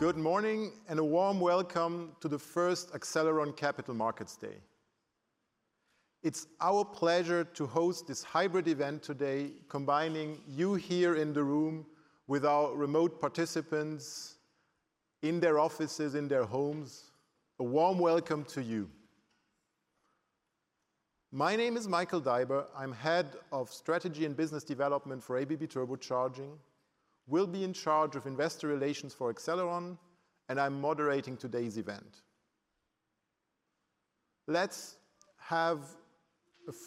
Good morning and a warm welcome to the first Accelleron Capital Markets Day. It's our pleasure to host this hybrid event today combining you here in the room with our remote participants in their offices, in their homes. A warm welcome to you. My name is Michael Daiber. I'm Head of Strategy and Business Development for ABB Turbocharging, will be in charge of Investor Relations for Accelleron, and I'm moderating today's event. Let's have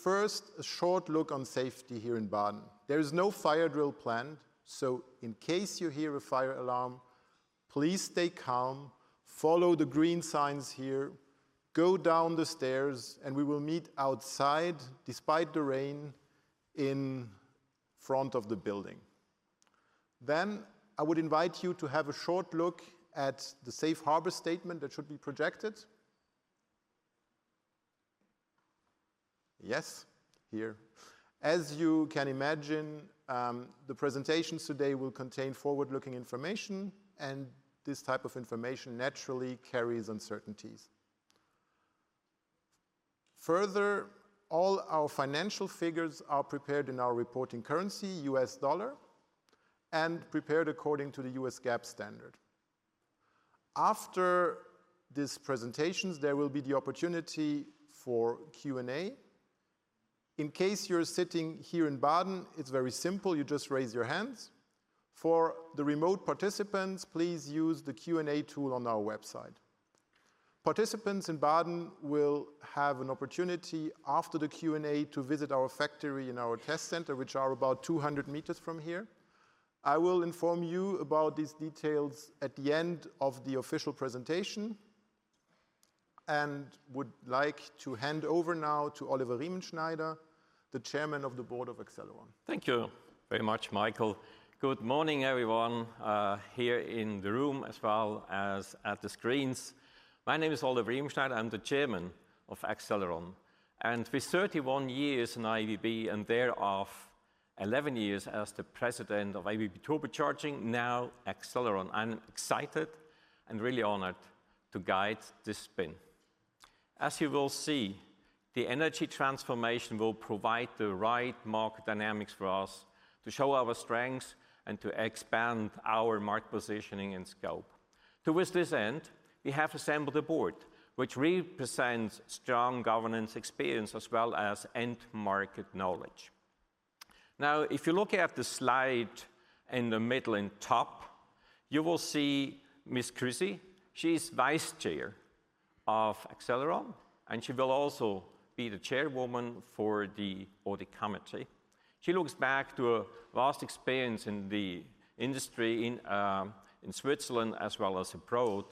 first a short look at safety here in Baden. There is no fire drill planned, so in case you hear a fire alarm, please stay calm, follow the green signs here, go down the stairs, and we will meet outside, despite the rain, in front of the building. I would invite you to have a short look at the safe harbor statement that should be projected. Yes, here. As you can imagine, the presentations today will contain forward-looking information, and this type of information naturally carries uncertainties. Further, all our financial figures are prepared in our reporting currency, U.S. dollar, and prepared according to the U.S. GAAP standard. After these presentations, there will be the opportunity for Q&A. In case you're sitting here in Baden, it's very simple, you just raise your hands. For the remote participants, please use the Q&A tool on our website. Participants in Baden will have an opportunity after the Q&A to visit our factory and our test center, which are about 200 meters from here. I will inform you about these details at the end of the official presentation, and would like to hand over now to Oliver Riemenschneider, the Chairman of the Board of Accelleron. Thank you very much, Michael. Good morning, everyone, here in the room as well as at the screens. My name is Oliver Riemenschneider. I'm the Chairman of Accelleron, and with 31 years in ABB and thereof 11 years as the President of ABB Turbocharging, now Accelleron, I'm excited and really honored to guide this spin. As you will see, the energy transformation will provide the right market dynamics for us to show our strengths and to expand our market positioning and scope. To reach this end, we have assembled a board which represents strong governance experience as well as end-market knowledge. Now, if you look at the slide in the middle and top, you will see Ms. Monika Krüsi. She's Vice Chair of Accelleron, and she will also be the Chairwoman for the audit committee. She looks back to a vast experience in the industry in Switzerland as well as abroad,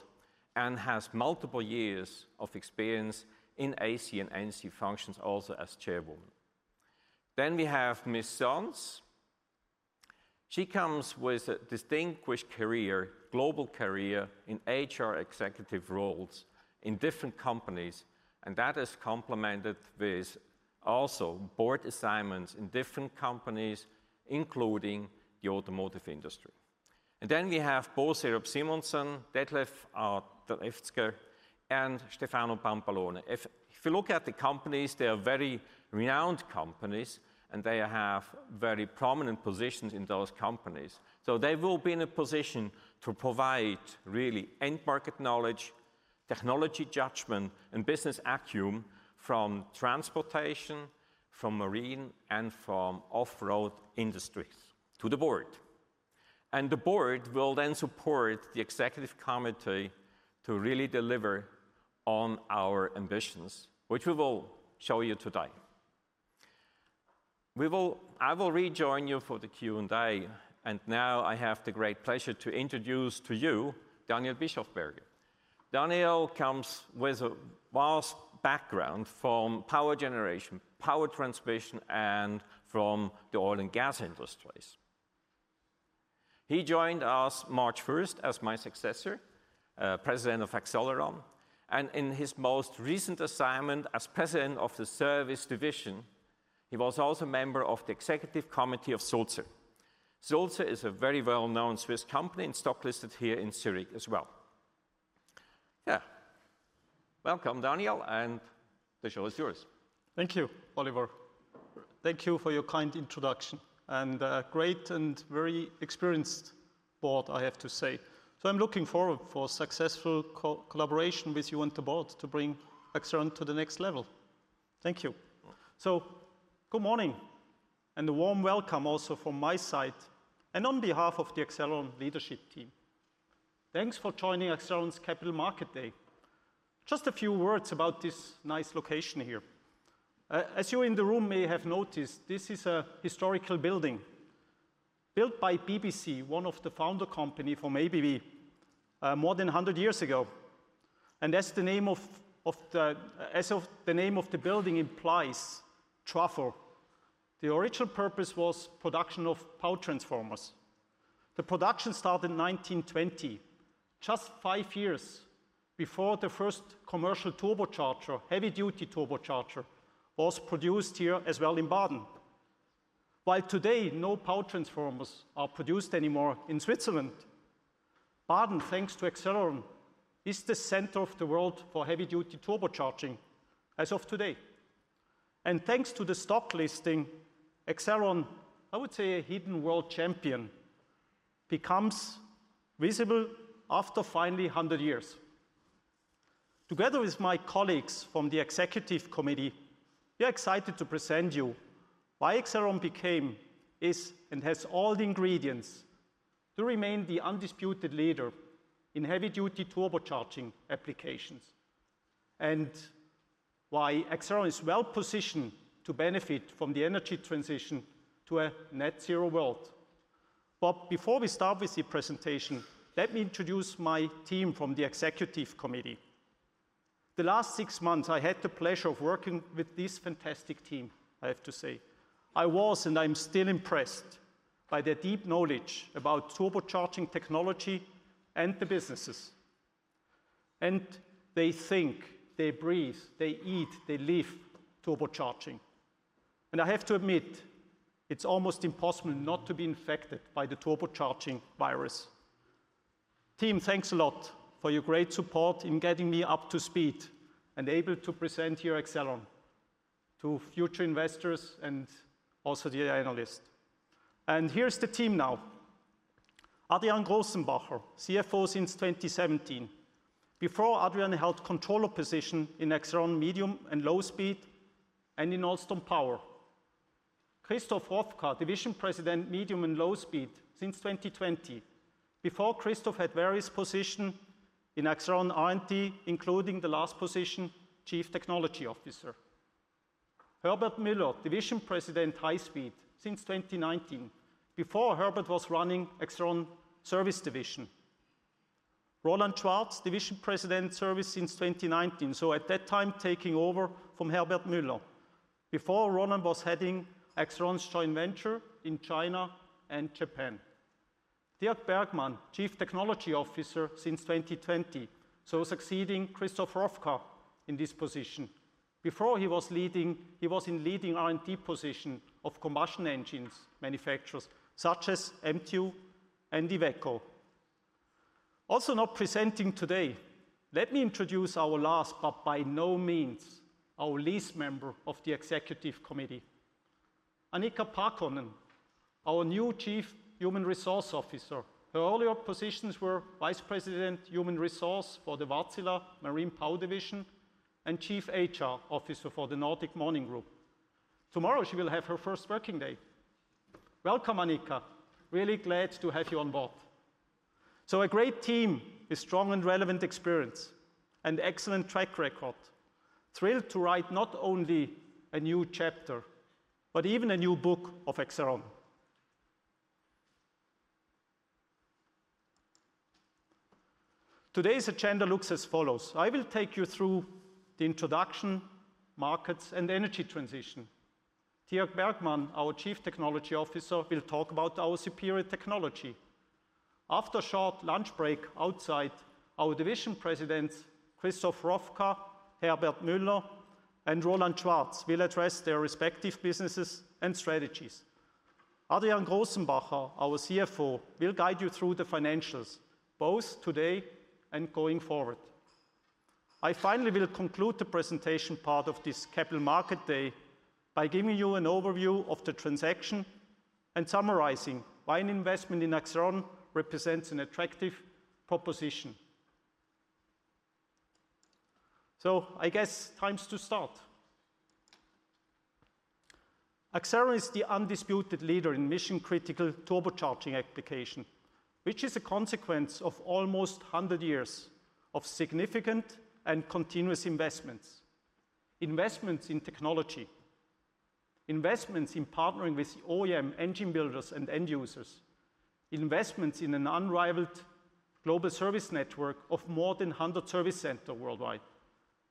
and has multiple years of experience in AC and NC functions also as chairwoman. We have Ms. Sons. She comes with a distinguished career, global career in HR executive roles in different companies, and that is complemented with also board assignments in different companies, including the automotive industry. We have Bo Cerup-Simonsen, Detlef Trefzger, and Stefano Pampalone. If you look at the companies, they are very renowned companies, and they have very prominent positions in those companies. They will be in a position to provide really end market knowledge, technology judgment, and business acumen from transportation, from marine, and from off-road industries to the board. The board will then support the executive committee to really deliver on our ambitions, which we will show you today. I will rejoin you for the Q&A, and now I have the great pleasure to introduce to you Daniel Bischofberger. Daniel comes with a vast background from power generation, power transmission, and from the oil and gas industries. He joined us March first as my successor, President of Accelleron, and in his most recent assignment as president of the service division, he was also a member of the executive committee of Sulzer. Sulzer is a very well-known Swiss company and stock listed here in Zurich as well. Yeah. Welcome, Daniel, and the show is yours. Thank you, Oliver. Thank you for your kind introduction, and great and very experienced board, I have to say. I'm looking forward for successful collaboration with you and the board to bring Accelleron to the next level. Thank you. Good morning, and a warm welcome also from my side and on behalf of the Accelleron leadership team. Thanks for joining Accelleron's Capital Market Day. Just a few words about this nice location here. As you in the room may have noticed, this is a historical building built by BBC, one of the founder company from ABB, more than 100 years ago. As the name of the building implies, Trafo, the original purpose was production of power transformers. The production started in 1920, just five years before the first commercial turbocharger, heavy-duty turbocharger was produced here as well in Baden. While today no power transformers are produced anymore in Switzerland, Baden, thanks to Accelleron, is the center of the world for heavy-duty turbocharging as of today. Thanks to the stock listing, Accelleron, I would say a hidden world champion, becomes visible after finally 100 years. Together with my colleagues from the executive committee, we are excited to present you why Accelleron became, is, and has all the ingredients to remain the undisputed leader in heavy-duty turbocharging applications, and why Accelleron is well-positioned to benefit from the energy transition to a net zero world. Before we start with the presentation, let me introduce my team from the executive committee. The last six months I had the pleasure of working with this fantastic team, I have to say. I was, and I'm still impressed by their deep knowledge about turbocharging technology and the businesses. They think, they breathe, they eat, they live turbocharging. I have to admit, it's almost impossible not to be infected by the turbocharging virus. Team, thanks a lot for your great support in getting me up to speed and able to present here Accelleron to future investors and also the analysts. Here's the team now. Adrian Grossenbacher, CFO since 2017. Before, Adrian held controller position in Accelleron medium and low speed, and in Alstom Power. Christoph Rofka, Division President, Medium and Low Speed, since 2020. Before, Christoph had various position in Accelleron R&D, including the last position, Chief Technology Officer. Herbert Müller, Division President, High Speed, since 2019. Before, Herbert was running Accelleron service division. Roland Schwarz, Division President, Service, since 2019, so at that time taking over from Herbert Müller. Before, Roland was heading Accelleron's joint venture in China and Japan. Dirk Bergmann, Chief Technology Officer since 2020, succeeding Christoph Roffka in this position. Before, he was in leading R&D position of combustion engines manufacturers such as MTU and IVECO. Also, not presenting today, let me introduce our last, but by no means our least member of the executive committee. Annika Paakkonen, our new Chief Human Resource Officer. Her earlier positions were Vice President, Human Resource for the Wärtsilä Marine Power division, and Chief HR Officer for the Nordic Morning Group. Tomorrow she will have her first working day. Welcome, Annika. Really glad to have you on board. A great team with strong and relevant experience and excellent track record, thrilled to write not only a new chapter, but even a new book of Accelleron. Today's agenda looks as follows. I will take you through the introduction, markets, and energy transition. Dirk Bergmann, our Chief Technology Officer, will talk about our superior technology. After a short lunch break outside, our division presidents, Christoph Roffka, Herbert Müller, and Roland Schwarz, will address their respective businesses and strategies. Adrian Grossenbacher, our CFO, will guide you through the financials, both today and going forward. I finally will conclude the presentation part of this capital market day by giving you an overview of the transaction and summarizing why an investment in Accelleron represents an attractive proposition. I guess time's to start. Accelleron is the undisputed leader in mission-critical turbocharging application, which is a consequence of almost 100 years of significant and continuous investments. Investments in technology, investments in partnering with OEM engine builders and end users, investments in an unrivaled global service network of more than 100 service centers worldwide,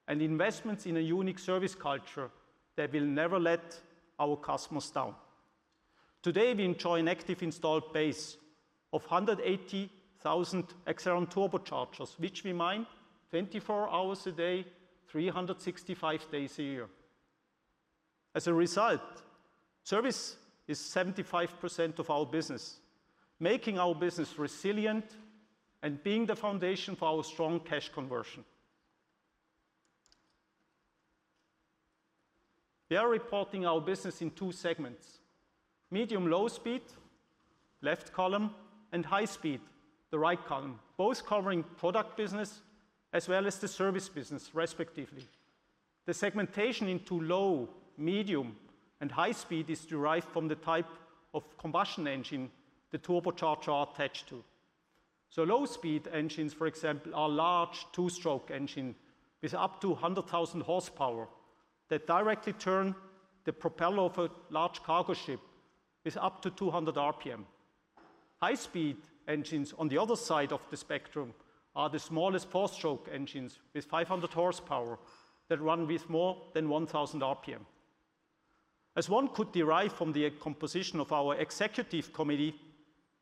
and investments in a unique service culture that will never let our customers down. Today, we enjoy an active installed base of 180,000 Accelleron turbochargers, which we mine 24 hours a day, 365 days a year. As a result, service is 75% of our business, making our business resilient and being the foundation for our strong cash conversion. We are reporting our business in two segments: medium-low speed, left column, and high speed, the right column, both covering product business as well as the service business, respectively. The segmentation into low, medium, and high speed is derived from the type of combustion engine the turbochargers are attached to. Low-speed engines, for example, are large two-stroke engines with up to 100,000 horsepower that directly turn the propeller of a large cargo ship with up to 200 RPM. High-speed engines on the other side of the spectrum are the smallest four-stroke engines with 500 horsepower that run with more than 1,000 RPM. As one could derive from the composition of our executive committee.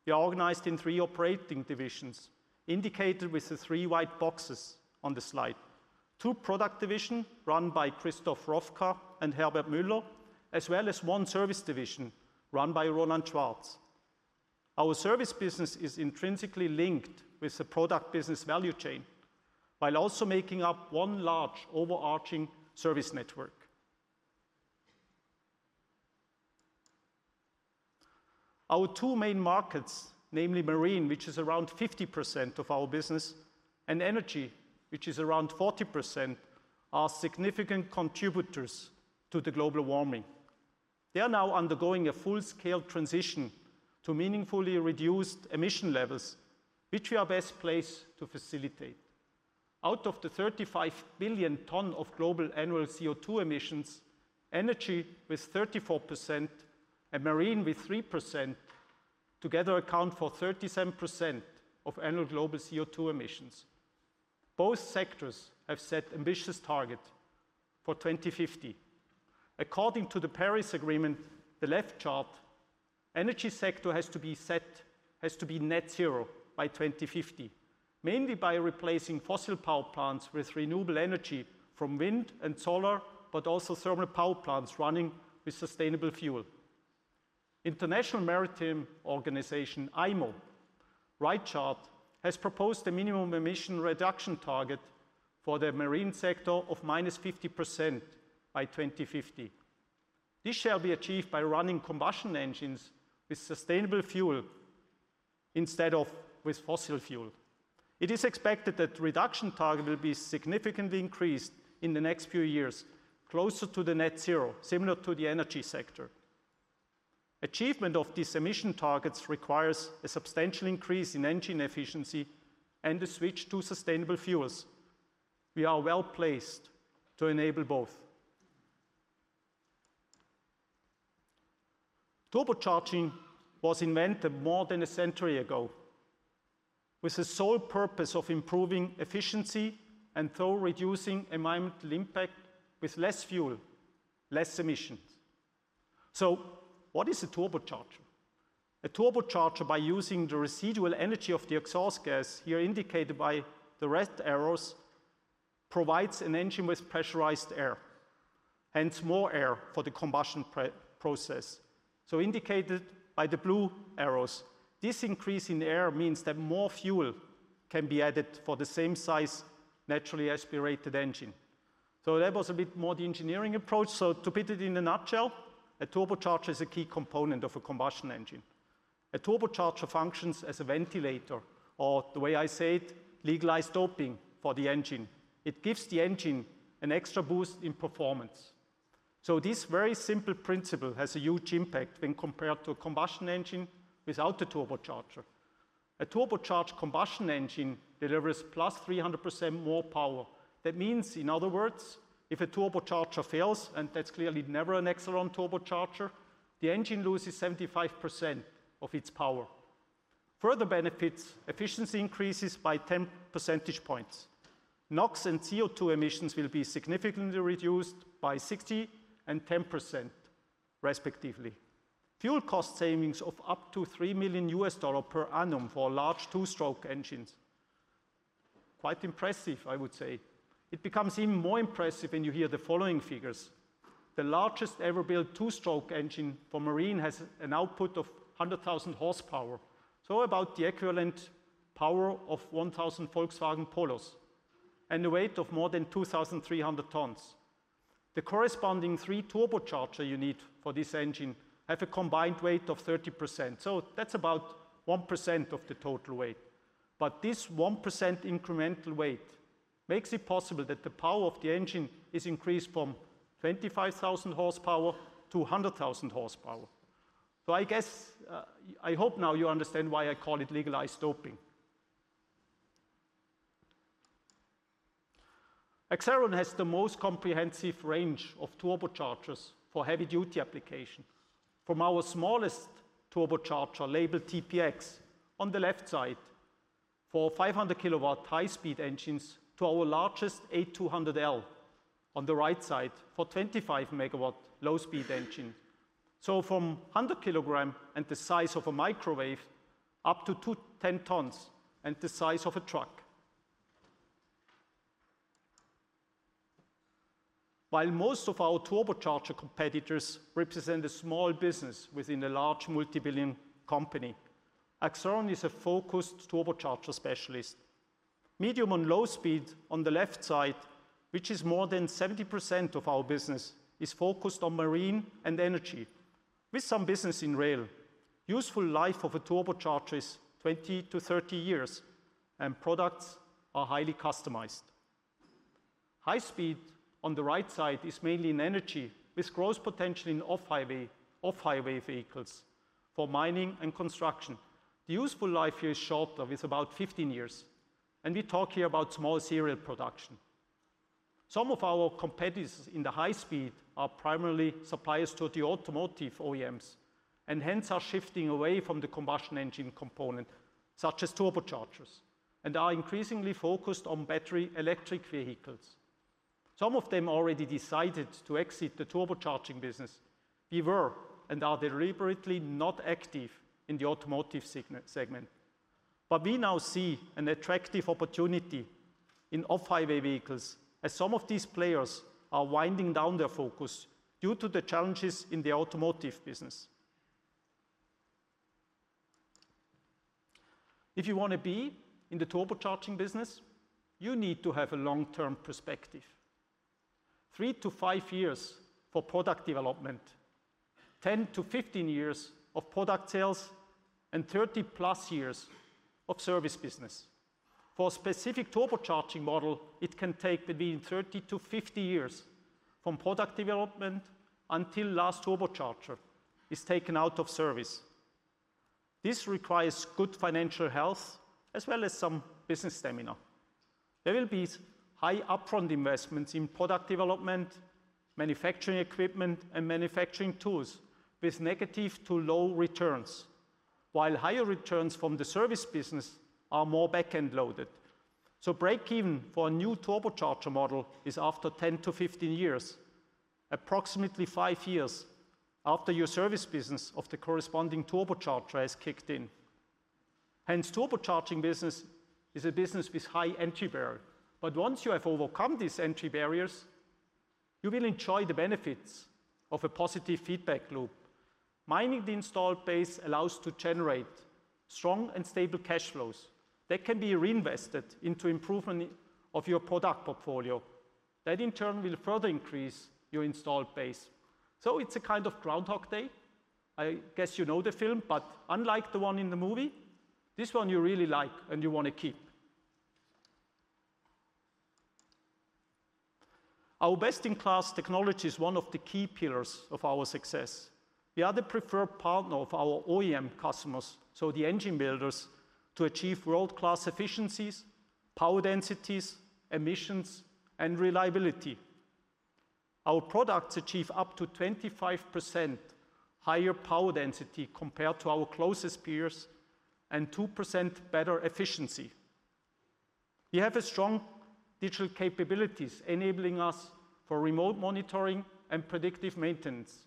We are organized in three operating divisions indicated with the three white boxes on the slide. Two product divisions run by Christoph Rofka and Herbert Müller, as well as one service division run by Roland Schwarz. Our service business is intrinsically linked with the product business value chain, while also making up one large overarching service network. Our two main markets, namely marine, which is around 50% of our business, and energy, which is around 40%, are significant contributors to the global warming. They are now undergoing a full-scale transition to meaningfully reduced emission levels, which we are best placed to facilitate. Out of the 35 billion tons of global annual CO2 emissions, energy with 34% and marine with 3% together account for 37% of annual global CO2 emissions. Both sectors have set ambitious targets for 2050. According to the Paris Agreement, the left chart, energy sector has to be net zero by 2050, mainly by replacing fossil power plants with renewable energy from wind and solar, but also thermal power plants running with sustainable fuel. International Maritime Organization, IMO, right chart, has proposed a minimum emission reduction target for the marine sector of -50% by 2050. This shall be achieved by running combustion engines with sustainable fuel instead of with fossil fuel. It is expected that reduction target will be significantly increased in the next few years closer to the net zero, similar to the energy sector. Achievement of these emission targets requires a substantial increase in engine efficiency and the switch to sustainable fuels. We are well-placed to enable both. Turbocharging was invented more than a century ago with the sole purpose of improving efficiency and through reducing environmental impact with less fuel, less emissions. What is a turbocharger? A turbocharger, by using the residual energy of the exhaust gas, here indicated by the red arrows, provides an engine with pressurized air, hence more air for the combustion process. Indicated by the blue arrows, this increase in air means that more fuel can be added for the same size naturally aspirated engine. That was a bit more the engineering approach, to put it in a nutshell, a turbocharger is a key component of a combustion engine. A turbocharger functions as a ventilator, or the way I say it, legalized doping for the engine. It gives the engine an extra boost in performance. This very simple principle has a huge impact when compared to a combustion engine without a turbocharger. A turbocharged combustion engine delivers +300% more power. That means, in other words, if a turbocharger fails, and that's clearly never an Accelleron turbocharger, the engine loses 75% of its power. Further benefits, efficiency increases by 10 percentage points. NOx and CO2 emissions will be significantly reduced by 60% and 10% respectively. Fuel cost savings of up to $3 million per annum for large two-stroke engines. Quite impressive, I would say. It becomes even more impressive when you hear the following figures. The largest ever built two-stroke engine for marine has an output of 100,000 horsepower, so about the equivalent power of 1,000 Volkswagen Polos and a weight of more than 2,300 tons. The corresponding three turbochargers you need for this engine have a combined weight of thirty tons, so that's about 1% of the total weight. This 1% incremental weight makes it possible that the power of the engine is increased from 25,000 horsepower to 100,000 horsepower. I guess, I hope now you understand why I call it legalized doping. Accelleron has the most comprehensive range of turbochargers for heavy-duty application. From our smallest turbocharger labeled TPX on the left side for 500 kW high-speed engines to our largest A200L on the right side for 25 MW low-speed engine. From 100 kg and the size of a microwave up to 210 tons and the size of a truck. While most of our turbocharger competitors represent a small business within a large multi-billion company, Accelleron is a focused turbocharger specialist. Medium and low speed on the left side, which is more than 70% of our business, is focused on marine and energy with some business in rail. Useful life of a turbocharger is 20-30 years, and products are highly customized. High speed on the right side is mainly in energy with growth potential in off-highway vehicles for mining and construction. The useful life here is shorter, it's about 15 years, and we talk here about small serial production. Some of our competitors in the high-speed are primarily suppliers to the automotive OEMs and hence are shifting away from the combustion engine component such as turbochargers and are increasingly focused on battery electric vehicles. Some of them already decided to exit the turbocharging business. We were and are deliberately not active in the automotive segment. We now see an attractive opportunity in off-highway vehicles as some of these players are winding down their focus due to the challenges in the automotive business. If you wanna be in the turbocharging business, you need to have a long-term perspective. Three to five years for product development, 10-15 years of product sales, and 30+ years of service business. For a specific turbocharging model, it can take between 30-50 years from product development until last turbocharger is taken out of service. This requires good financial health as well as some business stamina. There will be high upfront investments in product development, manufacturing equipment, and manufacturing tools with negative to low returns, while higher returns from the service business are more backend loaded. Breakeven for a new turbocharger model is after 10-15 years, approximately five years after your service business of the corresponding turbocharger has kicked in. Hence, turbocharging business is a business with high entry barrier. Once you have overcome these entry barriers, you will enjoy the benefits of a positive feedback loop. Mining the installed base allows to generate strong and stable cash flows that can be reinvested into improvement of your product portfolio. That, in turn, will further increase your installed base. It's a kind of Groundhog Day. I guess you know the film, but unlike the one in the movie, this one you really like and you wanna keep. Our best-in-class technology is one of the key pillars of our success. We are the preferred partner of our OEM customers, so the engine builders, to achieve world-class efficiencies, power densities, emissions, and reliability. Our products achieve up to 25% higher power density compared to our closest peers and 2% better efficiency. We have a strong digital capabilities enabling us for remote monitoring and predictive maintenance.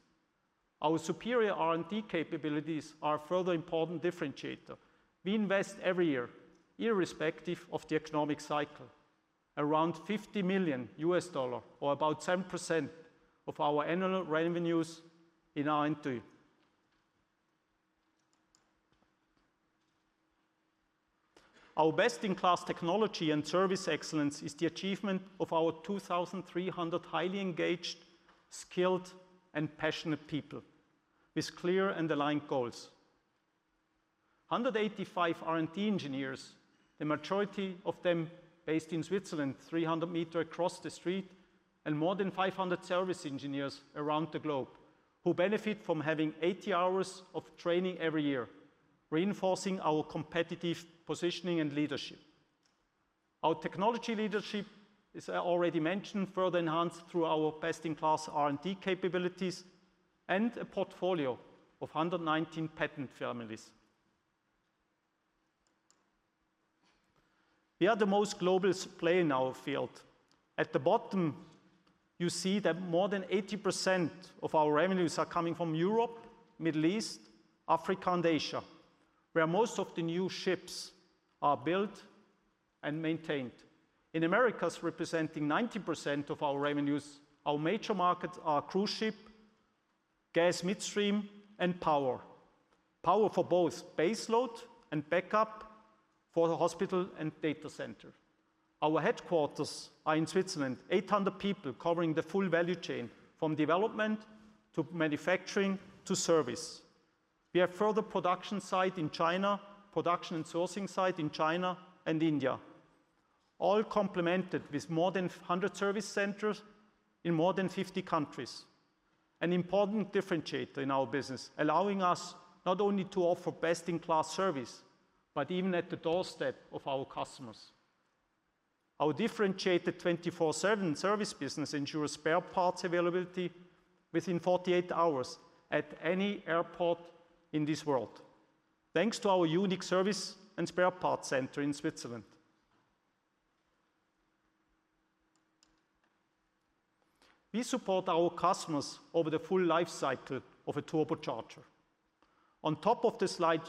Our superior R&D capabilities are a further important differentiator. We invest every year, irrespective of the economic cycle, around $50 million, or about 10% of our annual revenues, in R&D. Our best-in-class technology and service excellence is the achievement of our 2,300 highly engaged, skilled, and passionate people with clear and aligned goals. 185 R&D engineers, the majority of them based in Switzerland, 300 meters across the street, and more than 500 service engineers around the globe who benefit from having 80 hours of training every year, reinforcing our competitive positioning and leadership. Our technology leadership is already mentioned, further enhanced through our best-in-class R&D capabilities and a portfolio of 119 patent families. We are the most global player in our field. At the bottom, you see that more than 80% of our revenues are coming from Europe, Middle East, Africa, and Asia, where most of the new ships are built and maintained. In Americas, representing 90% of our revenues, our major markets are cruise ship, gas midstream, and power. Power for both baseload and backup for the hospital and data center. Our headquarters are in Switzerland, 800 people covering the full value chain from development to manufacturing to service. We have further production site in China, production and sourcing site in China and India, all complemented with more than 100 service centers in more than 50 countries. An important differentiator in our business, allowing us not only to offer best-in-class service, but even at the doorstep of our customers. Our differentiated 24/7 service business ensures spare parts availability within 48 hours at any airport in this world, thanks to our unique service and spare parts center in Switzerland. We support our customers over the full life cycle of a turbocharger. On top of the slide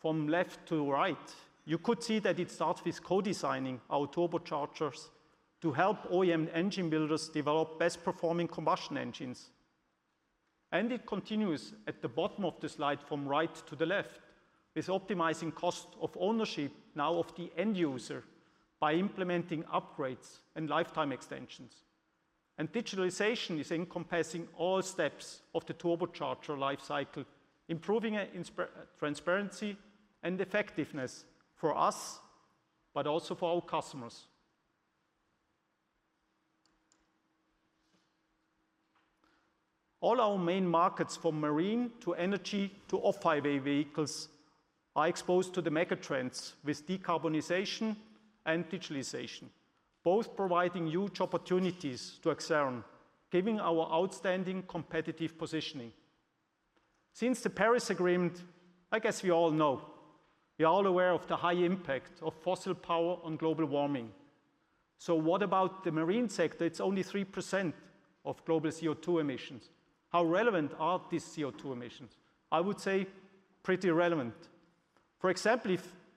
from left to right, you could see that it starts with co-designing our turbochargers to help OEM engine builders develop best-performing combustion engines, and it continues at the bottom of the slide from right to the left, with optimizing cost of ownership now of the end user by implementing upgrades and lifetime extensions. Digitalization is encompassing all steps of the turbocharger life cycle, improving transparency and effectiveness for us, but also for our customers. All our main markets, from marine to energy to off-highway vehicles, are exposed to the mega trends with decarbonization and digitalization, both providing huge opportunities to Accelleron, given our outstanding competitive positioning. Since the Paris Agreement, I guess we all know, we are all aware of the high impact of fossil power on global warming. What about the marine sector? It's only 3% of global CO2 emissions. How relevant are these CO2 emissions? I would say pretty relevant. For example,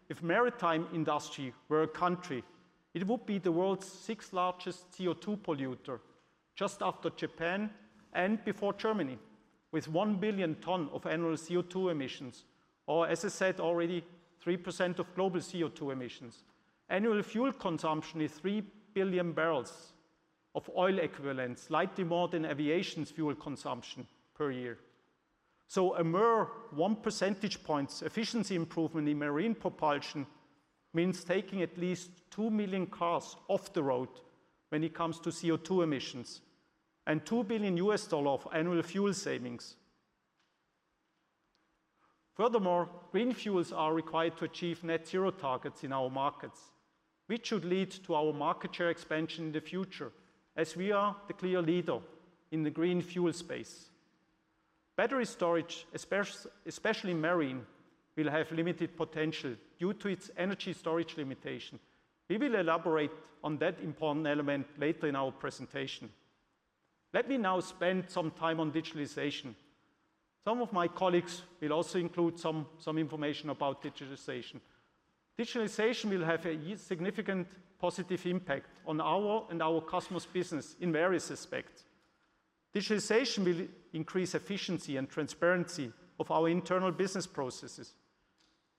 if maritime industry were a country, it would be the world's sixth-largest CO2 polluter just after Japan and before Germany with 1 billion ton of annual CO2 emissions, or as I said already, 3% of global CO2 emissions. Annual fuel consumption is 3 billion barrels of oil equivalent, slightly more than aviation's fuel consumption per year. A mere 1 percentage points efficiency improvement in marine propulsion means taking at least 2 million cars off the road when it comes to CO2 emissions and $2 billion of annual fuel savings. Furthermore, green fuels are required to achieve net zero targets in our markets, which should lead to our market share expansion in the future as we are the clear leader in the green fuel space. Battery storage, especially marine, will have limited potential due to its energy storage limitation. We will elaborate on that important element later in our presentation. Let me now spend some time on digitalization. Some of my colleagues will also include some information about digitalization. Digitalization will have a significant positive impact on our and our customers' business in various aspects. Digitalization will increase efficiency and transparency of our internal business processes.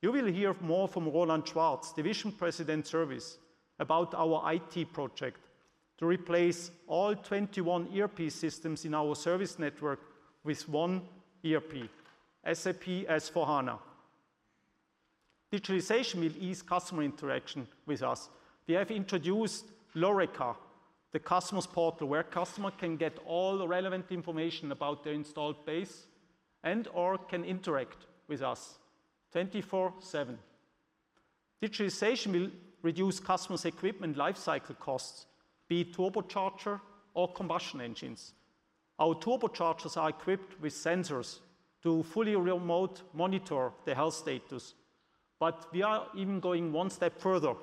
You will hear more from Roland Schwarz, Division President, Service, about our IT project to replace all 21 ERP systems in our service network with one ERP, SAP S/4HANA. Digitalization will ease customer interaction with us. We have introduced myABB, the customer's portal where customer can get all the relevant information about their installed base and/or can interact with us 24/7. Digitalization will reduce customers' equipment lifecycle costs, be it turbocharger or combustion engines. Our turbochargers are equipped with sensors to fully remote monitor the health status. We are even going one step further.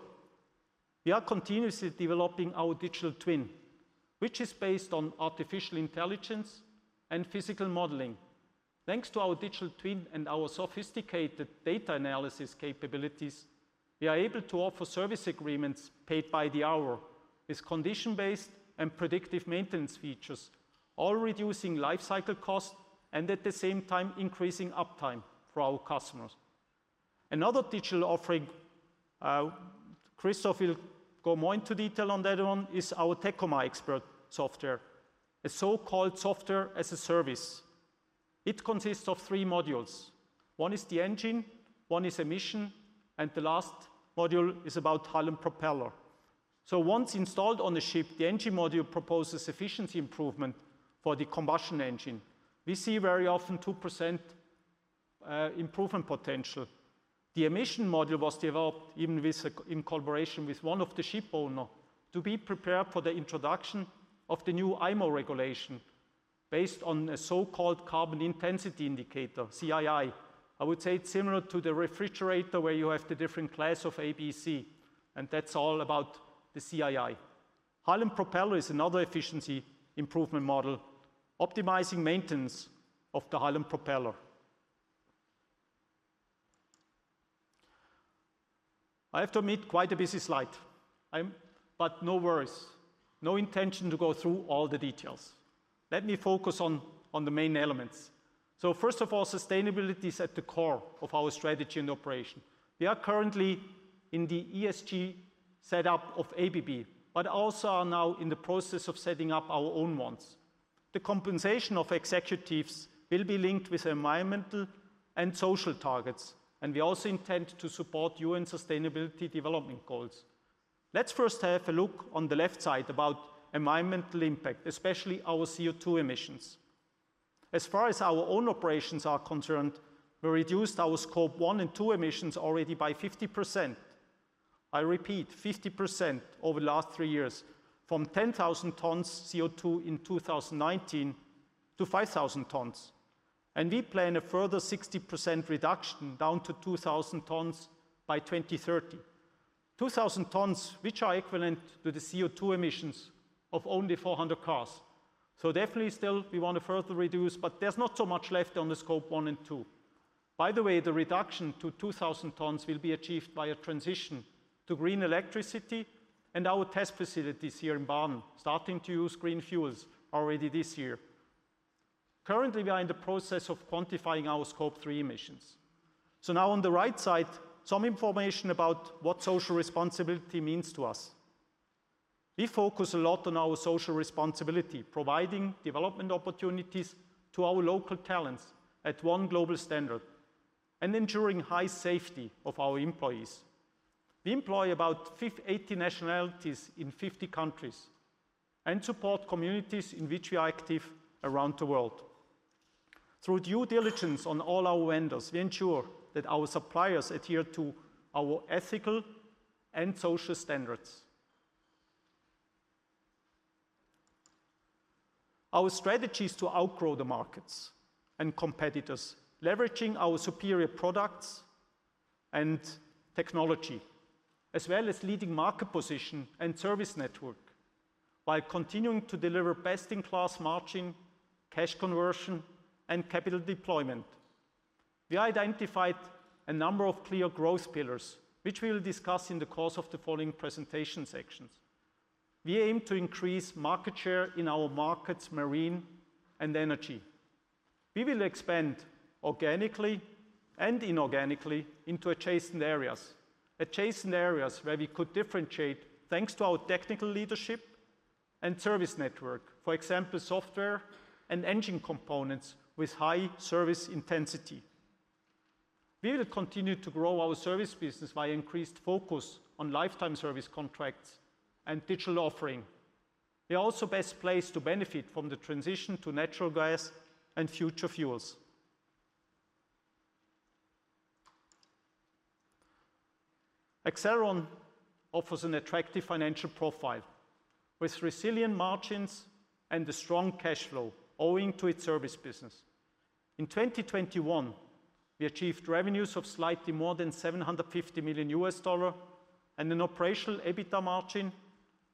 We are continuously developing our digital twin, which is based on artificial intelligence and physical modeling. Thanks to our digital twin and our sophisticated data analysis capabilities, we are able to offer service agreements paid by the hour with condition-based and predictive maintenance features, all reducing lifecycle costs and at the same time increasing uptime for our customers. Another digital offering, Christoph will go more into detail on that one, is our Tekomar XPERT software, a so-called software as a service. It consists of three modules. One is the engine, one is emission, and the last module is about hull and propeller. Once installed on the ship, the engine module proposes efficiency improvement for the combustion engine. We see very often 2% improvement potential. The emission module was developed even with, in collaboration with one of the ship owner to be prepared for the introduction of the new IMO regulation based on a so-called Carbon Intensity Indicator, CII. I would say it's similar to the refrigerator where you have the different class of A, B, C, and that's all about the CII. Hull and propeller is another efficiency improvement model, optimizing maintenance of the hull and propeller. I have to admit, quite a busy slide. But no worries, no intention to go through all the details. Let me focus on the main elements. First of all, sustainability is at the core of our strategy and operation. We are currently in the ESG set up of ABB, but also are now in the process of setting up our own ones. The compensation of executives will be linked with environmental and social targets, and we also intend to support UN Sustainable Development Goals. Let's first have a look on the left side about environmental impact, especially our CO2 emissions. As far as our own operations are concerned, we reduced our Scope 1 and 2 emissions already by 50%. I repeat, 50% over the last 3 years from 10,000 tons CO2 in 2019 to 5,000 tons. We plan a further 60% reduction down to 2,000 tons by 2030. 2,000 tons, which are equivalent to the CO2 emissions of only 400 cars. Definitely still we want to further reduce, but there's not so much left on the Scope 1 and 2. By the way, the reduction to 2,000 tons will be achieved by a transition to green electricity and our test facilities here in Baden starting to use green fuels already this year. Currently, we are in the process of quantifying our Scope 3 emissions. Now on the right side, some information about what social responsibility means to us. We focus a lot on our social responsibility, providing development opportunities to our local talents at one global standard and ensuring high safety of our employees. We employ about 80 nationalities in 50 countries and support communities in which we are active around the world. Through due diligence on all our vendors, we ensure that our suppliers adhere to our ethical and social standards. Our strategy is to outgrow the markets and competitors, leveraging our superior products and technology, as well as leading market position and service network, while continuing to deliver best-in-class margin, cash conversion, and capital deployment. We identified a number of clear growth pillars, which we will discuss in the course of the following presentation sections. We aim to increase market share in our markets marine and energy. We will expand organically and inorganically into adjacent areas. Adjacent areas where we could differentiate thanks to our technical leadership and service network, for example, software and engine components with high service intensity. We will continue to grow our service business by increased focus on lifetime service contracts and digital offering. We are also best placed to benefit from the transition to natural gas and future fuels. Accelleron offers an attractive financial profile with resilient margins and a strong cash flow owing to its service business. In 2021, we achieved revenues of slightly more than $750 million and an operational EBITDA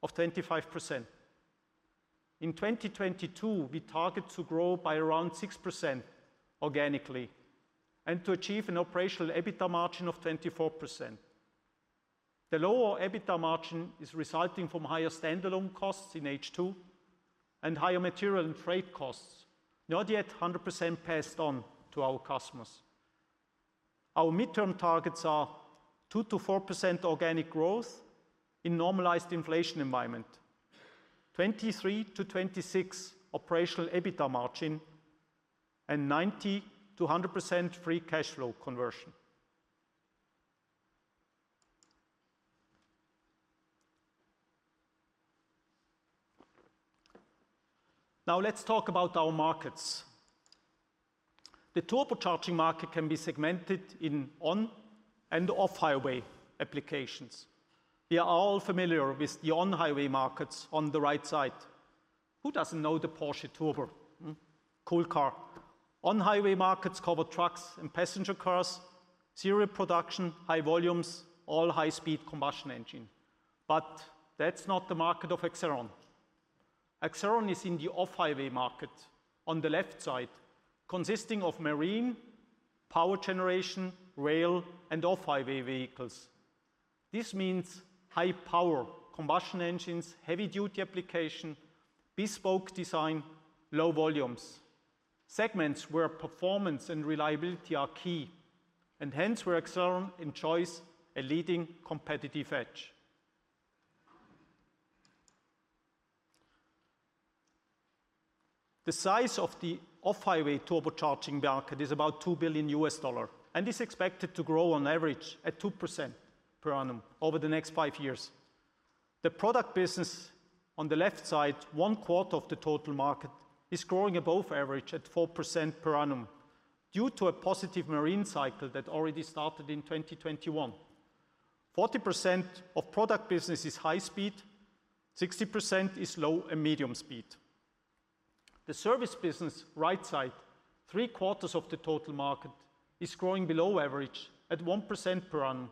margin of 25%. In 2022, we target to grow by around 6% organically and to achieve an operational EBITDA margin of 24%. The lower EBITDA margin is resulting from higher standalone costs in H2 and higher material and freight costs, not yet 100% passed on to our customers. Our midterm targets are 2%-4% organic growth in normalized inflation environment, 23%-26% operational EBITDA margin, and 90%-100% free cash flow conversion. Now let's talk about our markets. The turbocharging market can be segmented in on and off-highway applications. We are all familiar with the on-highway markets on the right side. Who doesn't know the Porsche Turbo? Cool car. On-highway markets cover trucks and passenger cars, serial production, high volumes, all high-speed combustion engine. That's not the market of Accelleron. Accelleron is in the off-highway market on the left side, consisting of marine, power generation, rail, and off-highway vehicles. This means high power, combustion engines, heavy-duty application, bespoke design, low volumes. Segments where performance and reliability are key, and hence where Accelleron enjoys a leading competitive edge. The size of the off-highway turbocharging market is about $2 billion and is expected to grow on average at 2% per annum over the next five years. The product business on the left side, 1/4 of the total market, is growing above average at 4% per annum due to a positive marine cycle that already started in 2021. 40% of product business is high speed, 60% is low and medium speed. The service business, right side, 3/4 of the total market, is growing below average at 1% per annum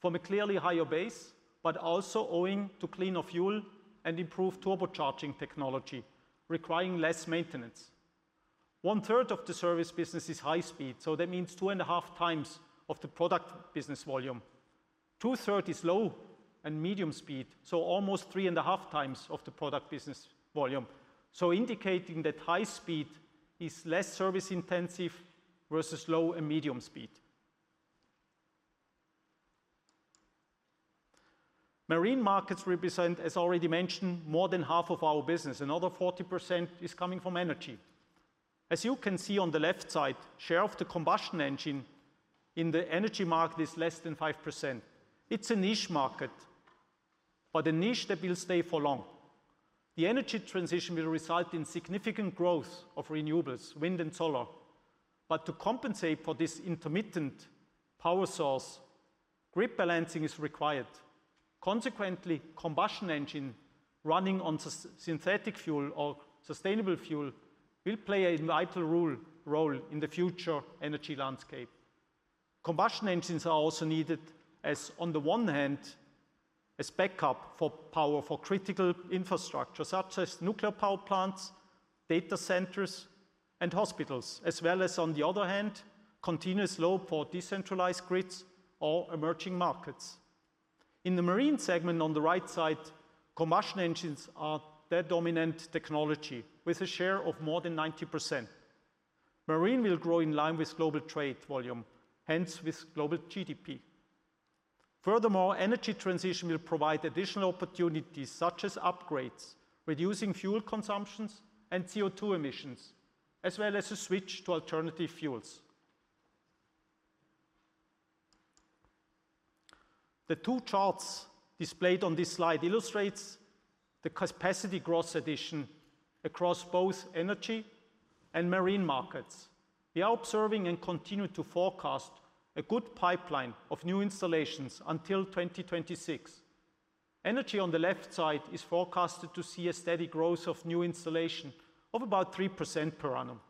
from a clearly higher base, but also owing to cleaner fuel and improved turbocharging technology requiring less maintenance. 1/3 of the service business is high speed, so that means 2.5x of the product business volume. 2/3 is low and medium speed, so almost 3.5x of the product business volume. Indicating that high speed is less service intensive versus low and medium speed. Marine markets represent, as already mentioned, more than half of our business. Another 40% is coming from energy. As you can see on the left side, share of the combustion engine in the energy market is less than 5%. It's a niche market, but a niche that will stay for long. The energy transition will result in significant growth of renewables, wind and solar. To compensate for this intermittent power source, grid balancing is required. Consequently, combustion engine running on synthetic fuel or sustainable fuel will play a vital role in the future energy landscape. Combustion engines are also needed as on the one hand, as backup for power for critical infrastructure, such as nuclear power plants, data centers, and hospitals, as well as on the other hand, continuous load for decentralized grids or emerging markets. In the marine segment on the right side, combustion engines are the dominant technology with a share of more than 90%. Marine will grow in line with global trade volume, hence with global GDP. Furthermore, energy transition will provide additional opportunities such as upgrades, reducing fuel consumptions and CO2 emissions, as well as a switch to alternative fuels. The two charts displayed on this slide illustrates the capacity growth addition across both energy and marine markets. We are observing and continue to forecast a good pipeline of new installations until 2026. Energy on the left side is forecasted to see a steady growth of new installation of about 3% per annum.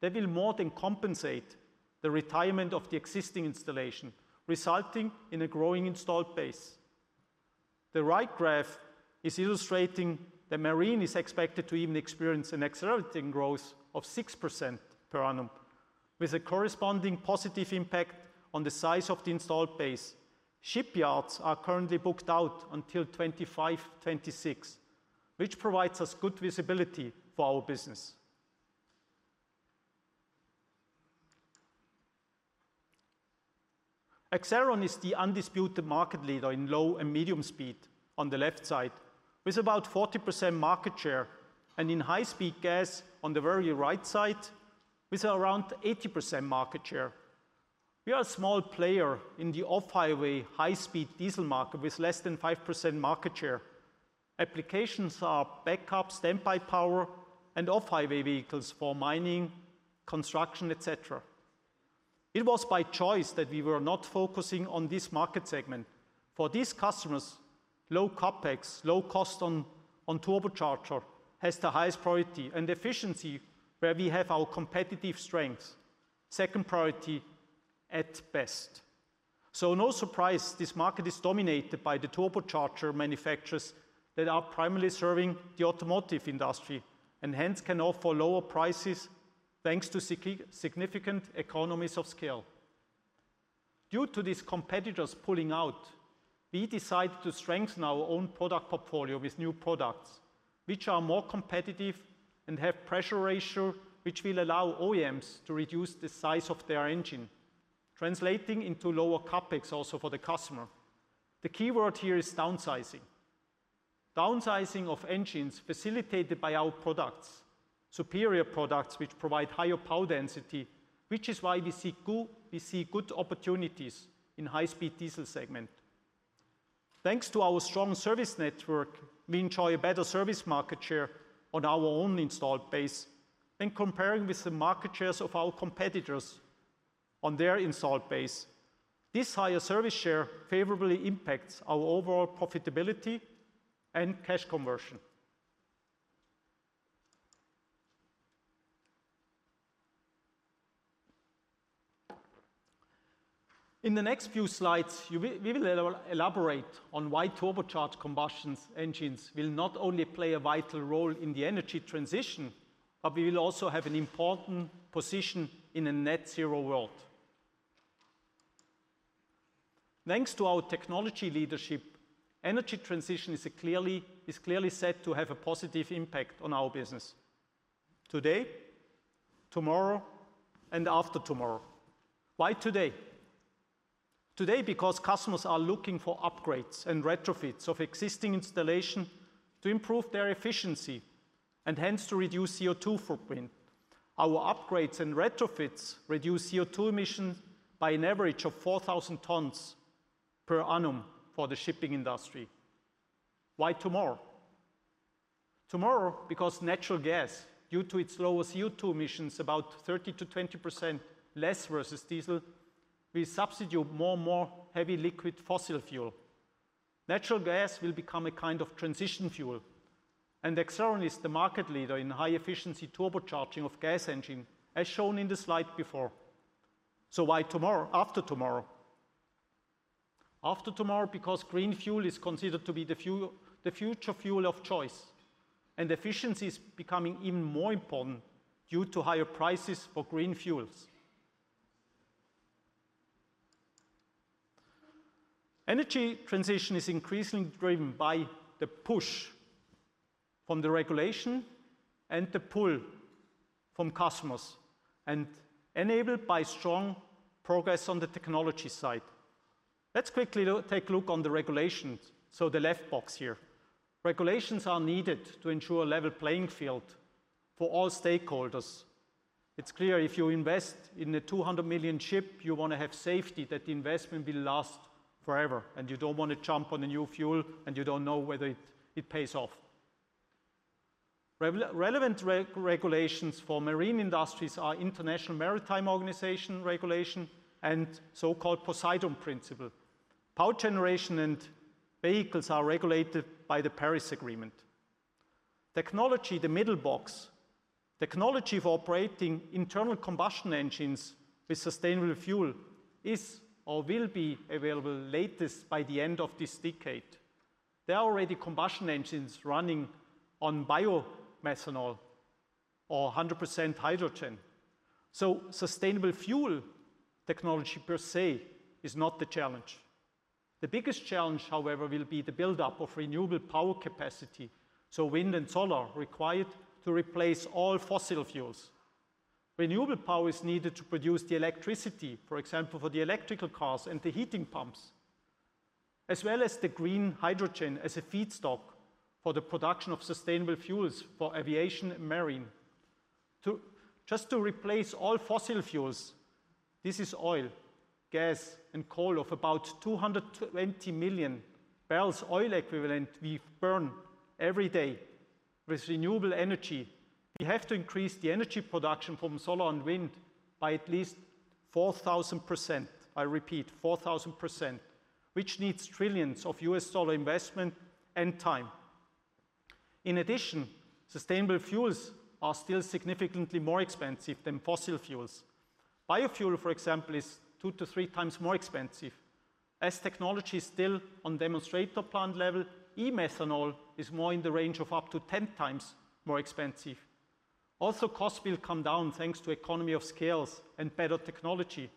That will more than compensate the retirement of the existing installation, resulting in a growing installed base. The right graph is illustrating that marine is expected to even experience an accelerating growth of 6% per annum, with a corresponding positive impact on the size of the installed base. Shipyards are currently booked out until 2025, 2026, which provides us good visibility for our business. Accelleron is the undisputed market leader in low and medium speed on the left side, with about 40% market share, and in high-speed gas on the very right side, with around 80% market share. We are a small player in the off-highway high-speed diesel market with less than 5% market share. Applications are backup, standby power, and off-highway vehicles for mining, construction, et cetera. It was by choice that we were not focusing on this market segment. For these customers, low CapEx, low cost on turbocharger has the highest priority, and efficiency, where we have our competitive strengths, second priority at best. No surprise this market is dominated by the turbocharger manufacturers that are primarily serving the automotive industry and hence can offer lower prices thanks to significant economies of scale. Due to these competitors pulling out, we decided to strengthen our own product portfolio with new products which are more competitive and have pressure ratio which will allow OEMs to reduce the size of their engine, translating into lower CapEx also for the customer. The keyword here is downsizing. Downsizing of engines facilitated by our products, superior products which provide higher power density, which is why we see good opportunities in high-speed diesel segment. Thanks to our strong service network, we enjoy a better service market share on our own installed base than comparing with the market shares of our competitors on their installed base. This higher service share favorably impacts our overall profitability and cash conversion. In the next few slides, we will elaborate on why turbocharged combustion engines will not only play a vital role in the energy transition, but will also have an important position in a net zero world. Thanks to our technology leadership, energy transition is clearly set to have a positive impact on our business today, tomorrow, and the after tomorrow. Why today? Today because customers are looking for upgrades and retrofits of existing installation to improve their efficiency and hence to reduce CO2 footprint. Our upgrades and retrofits reduce CO2 emissions by an average of 4,000 tons per annum for the shipping industry. Why tomorrow? Tomorrow because natural gas, due to its lower CO2 emissions, about 30%-20% less versus diesel, will substitute more and more heavy liquid fossil fuel. Natural gas will become a kind of transition fuel, and Accelleron is the market leader in high-efficiency turbocharging of gas engine, as shown in the slide before. Why tomorrow, after tomorrow? After tomorrow because green fuel is considered to be the future fuel of choice, and efficiency is becoming even more important due to higher prices for green fuels. Energy transition is increasingly driven by the push from the regulation and the pull from customers and enabled by strong progress on the technology side. Let's quickly take a look on the regulations, so the left box here. Regulations are needed to ensure a level playing field for all stakeholders. It's clear if you invest in a $200 million ship, you wanna have safety that the investment will last forever, and you don't want to jump on a new fuel, and you don't know whether it pays off. Relevant regulations for marine industries are International Maritime Organization regulations and so-called Poseidon Principles. Power generation and vehicles are regulated by the Paris Agreement. Technology, the middle box. Technology of operating internal combustion engines with sustainable fuel is or will be available latest by the end of this decade. There are already combustion engines running on bio methanol or 100% hydrogen. Sustainable fuel technology per se is not the challenge. The biggest challenge, however, will be the buildup of renewable power capacity, so wind and solar required to replace all fossil fuels. Renewable power is needed to produce the electricity, for example, for the electrical cars and the heating pumps, as well as the green hydrogen as a feedstock for the production of sustainable fuels for aviation and marine. Just to replace all fossil fuels. This is oil, gas, and coal of about 200-220 million barrels oil equivalent we burn every day with renewable energy. We have to increase the energy production from solar and wind by at least 4,000%. I repeat, 4,000%, which needs trillions of U.S. dollar investment and time. In addition, sustainable fuels are still significantly more expensive than fossil fuels. Biofuel, for example, is two to three times more expensive. As technology is still on demonstrator plant level, e-methanol is more in the range of up to 10x more expensive. Costs will come down thanks to economies of scale and better technology.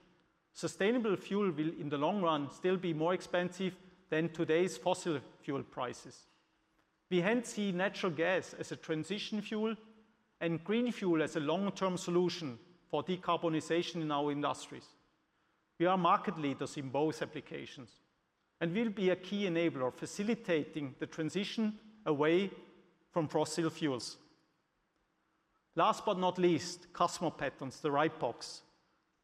Sustainable fuel will in the long run still be more expensive than today's fossil fuel prices. We hence see natural gas as a transition fuel and green fuel as a long-term solution for decarbonization in our industries. We are market leaders in both applications and will be a key enabler facilitating the transition away from fossil fuels. Last but not least, customer patterns, the right box.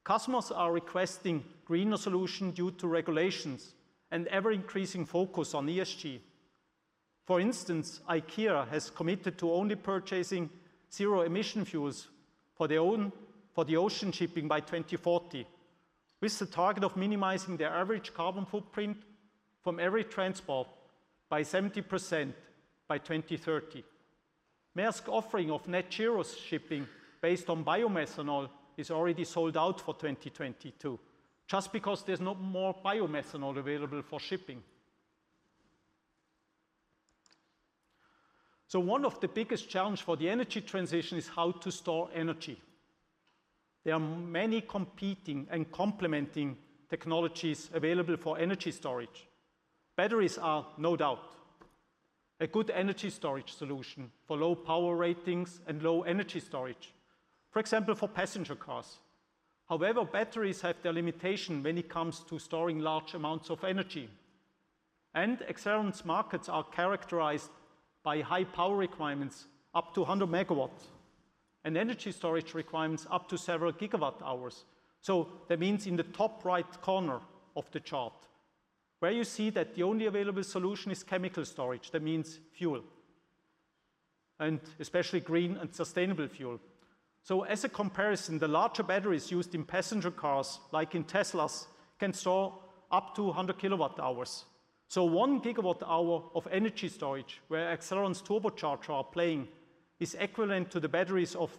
Customers are requesting greener solution due to regulations and ever-increasing focus on ESG. For instance, IKEA has committed to only purchasing zero emission fuels for their own ocean shipping by 2040, with the target of minimizing their average carbon footprint from every transport by 70% by 2030. Maersk's offering of net zero shipping based on biomethanol is already sold out for 2022 just because there's no more biomethanol available for shipping. One of the biggest challenge for the energy transition is how to store energy. There are many competing and complementing technologies available for energy storage. Batteries are no doubt a good energy storage solution for low power ratings and low energy storage, for example, for passenger cars. However, batteries have their limitation when it comes to storing large amounts of energy. Accelleron's markets are characterized by high power requirements, up to 100 MW, and energy storage requirements up to several GWh. That means in the top right corner of the chart where you see that the only available solution is chemical storage. That means fuel and especially green and sustainable fuel. As a comparison, the larger batteries used in passenger cars, like in Teslas, can store up to 100 kWh. One GWh of energy storage, where Accelleron's turbocharger are playing, is equivalent to the batteries of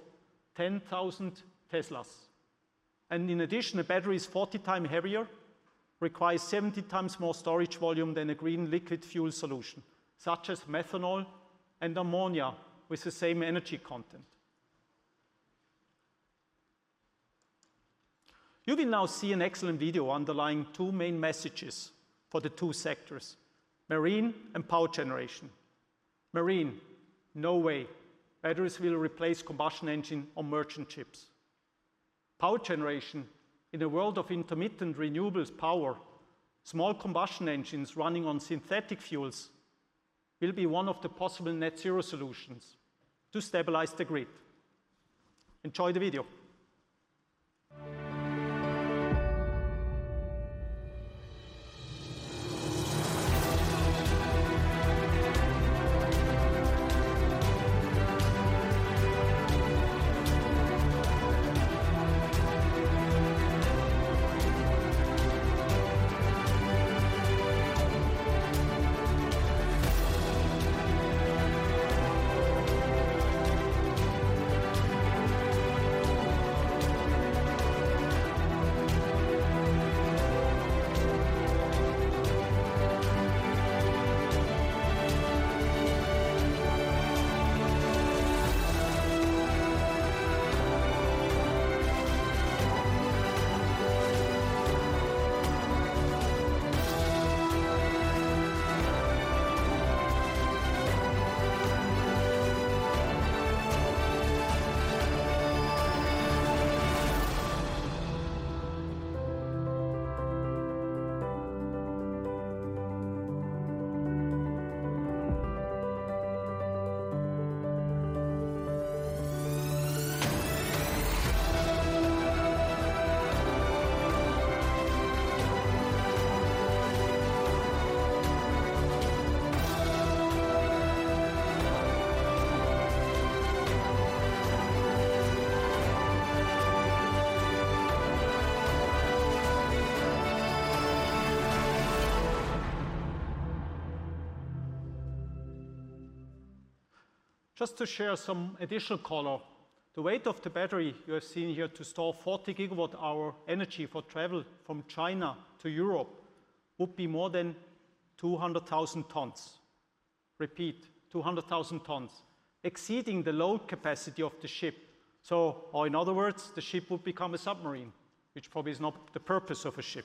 10,000 Teslas. In addition, the battery is 40x heavier, requires 70x more storage volume than a green liquid fuel solution, such as methanol and ammonia with the same energy content. You will now see an excellent video underlying two main messages for the two sectors, marine and power generation. Marine, no way batteries will replace combustion engine on merchant ships. Power generation in a world of intermittent renewables power, small combustion engines running on synthetic fuels will be one of the possible net zero solutions to stabilize the grid. Enjoy the video. Just to share some additional color, the weight of the battery you have seen here to store 40 GWh energy for travel from China to Europe would be more than 200,000 tons. Repeat, 200,000 tons, exceeding the load capacity of the ship. Or in other words, the ship would become a submarine, which probably is not the purpose of a ship.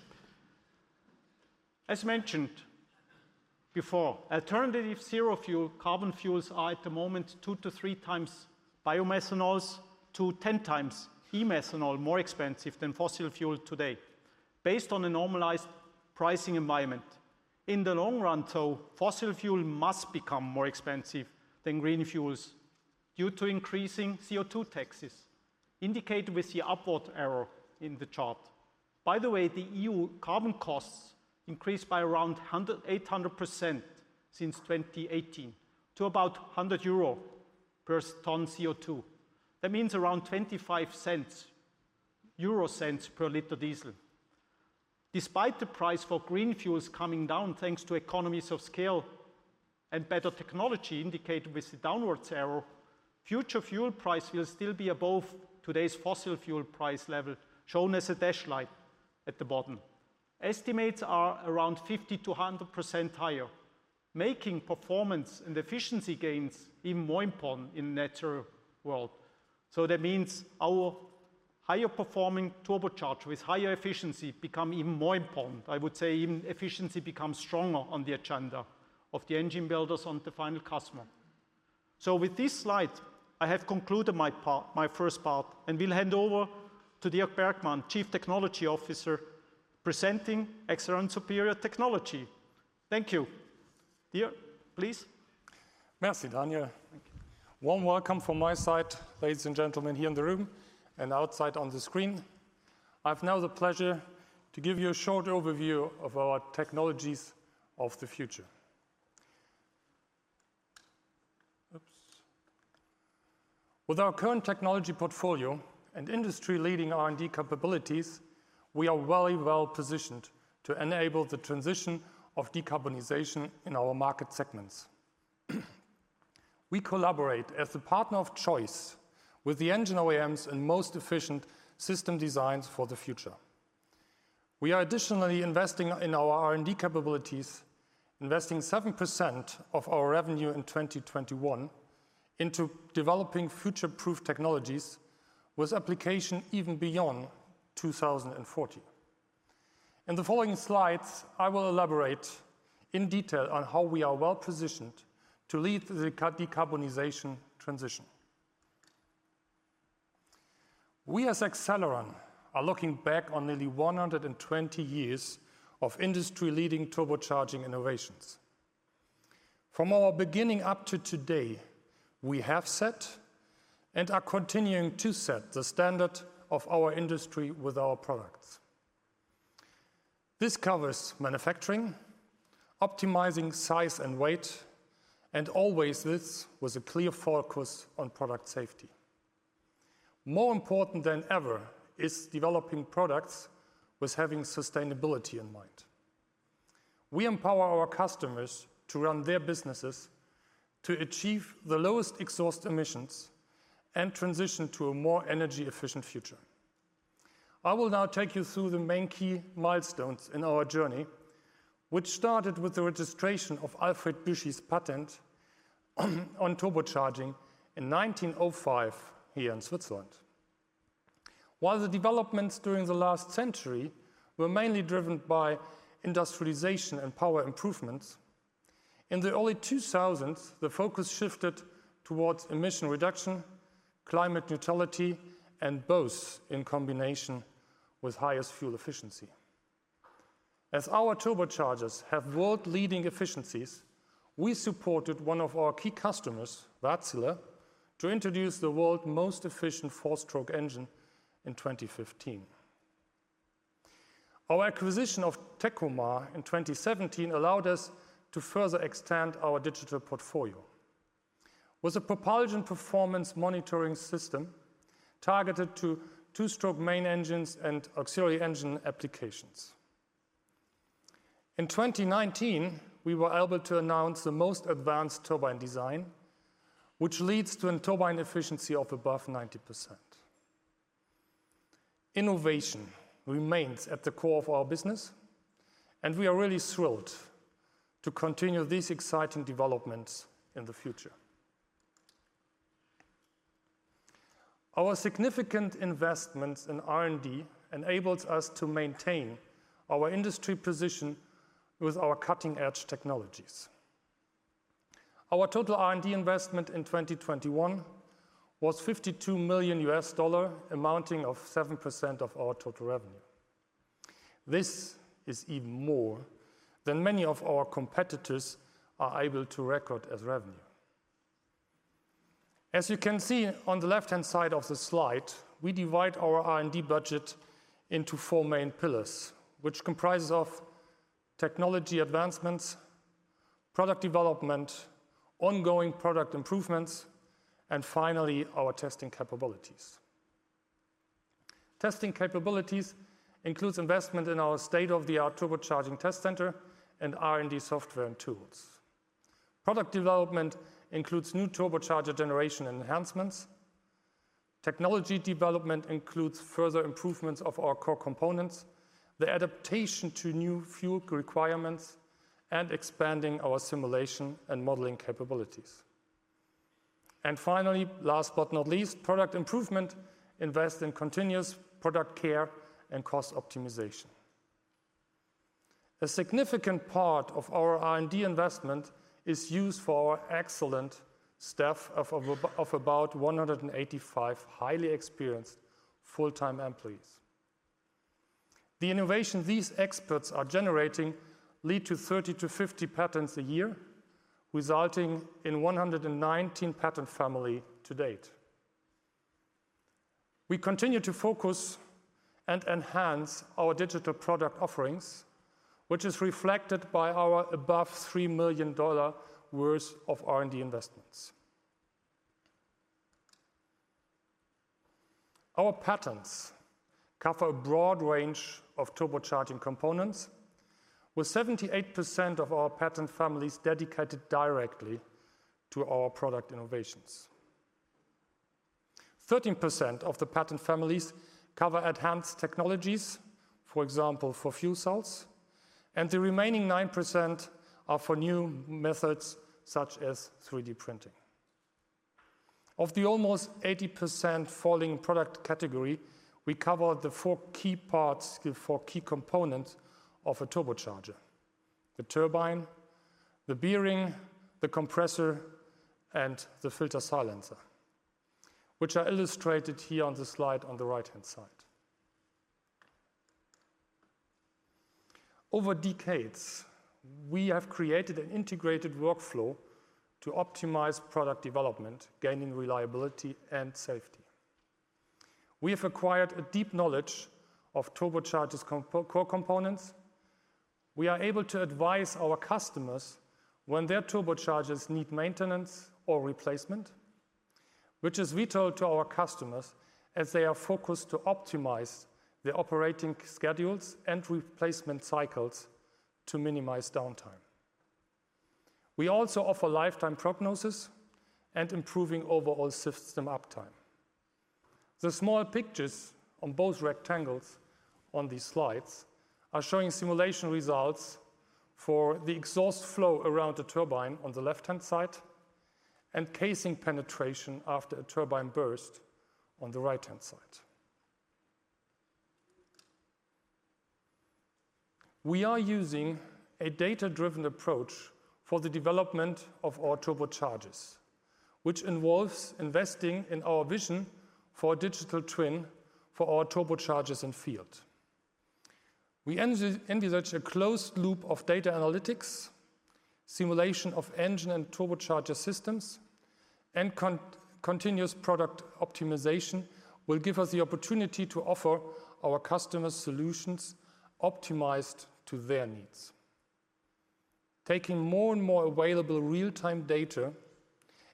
As mentioned before, alternative zero fuel carbon fuels are at the moment two to three times biomethanols to 10x e-methanol more expensive than fossil fuel today. Based on a normalized pricing environment. In the long run though, fossil fuel must become more expensive than green fuels due to increasing CO2 taxes indicated with the upward arrow in the chart. By the way, the EU carbon costs increased by around 800% since 2018 to about 100 euro per ton CO2. That means around 25 euro cents per liter diesel. Despite the price for green fuels coming down thanks to economies of scale and better technology indicated with the downward arrow, future fuel price will still be above today's fossil fuel price level, shown as a dashed line at the bottom. Estimates are around 50%-100% higher, making performance and efficiency gains even more important in net zero world. That means our higher performing turbocharger with higher efficiency become even more important. I would say even efficiency becomes stronger on the agenda of the engine builders on the final customer. With this slide, I have concluded my part, my first part, and will hand over to Dirk Bergmann, Chief Technology Officer, presenting Accelleron superior technology. Thank you. Dirk, please. Merci, Daniel. Thank you. Warm welcome from my side, ladies and gentlemen, here in the room and outside on the screen. I have now the pleasure to give you a short overview of our technologies of the future. With our current technology portfolio and industry-leading R&D capabilities, we are very well positioned to enable the transition of decarbonization in our market segments. We collaborate as the partner of choice with the engine OEMs in most efficient system designs for the future. We are additionally investing in our R&D capabilities, investing 7% of our revenue in 2021 into developing future-proof technologies with application even beyond 2040. In the following slides, I will elaborate in detail on how we are well positioned to lead the decarbonization transition. We, as Accelleron, are looking back on nearly 120 years of industry-leading turbocharging innovations. From our beginning up to today, we have set and are continuing to set the standard of our industry with our products. This covers manufacturing, optimizing size and weight, and always this with a clear focus on product safety. More important than ever is developing products with having sustainability in mind. We empower our customers to run their businesses to achieve the lowest exhaust emissions and transition to a more energy-efficient future. I will now take you through the main key milestones in our journey, which started with the registration of Alfred Büchi's patent on turbocharging in 1905 here in Switzerland. While the developments during the last century were mainly driven by industrialization and power improvements, in the early 2000s, the focus shifted towards emission reduction, climate neutrality, and both in combination with highest fuel efficiency. As our turbochargers have world-leading efficiencies, we supported one of our key customers, Wärtsilä, to introduce the world's most efficient four-stroke engine in 2015. Our acquisition of Tekomar in 2017 allowed us to further extend our digital portfolio with a propulsion performance monitoring system targeted to two-stroke main engines and auxiliary engine applications. In 2019, we were able to announce the most advanced turbine design, which leads to a turbine efficiency of above 90%. Innovation remains at the core of our business, and we are really thrilled to continue these exciting developments in the future. Our significant investments in R&D enables us to maintain our industry position with our cutting-edge technologies. Our total R&D investment in 2021 was $52 million, amounting to 7% of our total revenue. This is even more than many of our competitors are able to record as revenue. As you can see on the left-hand side of the slide, we divide our R&D budget into four main pillars, which comprises of technology advancements, product development, ongoing product improvements, and finally, our testing capabilities. Testing capabilities includes investment in our state-of-the-art turbocharging test center and R&D software and tools. Product development includes new turbocharger generation enhancements. Technology development includes further improvements of our core components, the adaptation to new fuel requirements, and expanding our simulation and modeling capabilities. Finally, last but not least, product improvement invest in continuous product care and cost optimization. A significant part of our R&D investment is used for our excellent staff of about 185 highly experienced full-time employees. The innovation these experts are generating lead to 30-50 patents a year, resulting in 119 patent family to date. We continue to focus and enhance our digital product offerings, which is reflected by our above $3 million worth of R&D investments. Our patents cover a broad range of turbocharging components, with 78% of our patent families dedicated directly to our product innovations. 13% of the patent families cover enhanced technologies, for example, for fuel cells, and the remaining 9% are for new methods such as 3D printing. Of the almost 80% falling into the product category, we cover the four key parts, the four key components of a turbocharger. The turbine, the bearing, the compressor, and the filter silencer, which are illustrated here on the slide on the right-hand side. Over decades, we have created an integrated workflow to optimize product development, gaining reliability and safety. We have acquired a deep knowledge of turbochargers' core components. We are able to advise our customers when their turbochargers need maintenance or replacement, which is vital to our customers as they are focused to optimize the operating schedules and replacement cycles to minimize downtime. We also offer lifetime prognosis and improving overall system uptime. The small pictures on both rectangles on these slides are showing simulation results for the exhaust flow around the turbine on the left-hand side, and casing penetration after a turbine burst on the right-hand side. We are using a data-driven approach for the development of our turbochargers, which involves investing in our vision for a digital twin for our turbochargers in field. We envisage a closed loop of data analytics, simulation of engine and turbocharger systems, and continuous product optimization will give us the opportunity to offer our customers solutions optimized to their needs. Taking more and more available real-time data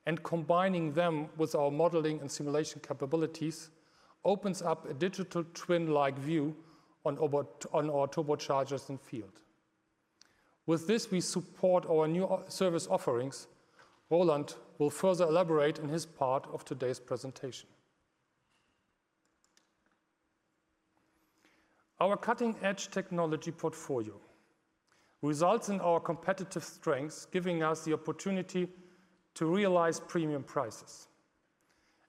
and combining them with our modeling and simulation capabilities opens up a digital twin-like view on our turbochargers in the field. With this, we support our new service offerings. Roland will further elaborate in his part of today's presentation. Our cutting-edge technology portfolio results in our competitive strengths giving us the opportunity to realize premium prices.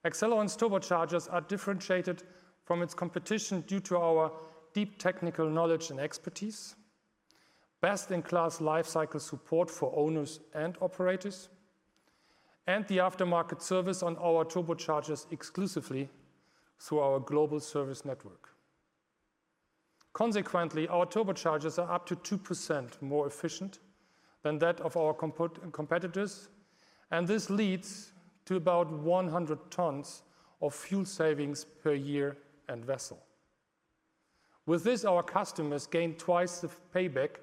Accelleron's turbochargers are differentiated from its competition due to our deep technical knowledge and expertise, best-in-class life cycle support for owners and operators, and the aftermarket service on our turbochargers exclusively through our global service network. Consequently, our turbochargers are up to 2% more efficient than that of our competitors, and this leads to about 100 tons of fuel savings per year and vessel. With this, our customers gain twice the payback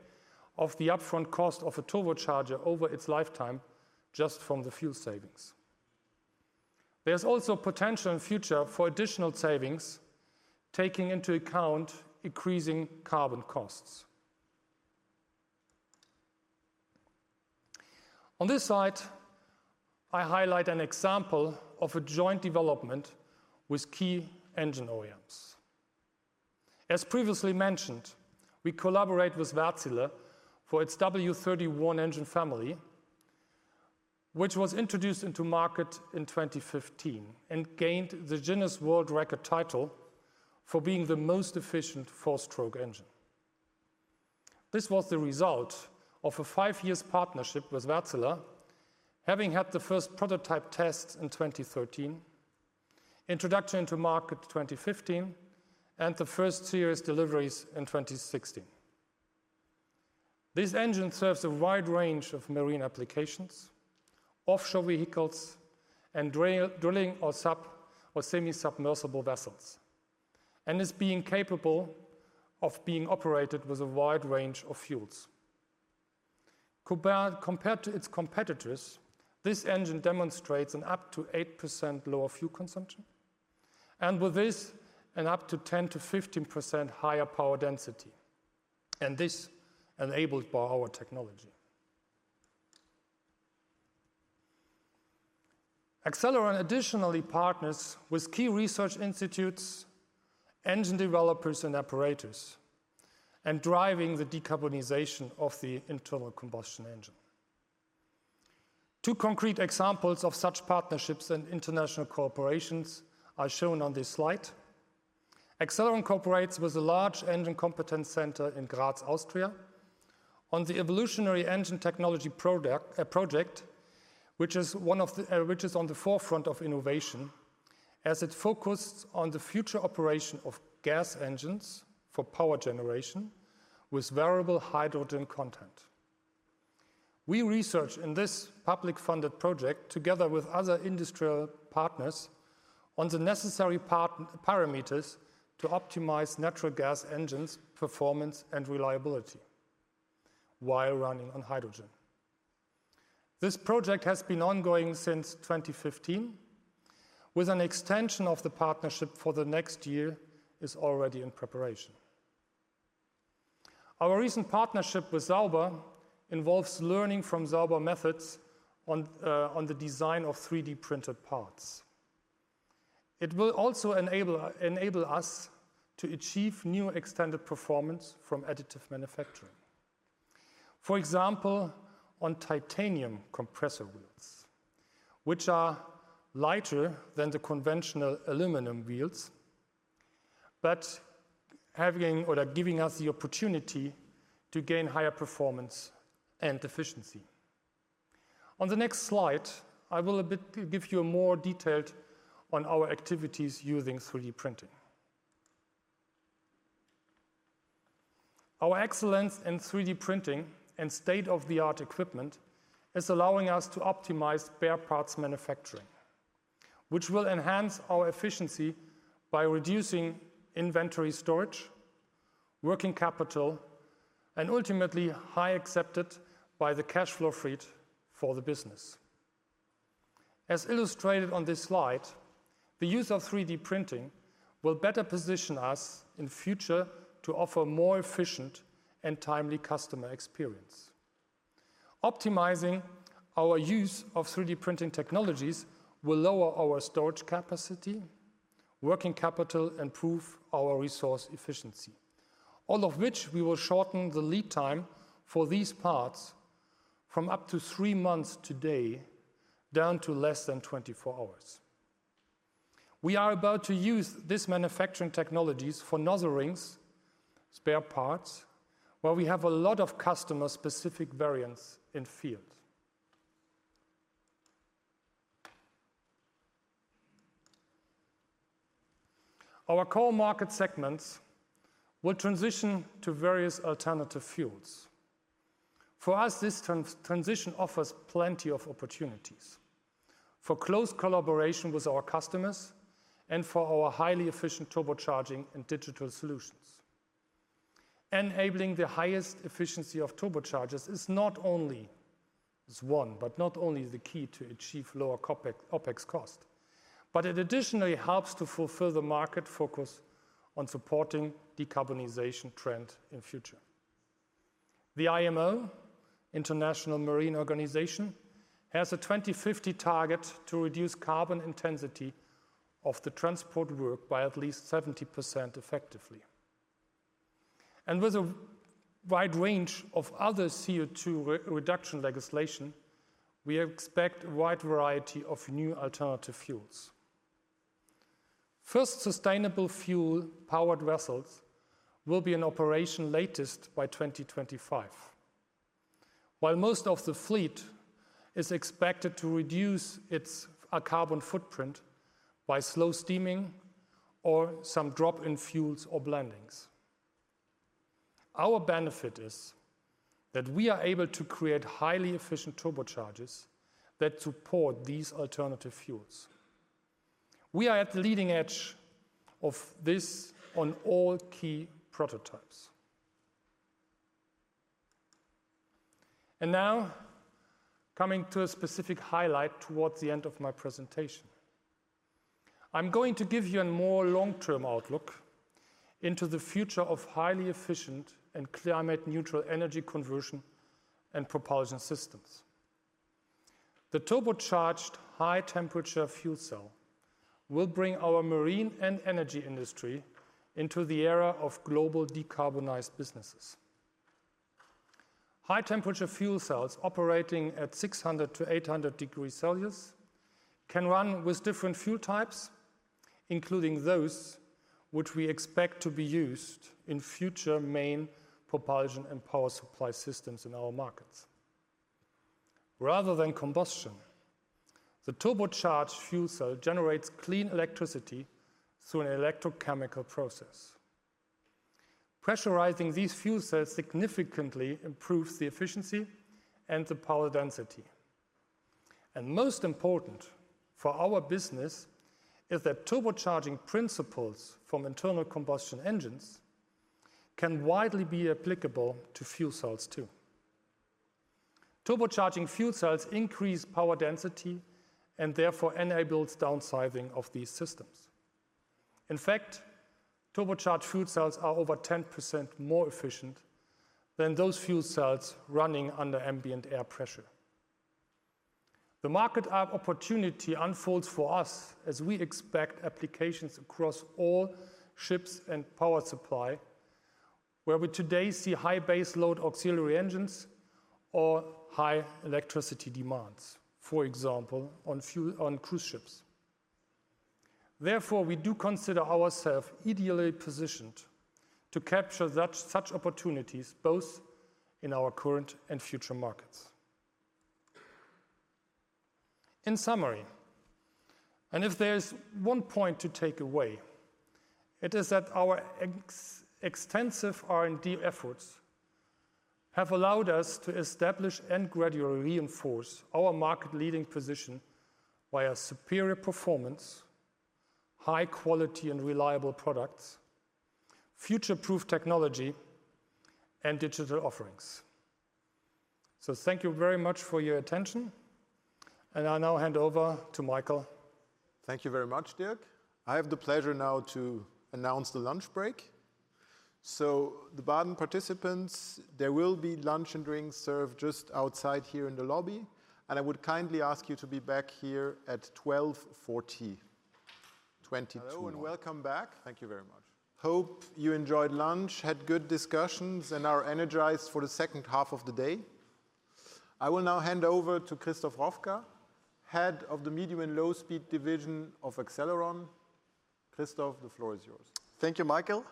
of the upfront cost of a turbocharger over its lifetime just from the fuel savings. There's also potential in future for additional savings, taking into account increasing carbon costs. On this slide, I highlight an example of a joint development with key engine OEMs. As previously mentioned, we collaborate with Wärtsilä for its W31 engine family, which was introduced to market in 2015 and gained the Guinness World Records title for being the most efficient four-stroke engine. This was the result of a five-year partnership with Wärtsilä, having had the first prototype test in 2013, introduction to market 2015, and the first serious deliveries in 2016. This engine serves a wide range of marine applications, offshore vehicles, and drilling or sub or semi-submersible vessels, and is capable of being operated with a wide range of fuels. Compared to its competitors, this engine demonstrates an up to 8% lower fuel consumption, and with this, an up to 10%-15% higher power density, and this enabled by our technology. Accelleron additionally partners with key research institutes, engine developers and operators, and driving the decarbonization of the internal combustion engine. Two concrete examples of such partnerships and international cooperations are shown on this slide. Accelleron cooperates with a large engine competence center in Graz, Austria, on the evolutionary engine technology project, which is on the forefront of innovation, as it focuses on the future operation of gas engines for power generation with variable hydrogen content. We research in this public-funded project together with other industrial partners on the necessary parameters to optimize natural gas engines performance and reliability while running on hydrogen. This project has been ongoing since 2015, with an extension of the partnership for the next year is already in preparation. Our recent partnership with Sauber involves learning from Sauber methods on the design of 3D-printed parts. It will also enable us to achieve new extended performance from additive manufacturing. For example, on titanium compressor wheels, which are lighter than the conventional aluminum wheels, but they are giving us the opportunity to gain higher performance and efficiency. On the next slide, I will a bit give you more detail on our activities using 3D printing. Our excellence in 3D printing and state-of-the-art equipment is allowing us to optimize spare parts manufacturing, which will enhance our efficiency by reducing inventory storage, working capital, and ultimately higher free cash flow for the business. As illustrated on this slide, the use of 3D printing will better position us in future to offer more efficient and timely customer experience. Optimizing our use of 3D printing technologies will lower our storage capacity, working capital, improve our resource efficiency. All of which we will shorten the lead time for these parts from up to three months today down to less than 24 hours. We are about to use these manufacturing technologies for nozzle rings spare parts, where we have a lot of customer-specific variants in field. Our core market segments will transition to various alternative fuels. For us, this transition offers plenty of opportunities for close collaboration with our customers and for our highly efficient turbocharging and digital solutions. Enabling the highest efficiency of turbochargers is not only the key to achieve lower CapEx and OPEX costs, but it additionally helps to fulfill the market focus on supporting decarbonization trend in future. The IMO, International Maritime Organization, has a 2050 target to reduce carbon intensity of the transport work by at least 70% effectively. With a wide range of other CO2 reduction legislation, we expect a wide variety of new alternative fuels. First sustainable fuel-powered vessels will be in operation latest by 2025. While most of the fleet is expected to reduce its carbon footprint by slow steaming or some drop in fuels or blendings. Our benefit is that we are able to create highly efficient turbochargers that support these alternative fuels. We are at the leading edge of this on all key prototypes. Now coming to a specific highlight towards the end of my presentation. I'm going to give you a more long-term outlook into the future of highly efficient and climate-neutral energy conversion and propulsion systems. The turbocharged high-temperature fuel cell will bring our marine and energy industry into the era of global decarbonized businesses. High-temperature fuel cells operating at 600-800 degrees Celsius can run with different fuel types, including those which we expect to be used in future main propulsion and power supply systems in our markets. Rather than combustion, the turbocharged fuel cell generates clean electricity through an electrochemical process. Pressurizing these fuel cells significantly improves the efficiency and the power density. Most important for our business is that turbocharging principles from internal combustion engines can widely be applicable to fuel cells too. Turbocharging fuel cells increase power density and therefore enables downsizing of these systems. In fact, turbocharged fuel cells are over 10% more efficient than those fuel cells running under ambient air pressure. The market opportunity unfolds for us as we expect applications across all ships and power supplies where we today see high base load auxiliary engines or high electricity demands, for example, on cruise ships. Therefore, we do consider ourselves ideally positioned to capture such opportunities both in our current and future markets. In summary, and if there's one point to take away, it is that our extensive R&D efforts have allowed us to establish and gradually reinforce our market-leading position via superior performance, high quality and reliable products, future-proof technology and digital offerings. Thank you very much for your attention, and I now hand over to Michael Daiber. Thank you very much, Dirk. I have the pleasure now to announce the lunch break. The Baden participants, there will be lunch and drinks served just outside here in the lobby, and I would kindly ask you to be back here at 12:40 P.M. Hello, and welcome back. Thank you very much. Hope you enjoyed lunch, had good discussions, and are energized for the second half of the day. I will now hand over to Christoph Rofka, Head of the Medium and Low Speed Division of Accelleron. Christoph, the floor is yours. Thank you, Michael.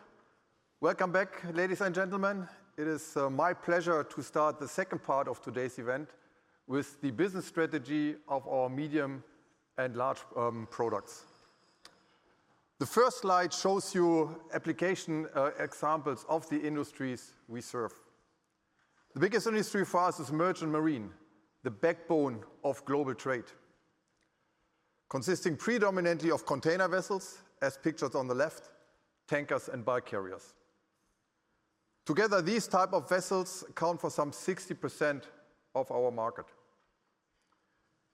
Welcome back, ladies and gentlemen. It is my pleasure to start the second part of today's event with the business strategy of our medium and large products. The first slide shows you application examples of the industries we serve. The biggest industry for us is merchant marine, the backbone of global trade, consisting predominantly of container vessels, as pictured on the left, tankers and bulk carriers. Together, these type of vessels account for some 60% of our market.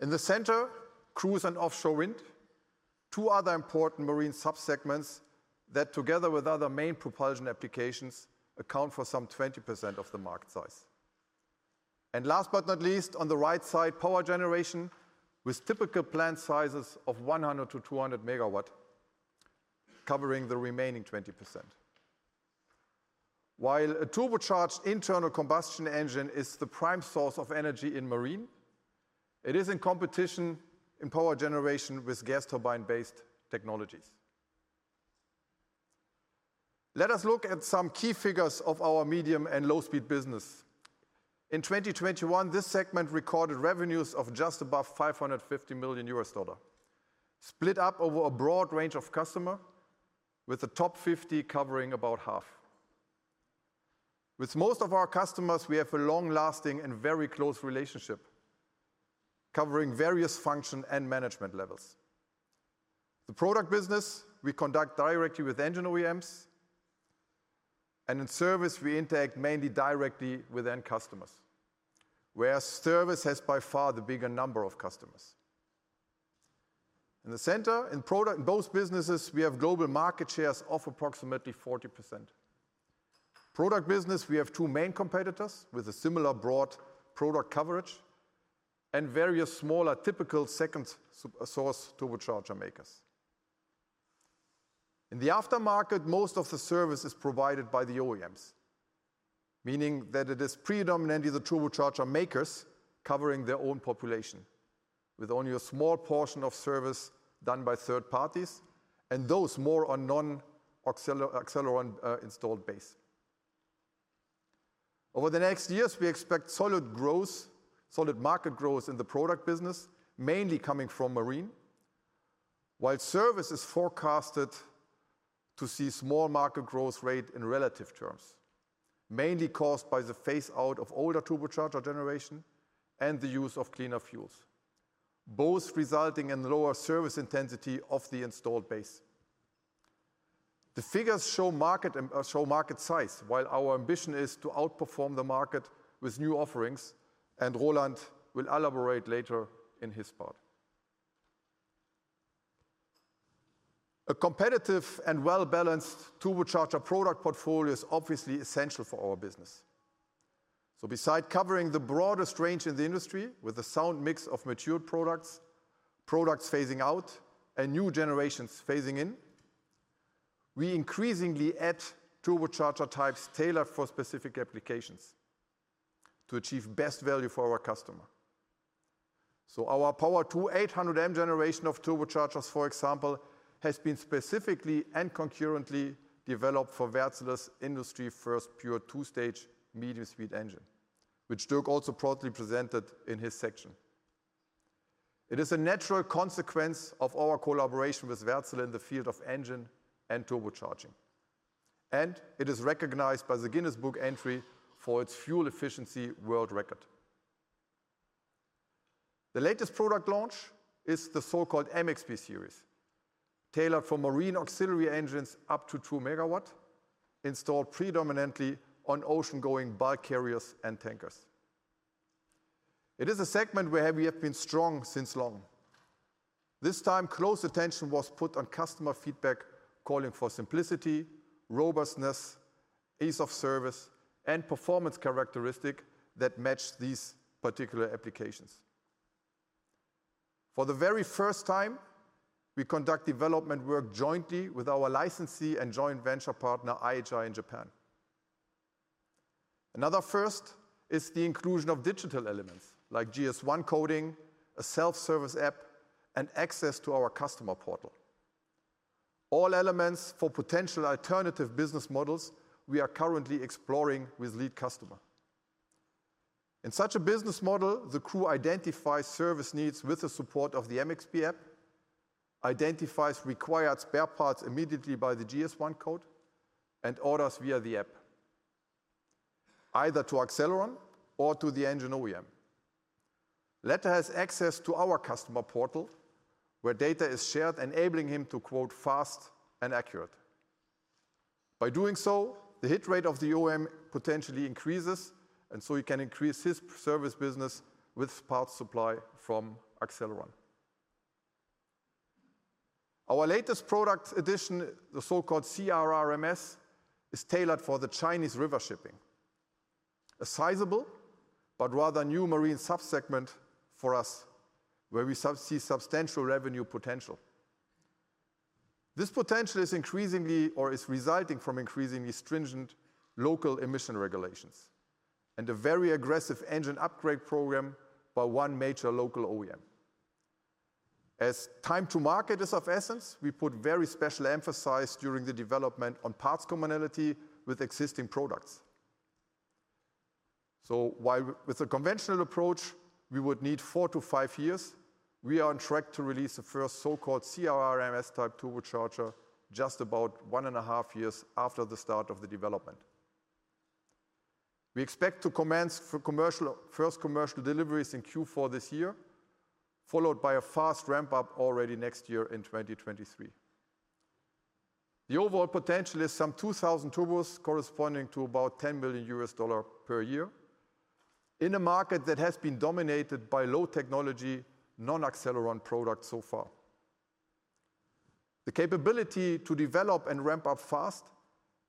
In the center, cruise and offshore wind, two other important marine sub-segments that, together with other main propulsion applications, account for some 20% of the market size. Last but not least, on the right side, power generation with typical plant sizes of 100-200 MW covering the remaining 20%. While a turbocharged internal combustion engine is the prime source of energy in marine, it is in competition in power generation with gas turbine-based technologies. Let us look at some key figures of our medium and low speed business. In 2021, this segment recorded revenues of just above $550 million, split up over a broad range of customers, with the top 50 covering about half. With most of our customers, we have a long-lasting and very close relationship covering various functions and management levels. The product business we conduct directly with engine OEMs, and in service we interact mainly directly with end customers, where service has by far the bigger number of customers. In the center, in product, in both businesses, we have global market shares of approximately 40%. Product business, we have two main competitors with a similar broad product coverage and various smaller typical second-source turbocharger makers. In the aftermarket, most of the service is provided by the OEMs, meaning that it is predominantly the turbocharger makers covering their own population with only a small portion of service done by third parties, and those more are non-Accelleron installed base. Over the next years, we expect solid growth, solid market growth in the product business, mainly coming from marine. While service is forecasted to see small market growth rate in relative terms, mainly caused by the phase out of older turbocharger generation and the use of cleaner fuels, both resulting in lower service intensity of the installed base. The figures show market size while our ambition is to outperform the market with new offerings, and Roland will elaborate later in his part. A competitive and well-balanced turbocharger product portfolio is obviously essential for our business. Besides covering the broadest range in the industry with a sound mix of mature products phasing out and new generations phasing in, we increasingly add turbocharger types tailored for specific applications to achieve best value for our customer. Our Power2 800-M generation of turbochargers, for example, has been specifically and concurrently developed for Wärtsilä's industry-first pure two-stage medium-speed engine, which Dirk also proudly presented in his section. It is a natural consequence of our collaboration with Wärtsilä in the field of engine and turbocharging, and it is recognized by the Guinness Book entry for its fuel efficiency world record. The latest product launch is the so-called MXP series, tailored for marine auxiliary engines up to 2 MW, installed predominantly on ocean-going bulk carriers and tankers. It is a segment where we have been strong since long. This time, close attention was put on customer feedback calling for simplicity, robustness, ease of service, and performance characteristic that match these particular applications. For the very first time, we conduct development work jointly with our licensee and joint venture partner IHI in Japan. Another first is the inclusion of digital elements like GS1 coding, a self-service app, and access to our customer portal. All elements for potential alternative business models we are currently exploring with lead customer. In such a business model, the crew identifies service needs with the support of the MXP app, identifies required spare parts immediately by the GS1 code, and orders via the app either to Accelleron or to the engine OEM. Latter has access to our customer portal, where data is shared enabling him to quote fast and accurate. By doing so, the hit rate of the OEM potentially increases, and so he can increase his service business with parts supply from Accelleron. Our latest product addition, the so-called CRRMS, is tailored for the Chinese river shipping. A sizable but rather new marine sub-segment for us where we see substantial revenue potential. This potential is increasingly or is resulting from increasingly stringent local emission regulations and a very aggressive engine upgrade program by one major local OEM. As time to market is of essence, we put very special emphasis during the development on parts commonality with existing products. While with a conventional approach, we would need fourt to five years, we are on track to release the first so-called CRRMS-type turbocharger just about 1.5 years after the start of the development. We expect to commence first commercial deliveries in Q4 this year, followed by a fast ramp-up already next year in 2023. The overall potential is some 2,000 turbos corresponding to about $10 billion per year in a market that has been dominated by low technology, non-Accelleron products so far. The capability to develop and ramp up fast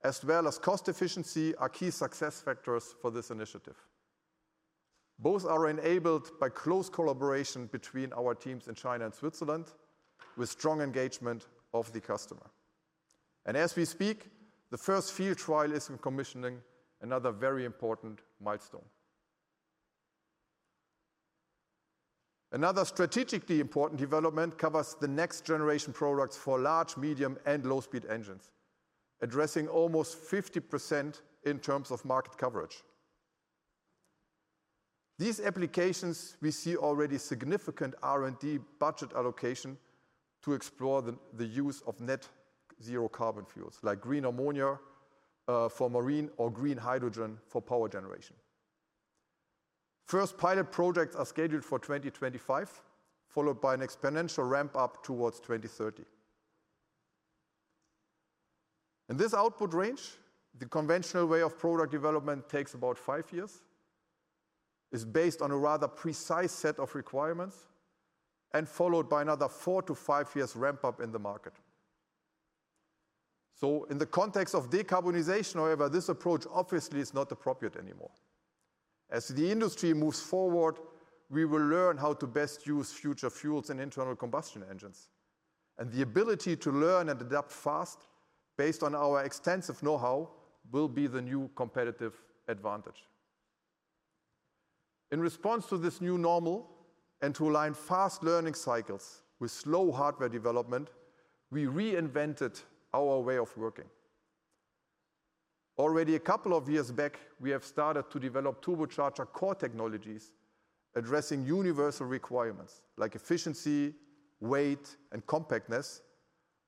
as well as cost efficiency are key success factors for this initiative. Both are enabled by close collaboration between our teams in China and Switzerland with strong engagement of the customer. As we speak, the first few trials are in commissioning, another very important milestone. Another strategically important development covers the next generation products for large, medium, and low speed engines, addressing almost 50% in terms of market coverage. These applications we see already significant R&D budget allocation to explore the use of net zero carbon fuels, like green ammonia, for marine or green hydrogen for power generation. First pilot projects are scheduled for 2025, followed by an exponential ramp up towards 2030. In this output range, the conventional way of product development takes about five years, is based on a rather precise set of requirements, and followed by another four to five years ramp-up in the market. In the context of decarbonization, however, this approach obviously is not appropriate anymore. As the industry moves forward, we will learn how to best use future fuels and internal combustion engines, and the ability to learn and adapt fast based on our extensive know-how will be the new competitive advantage. In response to this new normal and to align fast learning cycles with slow hardware development, we reinvented our way of working. Already a couple of years back, we have started to develop turbocharger core technologies addressing universal requirements like efficiency, weight, and compactness,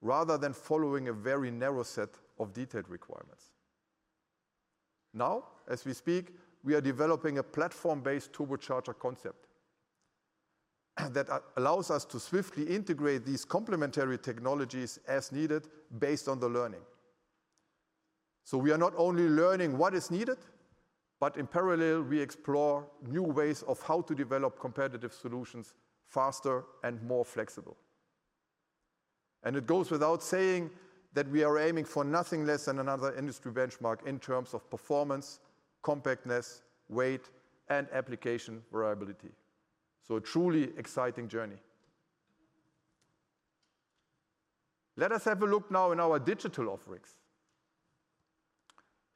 rather than following a very narrow set of detailed requirements. Now, as we speak, we are developing a platform-based turbocharger concept that allows us to swiftly integrate these complementary technologies as needed based on the learning. We are not only learning what is needed, but in parallel, we explore new ways of how to develop competitive solutions faster and more flexible. It goes without saying that we are aiming for nothing less than another industry benchmark in terms of performance, compactness, weight, and application variability. A truly exciting journey. Let us have a look now in our digital offerings.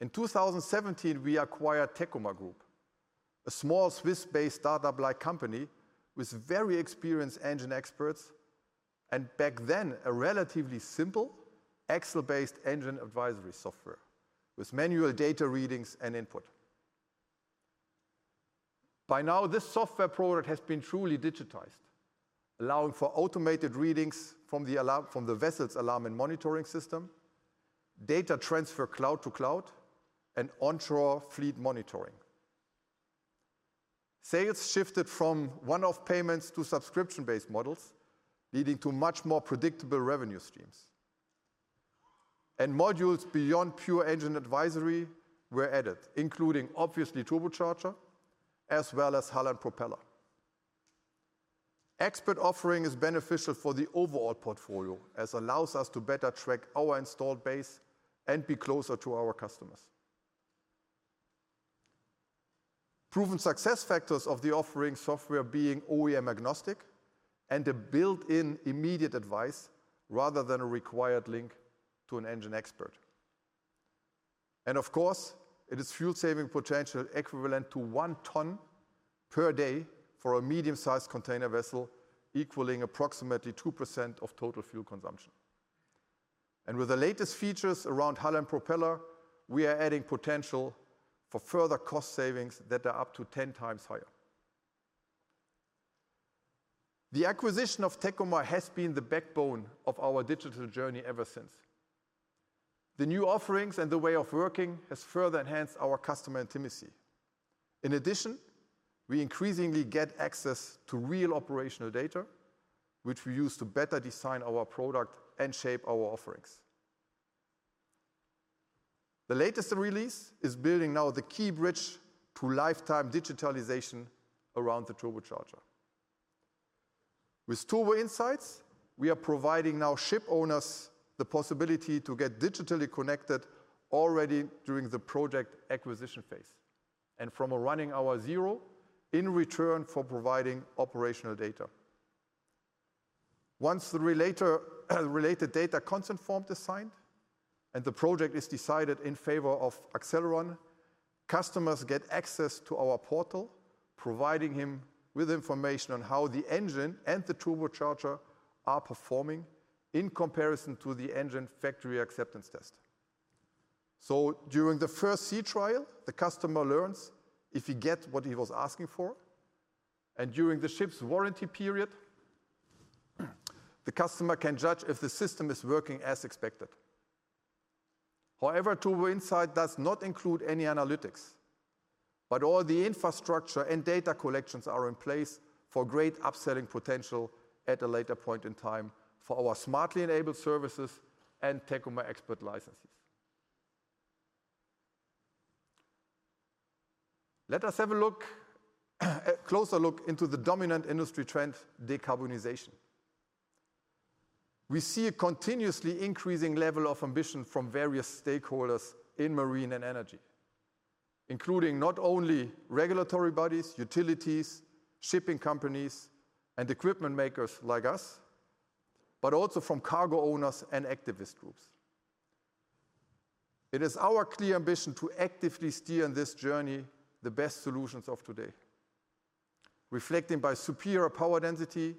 In 2017, we acquired Tekomar Group, a small Swiss-based startup-like company with very experienced engine experts and back then a relatively simple Excel-based engine advisory software with manual data readings and input. By now this software product has been truly digitized, allowing for automated readings from the vessel's alarm and monitoring system, data transfer cloud to cloud, and onshore fleet monitoring. Sales shifted from one-off payments to subscription-based models, leading to much more predictable revenue streams. Modules beyond pure engine advisory were added, including obviously turbocharger as well as hull and propeller. XPERT offering is beneficial for the overall portfolio as allows us to better track our installed base and be closer to our customers. Proven success factors of the offering software being OEM agnostic and a built-in immediate advice rather than a required link to an engine expert. Of course, it is fuel saving potential equivalent to 1 ton per day for a medium-sized container vessel, equaling approximately 2% of total fuel consumption. With the latest features around hull and propeller, we are adding potential for further cost savings that are up to 10x higher. The acquisition of Tekomar has been the backbone of our digital journey ever since. The new offerings and the way of working has further enhanced our customer intimacy. In addition, we increasingly get access to real operational data, which we use to better design our product and shape our offerings. The latest release is building now the key bridge to lifetime digitalization around the turbocharger. With Turbo Insights, we are providing now ship owners the possibility to get digitally connected already during the project acquisition phase and from a running hour zero in return for providing operational data. Once the real-time data consent form is signed and the project is decided in favor of Accelleron, customers get access to our portal, providing him with information on how the engine and the turbocharger are performing in comparison to the engine factory acceptance test. During the first sea trial, the customer learns if he get what he was asking for, and during the ship's warranty period, the customer can judge if the system is working as expected. However, Turbo Insights does not include any analytics, but all the infrastructure and data collections are in place for great upselling potential at a later point in time for our smartly enabled services and Tekomar XPERT licenses. Let us have a look, a closer look into the dominant industry trend, decarbonization. We see a continuously increasing level of ambition from various stakeholders in marine and energy, including not only regulatory bodies, utilities, shipping companies, and equipment makers like us, but also from cargo owners and activist groups. It is our clear ambition to actively steer in this journey the best solutions of today, reflecting by superior power density,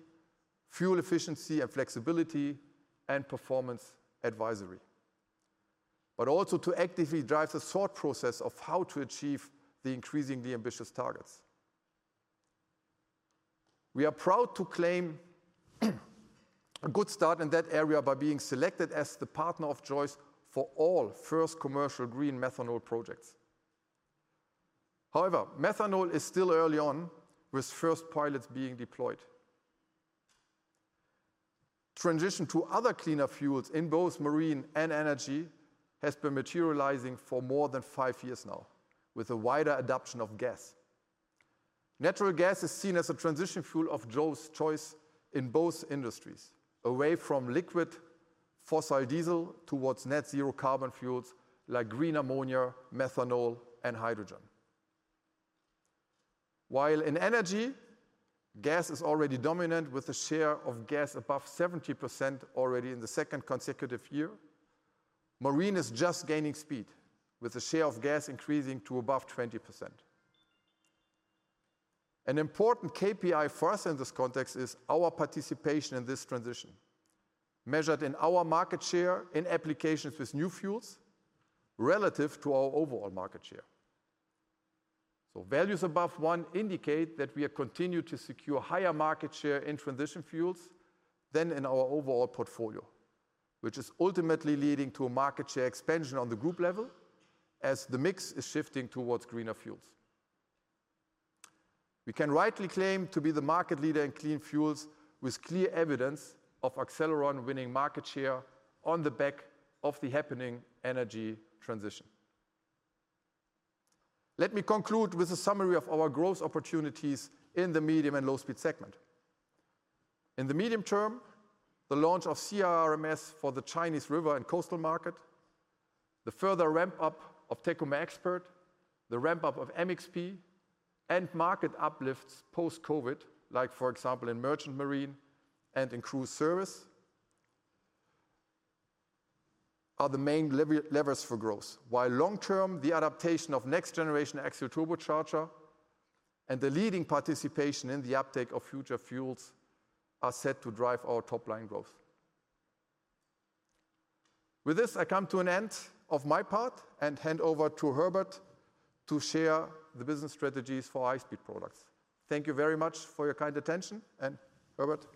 fuel efficiency and flexibility, and performance advisory, but also to actively drive the thought process of how to achieve the increasingly ambitious targets. We are proud to claim a good start in that area by being selected as the partner of choice for all first commercial green methanol projects. However, methanol is still early on, with first pilots being deployed. Transition to other cleaner fuels in both marine and energy has been materializing for more than five years now, with a wider adoption of gas. Natural gas is seen as a transition fuel of choice in both industries, away from liquid fossil diesel towards net-zero carbon fuels like green ammonia, methanol, and hydrogen. While in energy, gas is already dominant with a share of gas above 70% already in the second consecutive year. Marine is just gaining speed, with the share of gas increasing to above 20%. An important KPI for us in this context is our participation in this transition, measured in our market share in applications with new fuels relative to our overall market share. Values above 1 indicate that we have continued to secure higher market share in transition fuels than in our overall portfolio, which is ultimately leading to a market share expansion on the group level as the mix is shifting towards greener fuels. We can rightly claim to be the market leader in clean fuels with clear evidence of Accelleron winning market share on the back of the happening energy transition. Let me conclude with a summary of our growth opportunities in the medium and low-speed segment. In the medium term, the launch of CRRMS for the Chinese river and coastal market, the further ramp-up of Tekomar XPERT, the ramp-up of MXP, and market uplifts post-COVID, like for example, in merchant marine and in cruise service, are the main levers for growth. While long-term, the adaptation of next-generation axial turbocharger and the leading participation in the uptake of future fuels are set to drive our top-line growth. With this, I come to an end of my part and hand over to Herbert to share the business strategies for high-speed products. Thank you very much for your kind attention. Herbert, the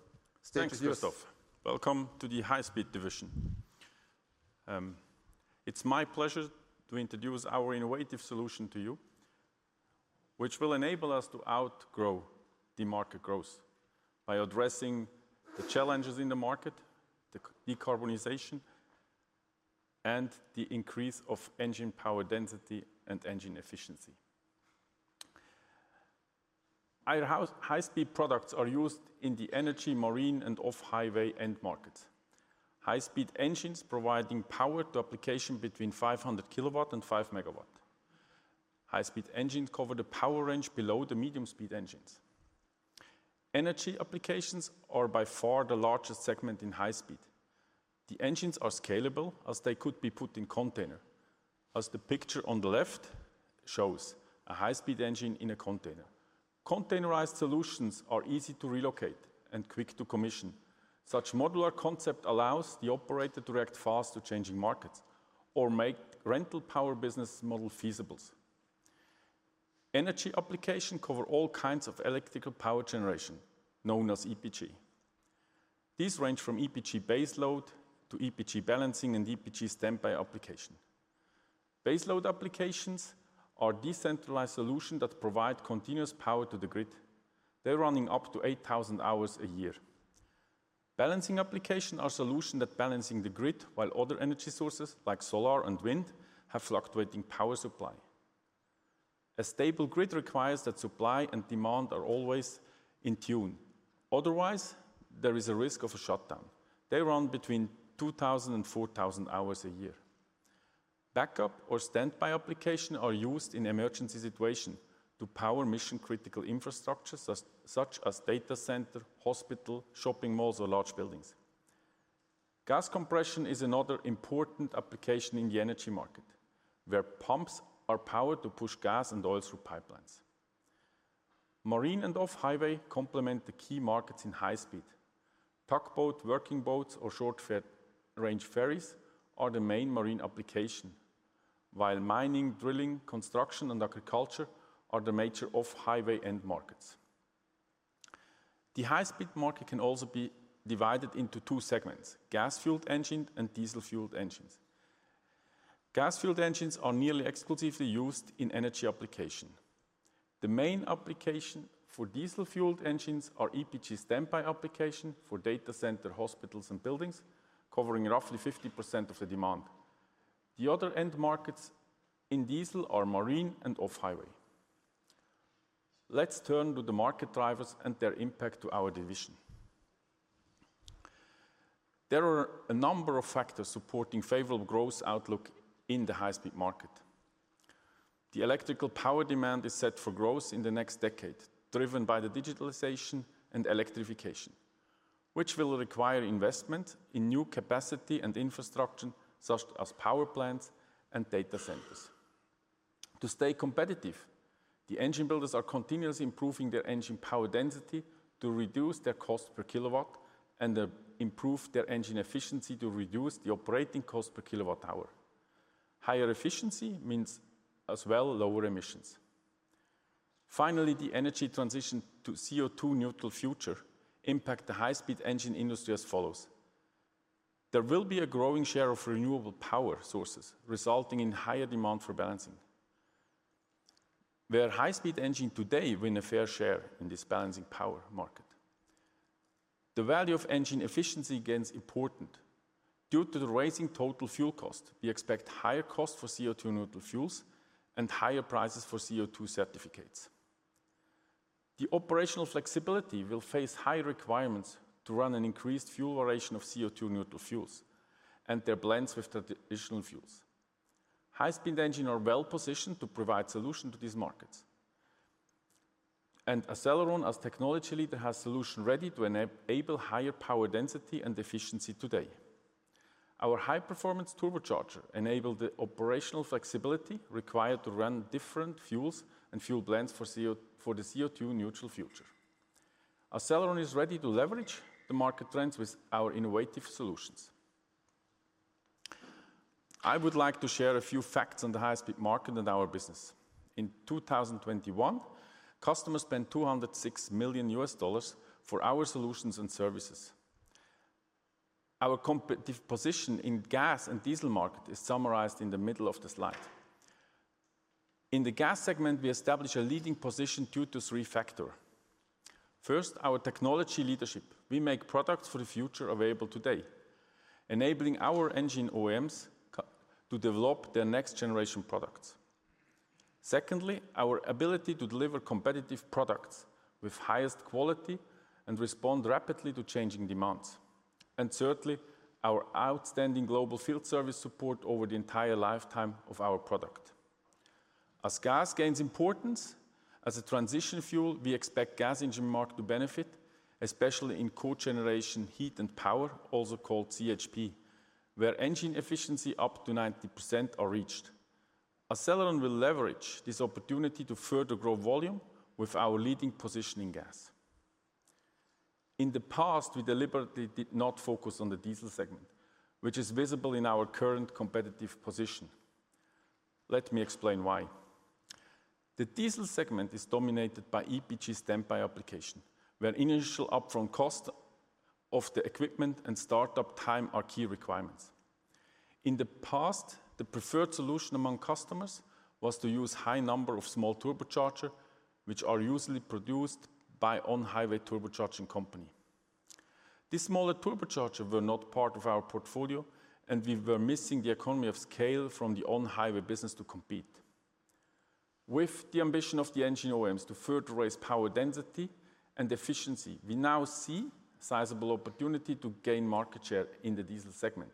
stage is yours. Thanks, Christoph. Welcome to the high-speed division. It's my pleasure to introduce our innovative solution to you, which will enable us to outgrow the market growth by addressing the challenges in the market, the decarbonization, and the increase of engine power density and engine efficiency. Our high-speed products are used in the energy, marine, and off-highway end markets. High-speed engines providing power to applications between 500 kW and 5 MW. High-speed engines cover the power range below the medium-speed engines. Energy applications are by far the largest segment in high-speed. The engines are scalable as they could be put in a container. As the picture on the left shows a high-speed engine in a container. Containerized solutions are easy to relocate and quick to commission. Such modular concept allows the operator to react fast to changing markets or make rental power business model feasible. Energy applications cover all kinds of electrical power generation, known as EPG. These range from EPG baseload to EPG balancing and EPG standby applications. Baseload applications are decentralized solutions that provide continuous power to the grid. They are running up to 8,000 hours a year. Balancing applications are solutions that balance the grid while other energy sources, like solar and wind, have fluctuating power supply. A stable grid requires that supply and demand are always in tune, otherwise there is a risk of a shutdown. They run between 2,000 and 4,000 hours a year. Backup or standby applications are used in emergency situations to power mission-critical infrastructure such as data centers, hospitals, shopping malls or large buildings. Gas compression is another important application in the energy market, where pumps are powered to push gas and oil through pipelines. Marine and off-highway complement the key markets in high-speed. Tugboat, working boats or short range ferries are the main marine application. While mining, drilling, construction, and agriculture are the major off-highway end markets. The high-speed market can also be divided into two segments: gas-fueled engine and diesel-fueled engines. Gas-fueled engines are nearly exclusively used in energy application. The main application for diesel-fueled engines are EPG standby application for data center, hospitals, and buildings, covering roughly 50% of the demand. The other end markets in diesel are marine and off-highway. Let's turn to the market drivers and their impact to our division. There are a number of factors supporting favorable growth outlook in the high-speed market. The electrical power demand is set for growth in the next decade, driven by the digitalization and electrification, which will require investment in new capacity and infrastructure, such as power plants and data centers. To stay competitive, the engine builders are continuously improving their engine power density to reduce their cost per kilowatt and, improve their engine efficiency to reduce the operating cost per kilowatt hour. Higher efficiency means as well lower emissions. Finally, the energy transition to CO2 neutral future impact the high-speed engine industry as follows. There will be a growing share of renewable power sources, resulting in higher demand for balancing. Where high-speed engine today win a fair share in this balancing power market. The value of engine efficiency gains important. Due to the rising total fuel cost, we expect higher cost for CO2 neutral fuels and higher prices for CO2 certificates. The operational flexibility will face high requirements to run an increased fuel ratio of CO2 neutral fuels and their blends with traditional fuels. High-speed engine are well-positioned to provide solution to these markets. Accelleron as technology leader has solution ready to enable higher power density and efficiency today. Our high-performance turbocharger enable the operational flexibility required to run different fuels and fuel blends for the CO₂ neutral future. Accelleron is ready to leverage the market trends with our innovative solutions. I would like to share a few facts on the high-speed market and our business. In 2021, customers spent $206 million for our solutions and services. Our competitive position in gas and diesel market is summarized in the middle of the slide. In the gas segment, we establish a leading position due to three factor. First, our technology leadership. We make products for the future available today, enabling our engine OEMs to develop their next-generation products. Secondly, our ability to deliver competitive products with highest quality and respond rapidly to changing demands. Thirdly, our outstanding global field service support over the entire lifetime of our product. As gas gains importance as a transition fuel, we expect gas engine market to benefit, especially in cogeneration heat and power, also called CHP, where engine efficiency up to 90% are reached. Accelleron will leverage this opportunity to further grow volume with our leading position in gas. In the past, we deliberately did not focus on the diesel segment, which is visible in our current competitive position. Let me explain why. The diesel segment is dominated by EPG standby application, where initial upfront cost of the equipment and startup time are key requirements. In the past, the preferred solution among customers was to use high number of small turbochargers, which are usually produced by on-highway turbocharging companies. These smaller turbochargers were not part of our portfolio and we were missing the economy of scale from the on-highway business to compete. With the ambition of the engine OEMs to further raise power density and efficiency, we now see sizable opportunity to gain market share in the diesel segment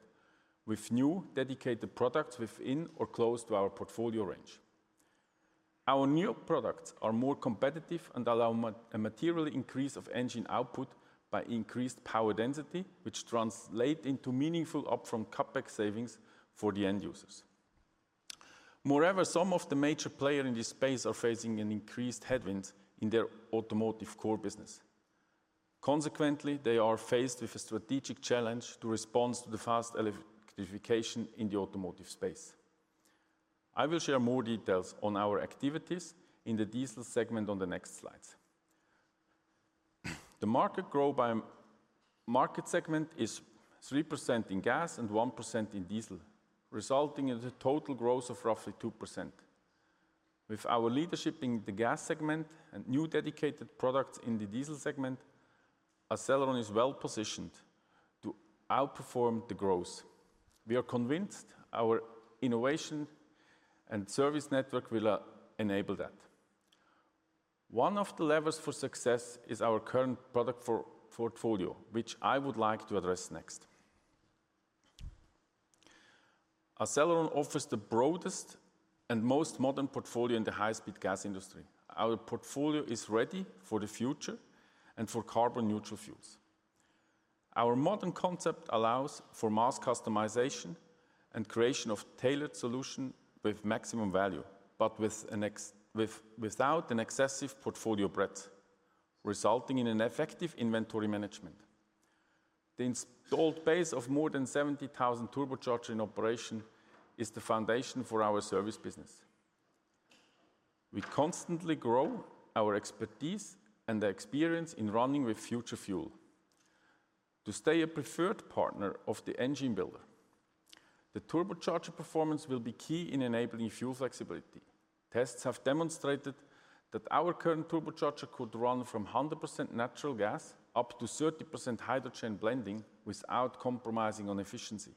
with new dedicated products within or close to our portfolio range. Our new products are more competitive and allow a material increase of engine output by increased power density, which translates into meaningful upfront CapEx savings for the end users. Moreover, some of the major players in this space are facing increasing headwinds in their automotive core business. Consequently, they are faced with a strategic challenge to respond to the fast electrification in the automotive space. I will share more details on our activities in the diesel segment on the next slides. The market growth by market segment is 3% in gas and 1% in diesel, resulting in a total growth of roughly 2%. With our leadership in the gas segment and new dedicated products in the diesel segment, Accelleron is well-positioned to outperform the growth. We are convinced our innovation and service network will enable that. One of the levers for success is our current product portfolio, which I would like to address next. Accelleron offers the broadest and most modern portfolio in the high-speed gas industry. Our portfolio is ready for the future and for carbon-neutral fuels. Our modern concept allows for mass customization and creation of tailored solution with maximum value, but without an excessive portfolio breadth, resulting in an effective inventory management. The installed base of more than 70,000 turbocharger in operation is the foundation for our service business. We constantly grow our expertise and the experience in running with future fuel to stay a preferred partner of the engine builder. The turbocharger performance will be key in enabling fuel flexibility. Tests have demonstrated that our current turbocharger could run from 100% natural gas up to 30% hydrogen blending without compromising on efficiency.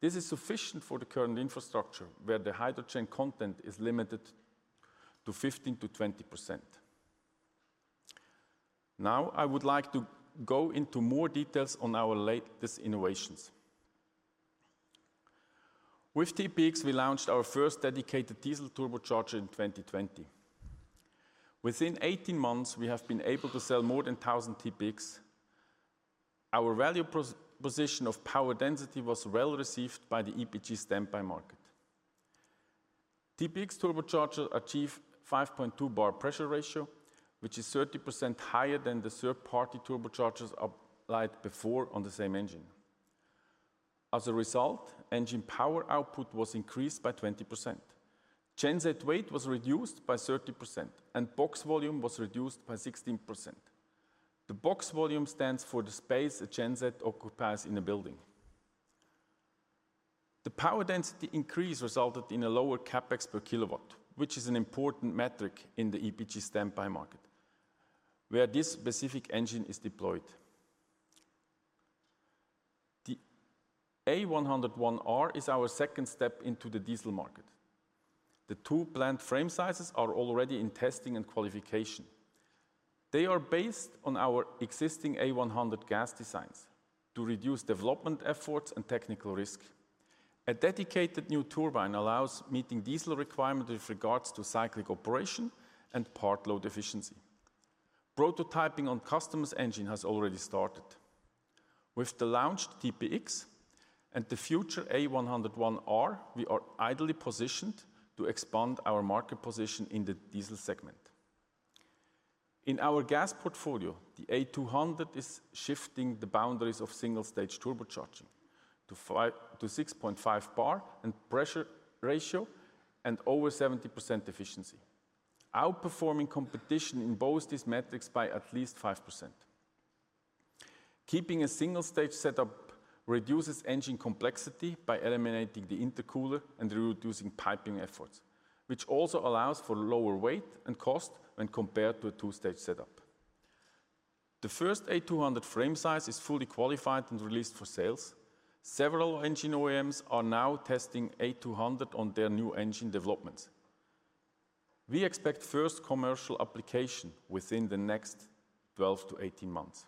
This is sufficient for the current infrastructure, where the hydrogen content is limited to 15%-20%. Now, I would like to go into more details on our latest innovations. With TPX, we launched our first dedicated diesel turbocharger in 2020. Within 18 months, we have been able to sell more than 1,000 TPX. Our value position of power density was well received by the EPG standby market. TPX turbocharger achieve 5.2 bar pressure ratio, which is 30% higher than the third-party turbochargers applied before on the same engine. As a result, engine power output was increased by 20%. Genset weight was reduced by 30%, and box volume was reduced by 16%. The box volume stands for the space a genset occupies in a building. The power density increase resulted in a lower CapEx per kilowatt, which is an important metric in the EPG standby market, where this specific engine is deployed. The A101-H is our second step into the diesel market. The two plant frame sizes are already in testing and qualification. They are based on our existing A100 gas designs to reduce development efforts and technical risk. A dedicated new turbine allows meeting diesel requirement with regards to cyclic operation and part load efficiency. Prototyping on customers' engine has already started. With the launched TPX and the future A101-H, we are ideally positioned to expand our market position in the diesel segment. In our gas portfolio, the A200-H is shifting the boundaries of single-stage turbocharging to 5-6.5 bar pressure ratio and over 70% efficiency, outperforming competition in both these metrics by at least 5%. Keeping a single-stage setup reduces engine complexity by eliminating the intercooler and reducing piping efforts, which also allows for lower weight and cost when compared to a two-stage setup. The first A200-H frame size is fully qualified and released for sales. Several engine OEMs are now testing A200-H on their new engine developments. We expect first commercial application within the next 12-18 months.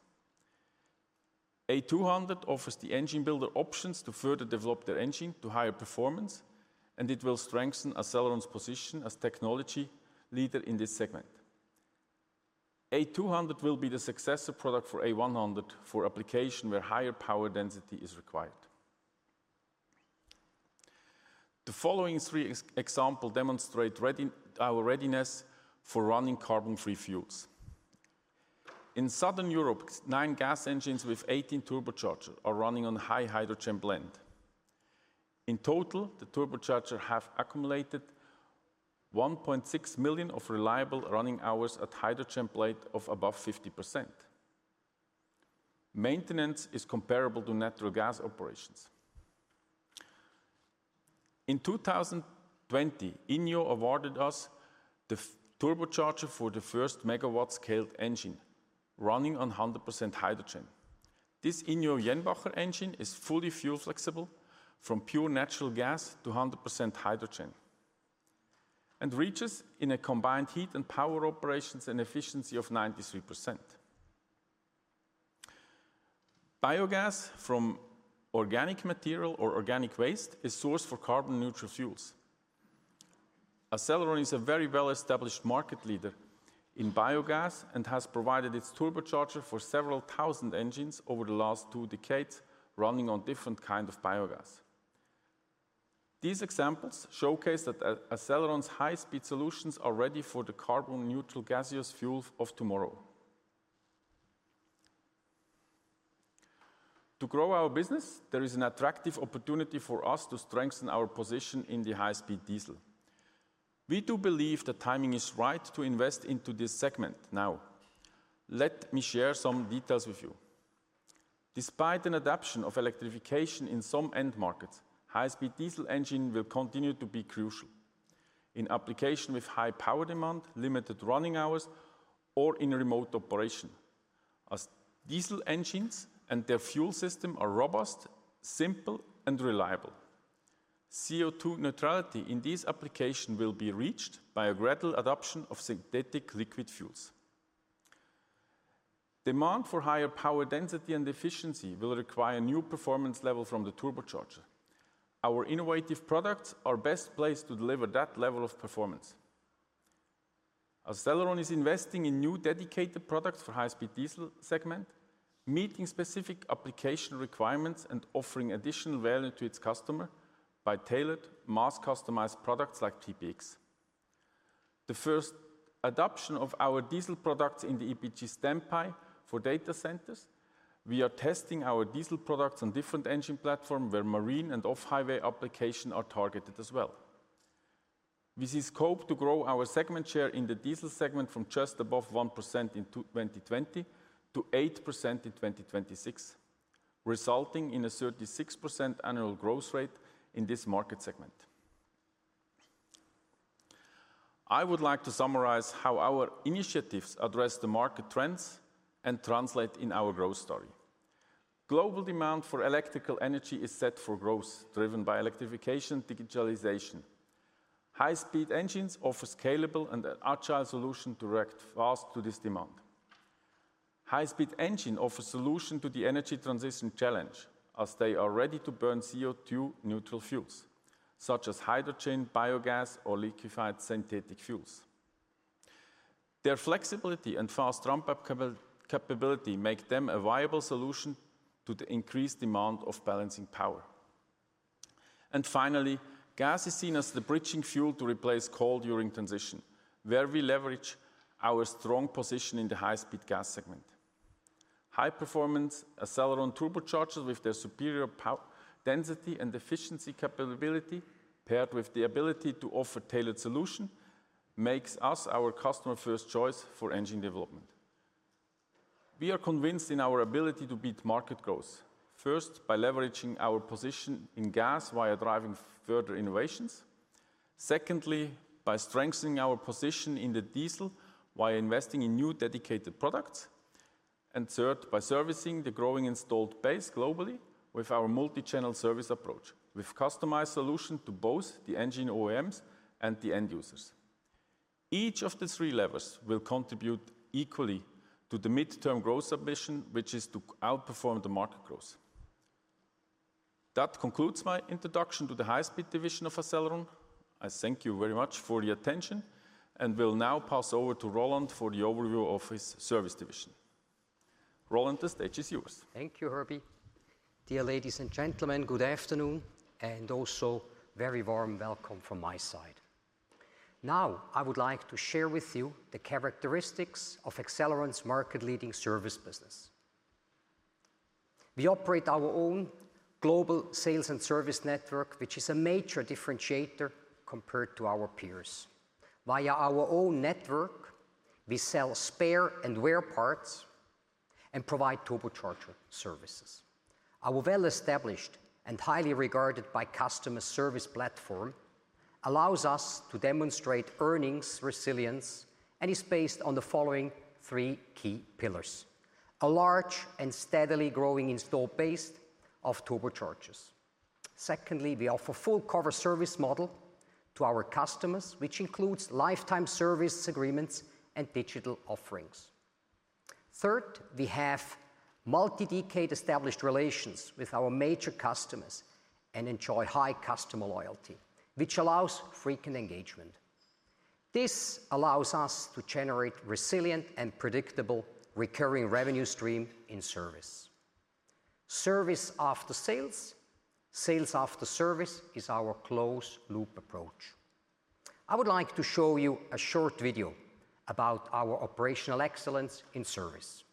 A200-H offers the engine builder options to further develop their engine to higher performance, and it will strengthen Accelleron's position as technology leader in this segment. A200-H will be the successor product for A100 for application where higher power density is required. The following three examples demonstrate our readiness for running carbon-free fuels. In Southern Europe, nine gas engines with eighteen turbochargers are running on high hydrogen blend. In total, the turbochargers have accumulated 1.6 million reliable running hours at hydrogen blend of above 50%. Maintenance is comparable to natural gas operations. In 2020, INNIO awarded us the turbochargers for the first MW-scaled engine running on 100% hydrogen. This INNIO Jenbacher engine is fully fuel flexible from pure natural gas to 100% hydrogen and reaches in a combined heat and power operations an efficiency of 93%. Biogas from organic material or organic waste is source for carbon-neutral fuels. Accelleron is a very well-established market leader in biogas and has provided its turbocharger for several thousand engines over the last two decades running on different kind of biogas. These examples showcase that Accelleron's high-speed solutions are ready for the carbon-neutral gaseous fuels of tomorrow. To grow our business, there is an attractive opportunity for us to strengthen our position in the high-speed diesel. We do believe the timing is right to invest into this segment now. Let me share some details with you. Despite an adaptation of electrification in some end markets, high-speed diesel engine will continue to be crucial. In applications with high power demand, limited running hours, or in remote operation, as diesel engines and their fuel system are robust, simple and reliable. CO2 neutrality in this application will be reached by a gradual adoption of synthetic liquid fuels. Demand for higher power density and efficiency will require new performance level from the turbocharger. Our innovative products are best placed to deliver that level of performance. Accelleron is investing in new dedicated products for high-speed diesel segment, meeting specific application requirements and offering additional value to its customer by tailored mass-customized products like TPX. The first adoption of our diesel products in the EPG standby for data centers. We are testing our diesel products on different engine platform where marine and off-highway application are targeted as well. This is scope to grow our segment share in the diesel segment from just above 1% in 2020 to 8% in 2026, resulting in a 36% annual growth rate in this market segment. I would like to summarize how our initiatives address the market trends and translate in our growth story. Global demand for electrical energy is set for growth, driven by electrification, digitalization. High-speed engines offer scalable and agile solution to react fast to this demand. High-speed engine offers solution to the energy transition challenge, as they are ready to burn CO2-neutral fuels, such as hydrogen, biogas or liquefied synthetic fuels. Their flexibility and fast ramp-up capability make them a viable solution to the increased demand of balancing power. Finally, gas is seen as the bridging fuel to replace coal during transition, where we leverage our strong position in the high-speed gas segment. High-performance Accelleron turbochargers with their superior power density and efficiency capability paired with the ability to offer tailored solution makes us our customer first choice for engine development. We are convinced in our ability to beat market growth, first, by leveraging our position in gas via driving further innovations. Secondly, by strengthening our position in the diesel while investing in new dedicated products. Third, by servicing the growing installed base globally with our multichannel service approach, with customized solution to both the engine OEMs and the end users. Each of the three levers will contribute equally to the mid-term growth ambition, which is to outperform the market growth. That concludes my introduction to the high-speed division of Accelleron. I thank you very much for your attention and will now pass over to Roland for the overview of his service division. Roland, the stage is yours. Thank you, Herbert. Dear ladies and gentlemen, good afternoon, and also very warm welcome from my side. Now, I would like to share with you the characteristics of Accelleron's market-leading service business. We operate our own global sales and service network, which is a major differentiator compared to our peers. Via our own network, we sell spare and wear parts and provide turbocharger services. Our well-established and highly regarded by customer service platform allows us to demonstrate earnings resilience and is based on the following three key pillars. A large and steadily growing installed base of turbochargers. Secondly, we offer full cover service model to our customers, which includes lifetime service agreements and digital offerings. Third, we have multi-decade established relations with our major customers and enjoy high customer loyalty, which allows frequent engagement. This allows us to generate resilient and predictable recurring revenue stream in service. Service after sales after service is our closed loop approach. I would like to show you a short video about our operational excellence in service.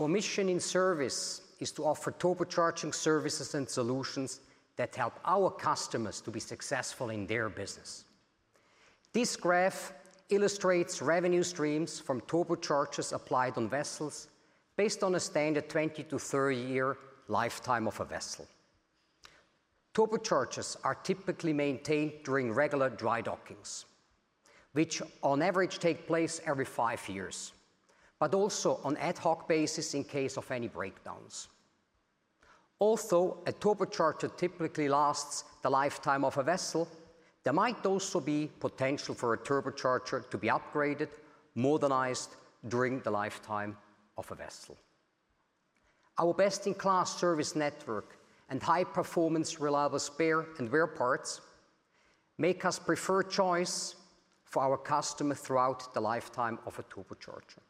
Our mission in service is to offer turbocharging services and solutions that help our customers to be successful in their business. This graph illustrates revenue streams from turbochargers applied on vessels based on a standard 20- to 30-year lifetime of a vessel. Turbochargers are typically maintained during regular dry dockings, which on average take place every five years, but also on ad hoc basis in case of any breakdowns. Although a turbocharger typically lasts the lifetime of a vessel, there might also be potential for a turbocharger to be upgraded, modernized during the lifetime of a vessel. Our best-in-class service network and high-performance reliable spare and wear parts make us preferred choice for our customer throughout the lifetime of a turbocharger.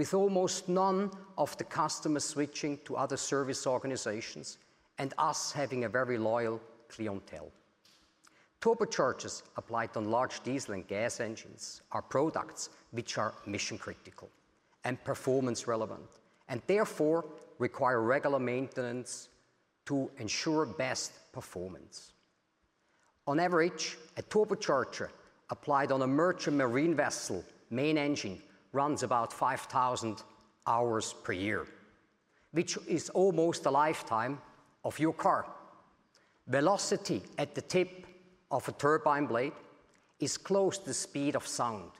With almost none of the customers switching to other service organizations and us having a very loyal clientele. Turbochargers applied on large diesel and gas engines are products which are mission-critical and performance relevant and therefore require regular maintenance to ensure best performance. On average, a turbocharger applied on a merchant marine vessel main engine runs about 5,000 hours per year, which is almost the lifetime of your car. Velocity at the tip of a turbine blade is close to the speed of sound.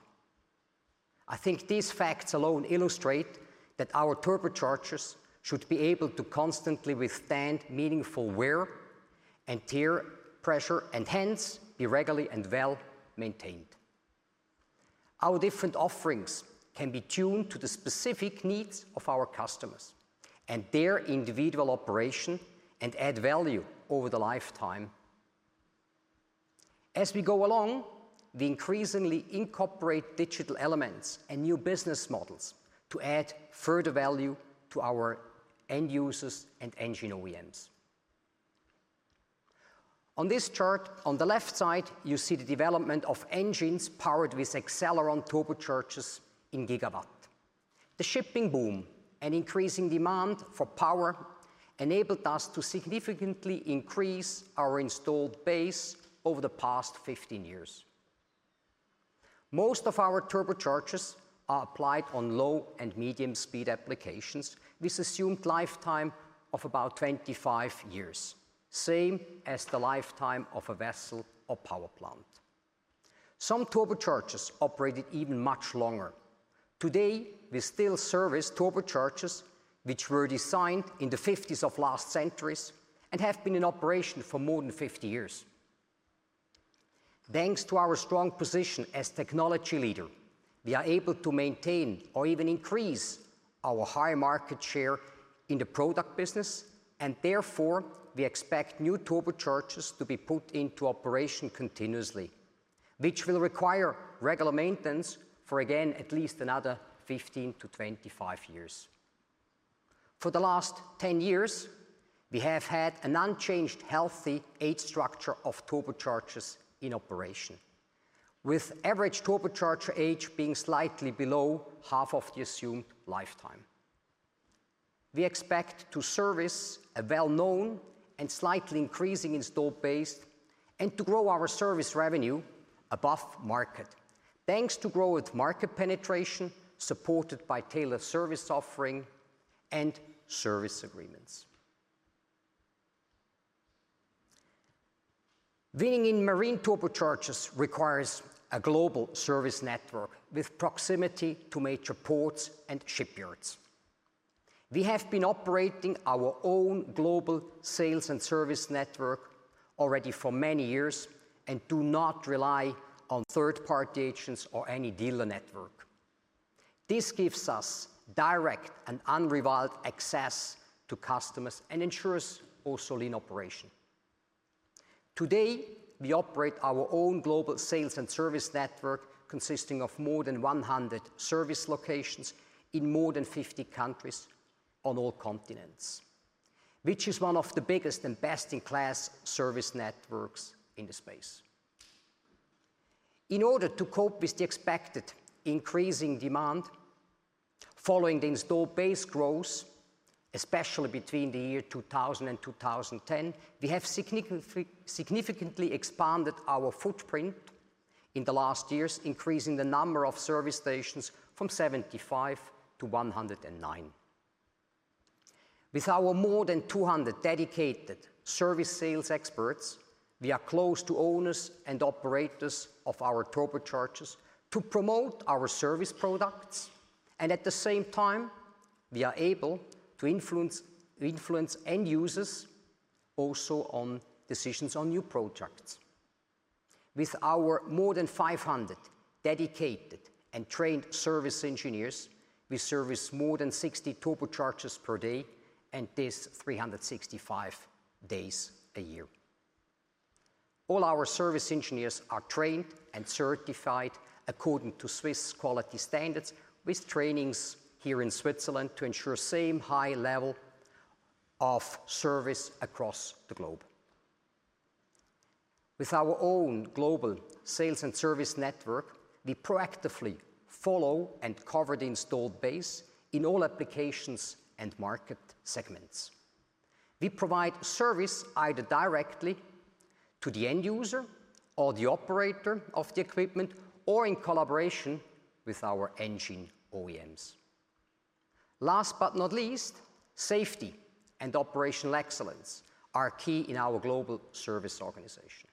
I think these facts alone illustrate that our turbochargers should be able to constantly withstand meaningful wear and tear pressure and hence be regularly and well-maintained. Our different offerings can be tuned to the specific needs of our customers and their individual operation and add value over the lifetime. As we go along, we increasingly incorporate digital elements and new business models to add further value to our end users and engine OEMs. On this chart, on the left side, you see the development of engines powered with Accelleron turbochargers in GW. The shipping boom and increasing demand for power enabled us to significantly increase our installed base over the past 15 years. Most of our turbochargers are applied on low and medium speed applications with assumed lifetime of about 25 years, same as the lifetime of a vessel or power plant. Some turbochargers operated even much longer. Today, we still service turbochargers which were designed in the fifties of last century and have been in operation for more than 50 years. Thanks to our strong position as technology leader, we are able to maintain or even increase our high market share in the product business, and therefore we expect new turbochargers to be put into operation continuously, which will require regular maintenance for again, at least another 15-25 years. For the last 10 years, we have had an unchanged healthy age structure of turbochargers in operation. With average turbocharger age being slightly below half of the assumed lifetime. We expect to service a well-known and slightly increasing installed base and to grow our service revenue above market thanks to growth market penetration supported by tailored service offering and service agreements. Winning in marine turbochargers requires a global service network with proximity to major ports and shipyards. We have been operating our own global sales and service network already for many years and do not rely on third-party agents or any dealer network. This gives us direct and unrivaled access to customers and ensures also lean operation. Today, we operate our own global sales and service network consisting of more than 100 service locations in more than 50 countries on all continents, which is one of the biggest and best-in-class service networks in the space. In order to cope with the expected increasing demand following the installed base growth, especially between 2000 and 2010, we have significantly expanded our footprint in the last years, increasing the number of service stations from 75-109. With our more than 200 dedicated service sales experts, we are close to owners and operators of our turbochargers to promote our service products, and at the same time, we are able to influence end users also on decisions on new projects. With our more than 500 dedicated and trained service engineers, we service more than 60 turbochargers per day and this 365 days a year. All our service engineers are trained and certified according to Swiss quality standards with trainings here in Switzerland to ensure same high level of service across the globe. With our own global sales and service network, we proactively follow and cover the installed base in all applications and market segments. We provide service either directly to the end user or the operator of the equipment or in collaboration with our engine OEMs. Last but not least, safety and operational excellence are key in our global service organization.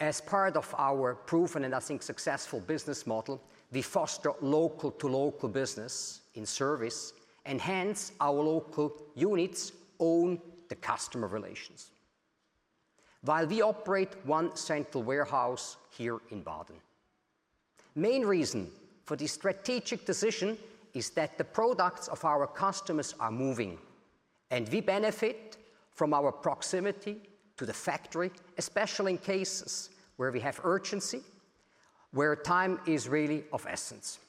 As part of our proven and I think successful business model, we foster local-to-local business in service, and hence our local units own the customer relations while we operate one central warehouse here in Baden. Main reason for this strategic decision is that the products of our customers are moving, and we benefit from our proximity to the factory, especially in cases where we have urgency, where time is really of essence.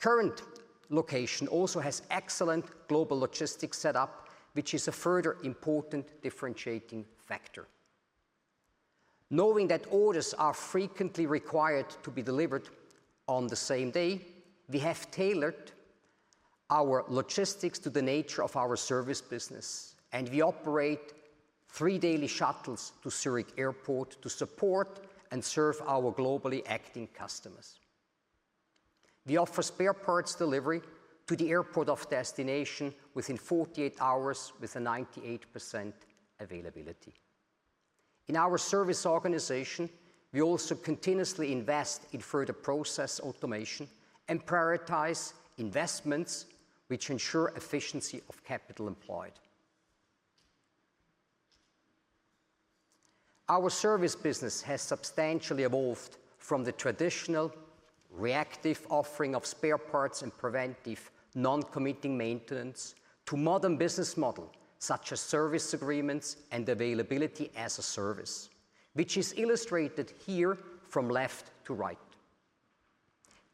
Current location also has excellent global logistics set up, which is a further important differentiating factor. Knowing that orders are frequently required to be delivered on the same day, we have tailored our logistics to the nature of our service business, and we operate three daily shuttles to Zurich Airport to support and serve our globally acting customers. We offer spare parts delivery to the airport of destination within 48 hours with a 98% availability. In our service organization, we also continuously invest in further process automation and prioritize investments which ensure efficiency of capital employed. Our service business has substantially evolved from the traditional reactive offering of spare parts and preventive non-committing maintenance to modern business model such as service agreements and availability-as-a-service, which is illustrated here from left to right.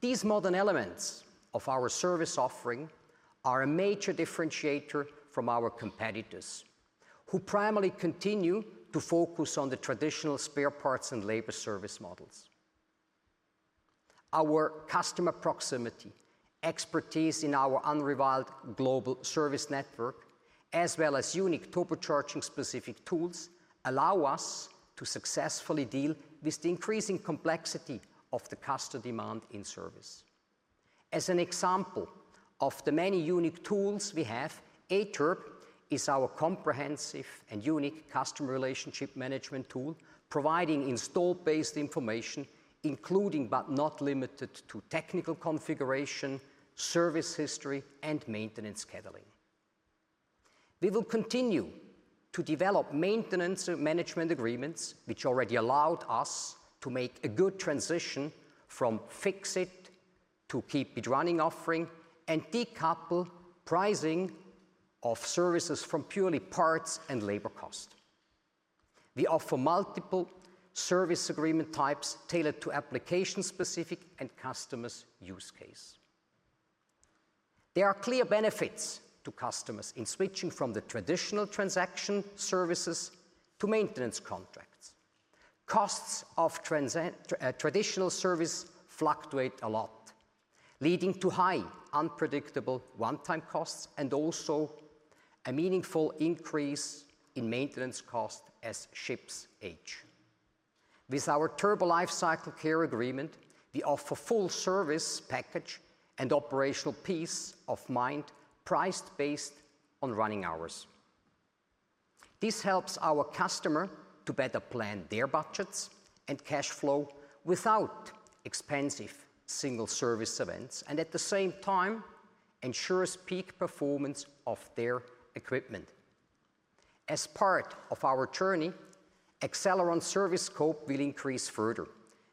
These modern elements of our service offering are a major differentiator from our competitors who primarily continue to focus on the traditional spare parts and labor service models. Our customer proximity, expertise in our unrivaled global service network, as well as unique turbocharging-specific tools allow us to successfully deal with the increasing complexity of the customer demand in service. As an example of the many unique tools we have, ATURB is our comprehensive and unique customer relationship management tool providing installed base information, including but not limited to technical configuration, service history, and maintenance scheduling. We will continue to develop maintenance management agreements which already allowed us to make a good transition from fix-it to keep-it-running offering and decouple pricing of services from purely parts and labor cost. We offer multiple service agreement types tailored to application-specific and customer-specific use cases. There are clear benefits to customers in switching from the traditional transaction services to maintenance contracts. Costs of traditional service fluctuate a lot, leading to high unpredictable one-time costs and also a meaningful increase in maintenance cost as ships age. With our Turbo LifecycleCare agreement, we offer full service package and operational peace of mind priced based on running hours. This helps our customer to better plan their budgets and cash flow without expensive single service events, and at the same time ensures peak performance of their equipment. As part of our journey, Accelleron service scope will increase further,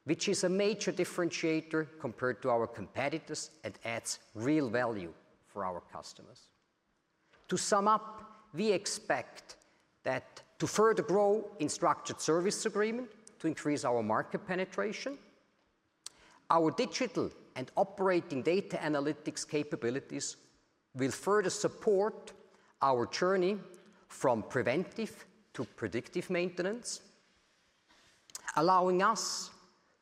which is a major differentiator compared to our competitors and adds real value for our customers. To sum up, we expect that to further grow in structured service agreement to increase our market penetration, our digital and operating data analytics capabilities will further support our journey from preventive to predictive maintenance, allowing us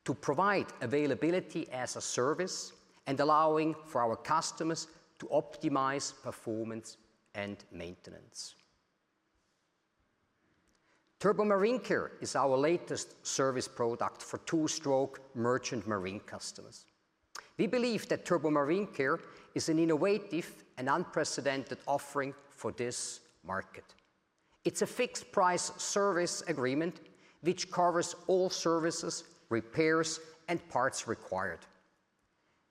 to provide availability as a service and allowing for our customers to optimize performance and maintenance. Turbo MarineCare is our latest service product for two-stroke merchant marine customers. We believe that Turbo MarineCare is an innovative and unprecedented offering for this market. It's a fixed price service agreement which covers all services, repairs, and parts required.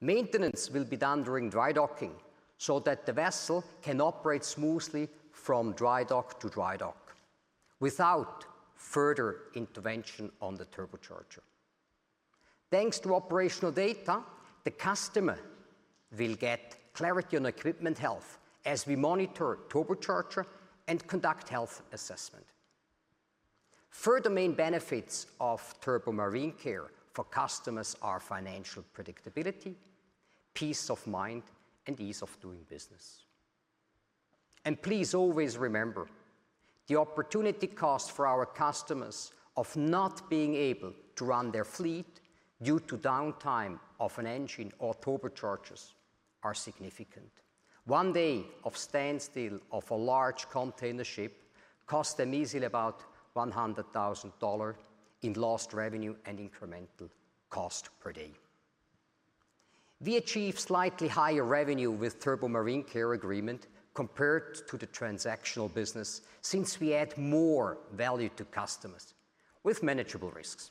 Maintenance will be done during dry docking so that the vessel can operate smoothly from dry dock to dry dock without further intervention on the turbocharger. Thanks to operational data, the customer will get clarity on equipment health as we monitor turbocharger and conduct health assessment. Further main benefits of Turbo MarineCare for customers are financial predictability, peace of mind, and ease of doing business. Please always remember, the opportunity cost for our customers of not being able to run their fleet due to downtime of an engine or turbochargers are significant. One day of standstill of a large container ship cost them easily about $100,000 in lost revenue and incremental cost per day. We achieve slightly higher revenue with Turbo MarineCare agreement compared to the transactional business since we add more value to customers with manageable risks.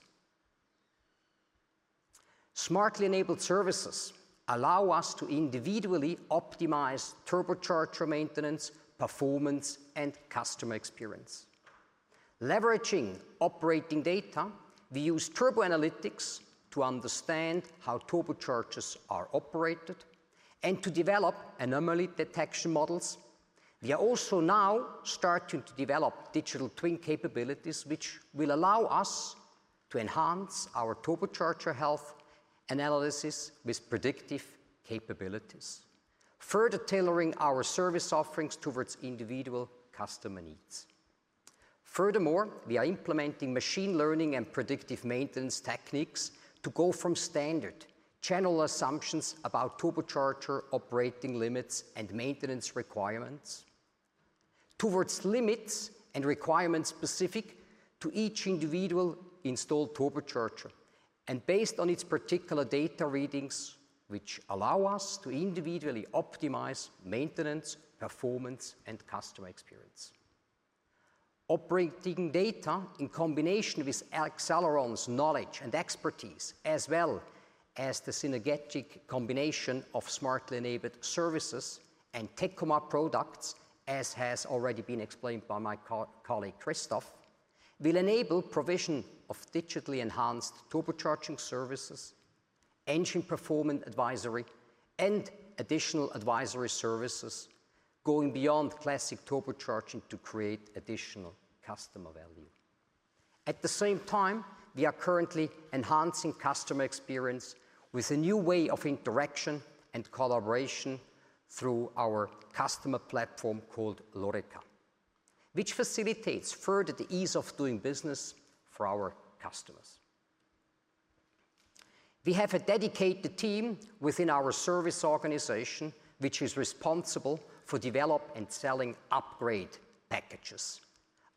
Smartly enabled services allow us to individually optimize turbocharger maintenance, performance, and customer experience. Leveraging operating data, we use turbo analytics to understand how turbochargers are operated and to develop anomaly detection models. We are also now starting to develop digital twin capabilities, which will allow us to enhance our turbocharger health analysis with predictive capabilities, further tailoring our service offerings towards individual customer needs. Furthermore, we are implementing machine learning and predictive maintenance techniques to go from standard general assumptions about turbocharger operating limits and maintenance requirements towards limits and requirements specific to each individual installed turbocharger and based on its particular data readings, which allow us to individually optimize maintenance, performance, and customer experience. Operating data in combination with Accelleron's knowledge and expertise as well as the synergistic combination of smartly enabled services and Tekomar products, as has already been explained by my co-colleague Christoph, will enable provision of digitally enhanced turbocharging services, engine performance advisory, and additional advisory services going beyond classic turbocharging to create additional customer value. At the same time, we are currently enhancing customer experience with a new way of interaction and collaboration through our customer platform called Loreca, which facilitates further the ease of doing business for our customers. We have a dedicated team within our service organization, which is responsible for developing and selling upgrade packages.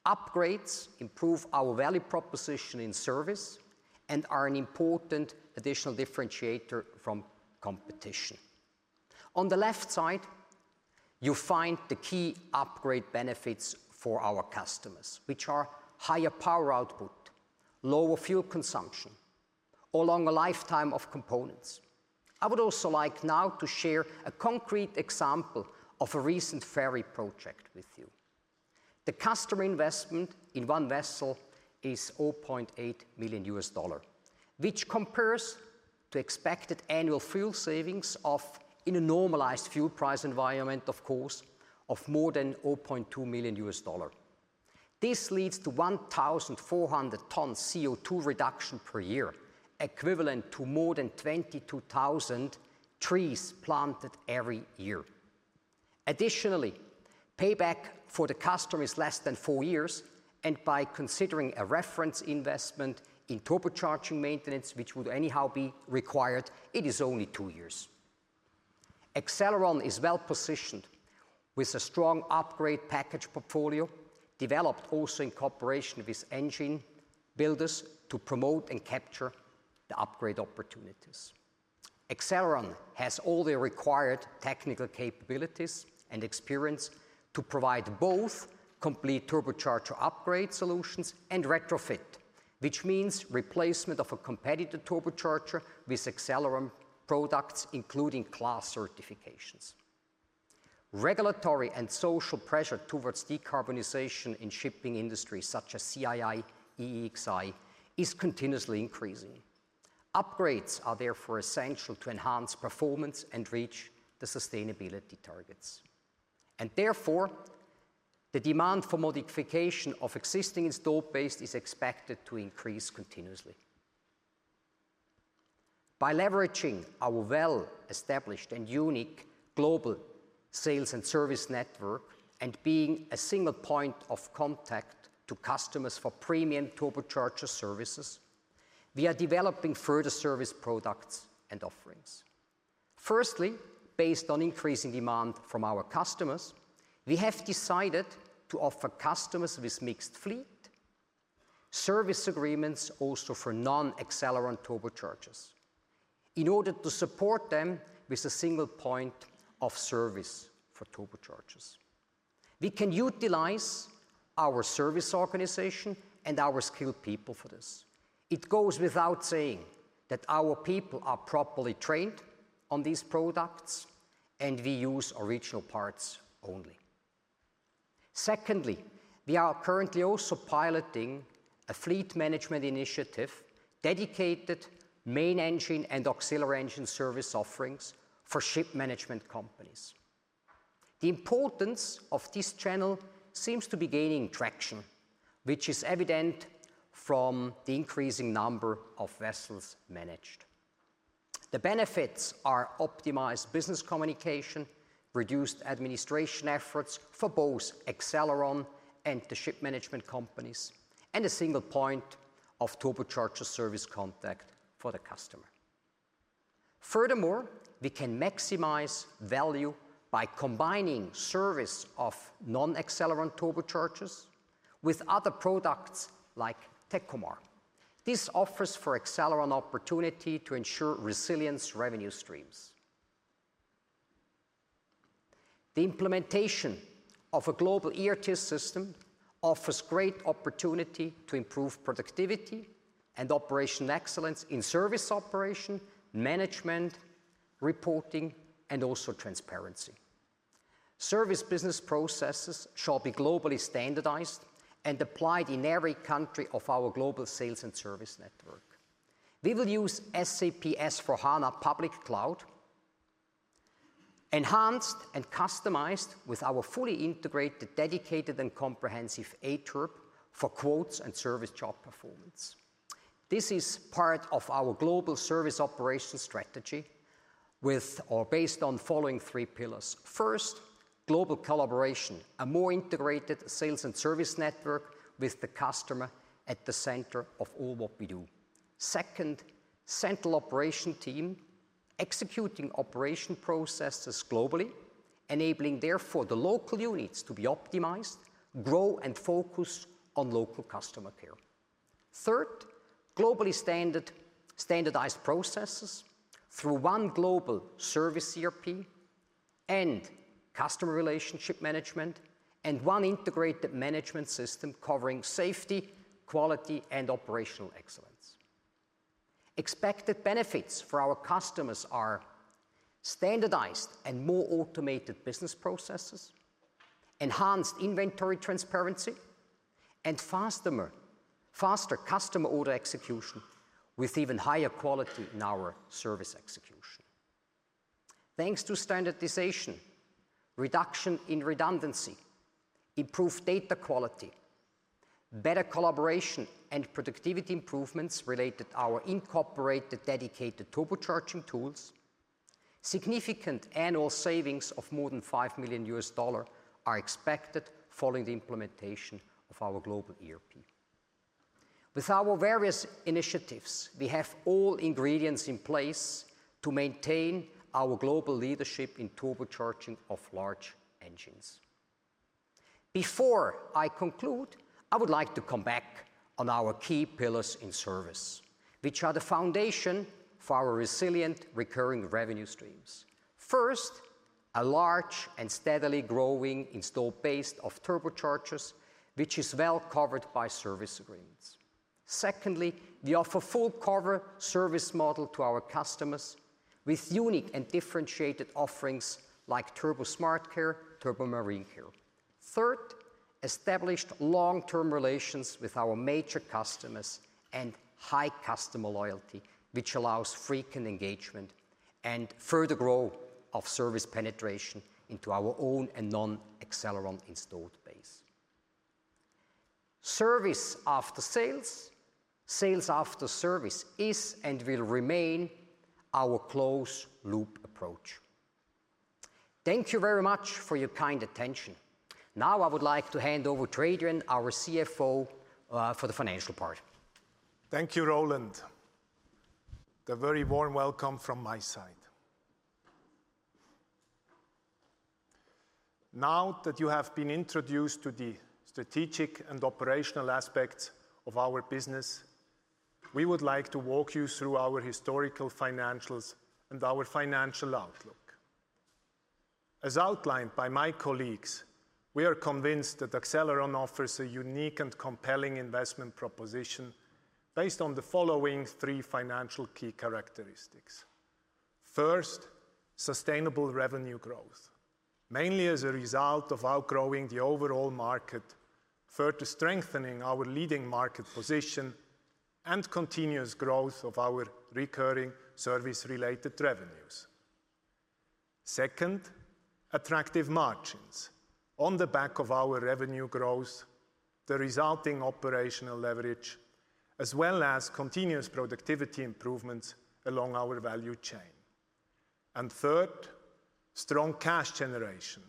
Upgrades improve our value proposition in service and are an important additional differentiator from competition. On the left side, you find the key upgrade benefits for our customers, which are higher power output, lower fuel consumption, or longer lifetime of components. I would also like now to share a concrete example of a recent ferry project with you. The customer investment in 1 vessel is $0.8 million, which compares to expected annual fuel savings of, in a normalized fuel price environment of course, of more than $0.2 million. This leads to 1,400 tons CO₂ reduction per year, equivalent to more than 22,000 trees planted every year. Additionally, payback for the customer is less than four years, and by considering a reference investment in turbocharging maintenance which would anyhow be required, it is only two years. Accelleron is well positioned with a strong upgrade package portfolio, developed also in cooperation with engine builders to promote and capture the upgrade opportunities. Accelleron has all the required technical capabilities and experience to provide both complete turbocharger upgrade solutions and retrofit, which means replacement of a competitive turbocharger with Accelleron products, including class certifications. Regulatory and social pressure towards decarbonization in shipping industries such as CII, EEXI is continuously increasing. Upgrades are therefore essential to enhance performance and reach the sustainability targets. Therefore, the demand for modification of existing installed base is expected to increase continuously. By leveraging our well-established and unique global sales and service network and being a single point of contact to customers for premium turbocharger services, we are developing further service products and offerings. Firstly, based on increasing demand from our customers, we have decided to offer customers with mixed fleet service agreements also for non-Accelleron turbochargers in order to support them with a single point of service for turbochargers. We can utilize our service organization and our skilled people for this. It goes without saying that our people are properly trained on these products, and we use original parts only. Secondly, we are currently also piloting a fleet management initiative, dedicated main engine and auxiliary engine service offerings for ship management companies. The importance of this channel seems to be gaining traction, which is evident from the increasing number of vessels managed. The benefits are optimized business communication, reduced administration efforts for both Accelleron and the ship management companies, and a single point of turbocharger service contact for the customer. Furthermore, we can maximize value by combining service of non-Accelleron turbochargers with other products like Tekomar. This offers for Accelleron opportunity to ensure resilient revenue streams. The implementation of a global ERP system offers great opportunity to improve productivity and operational excellence in service operation, management, reporting, and also transparency. Service business processes shall be globally standardized and applied in every country of our global sales and service network. We will use SAP S/4HANA public cloud, enhanced and customized with our fully integrated, dedicated, and comprehensive ATURB for quotes and service job performance. This is part of our global service operation strategy, which is based on the following three pillars. First, global collaboration, a more integrated sales and service network with the customer at the center of all what we do. Second, central operation team executing operation processes globally, enabling therefore the local units to be optimized, grow, and focus on local customer care. Third, globally standardized processes through one global service ERP and customer relationship management and one integrated management system covering safety, quality, and operational excellence. Expected benefits for our customers are standardized and more automated business processes, enhanced inventory transparency, and faster customer order execution with even higher quality in our service execution. Thanks to standardization, reduction in redundancy, improved data quality, better collaboration, and productivity improvements related to our incorporated dedicated turbocharging tools, significant annual savings of more than $5 million are expected following the implementation of our global ERP. With our various initiatives, we have all ingredients in place to maintain our global leadership in turbocharging of large engines. Before I conclude, I would like to come back on our key pillars in service, which are the foundation for our resilient recurring revenue streams. First, a large and steadily growing installed base of turbochargers, which is well covered by service agreements. Secondly, we offer full cover service model to our customers with unique and differentiated offerings like Turbo SmartCare, Turbo MarineCare. Third, established long-term relations with our major customers and high customer loyalty, which allows frequent engagement and further growth of service penetration into our own and non-Accelleron installed base. Service after sales after service is and will remain our closed-loop approach. Thank you very much for your kind attention. Now I would like to hand over to Adrian, our CFO, for the financial part. Thank you, Roland. The very warm welcome from my side. Now that you have been introduced to the strategic and operational aspects of our business, we would like to walk you through our historical financials and our financial outlook. As outlined by my colleagues, we are convinced that Accelleron offers a unique and compelling investment proposition based on the following three financial key characteristics. First, sustainable revenue growth, mainly as a result of outgrowing the overall market, further strengthening our leading market position and continuous growth of our recurring service-related revenues. Second, attractive margins. On the back of our revenue growth, the resulting operational leverage, as well as continuous productivity improvements along our value chain. Third, strong cash generation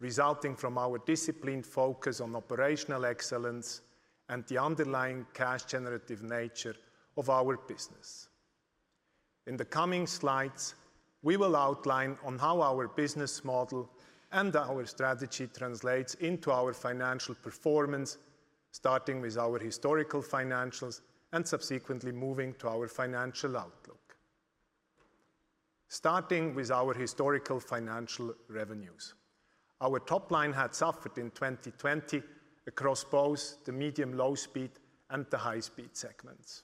resulting from our disciplined focus on operational excellence and the underlying cash generative nature of our business. In the coming slides, we will elaborate on how our business model and our strategy translates into our financial performance, starting with our historical financials and subsequently moving to our financial outlook. Starting with our historical financial revenues. Our top line had suffered in 2020 across both the medium- and low-speed and the high-speed segments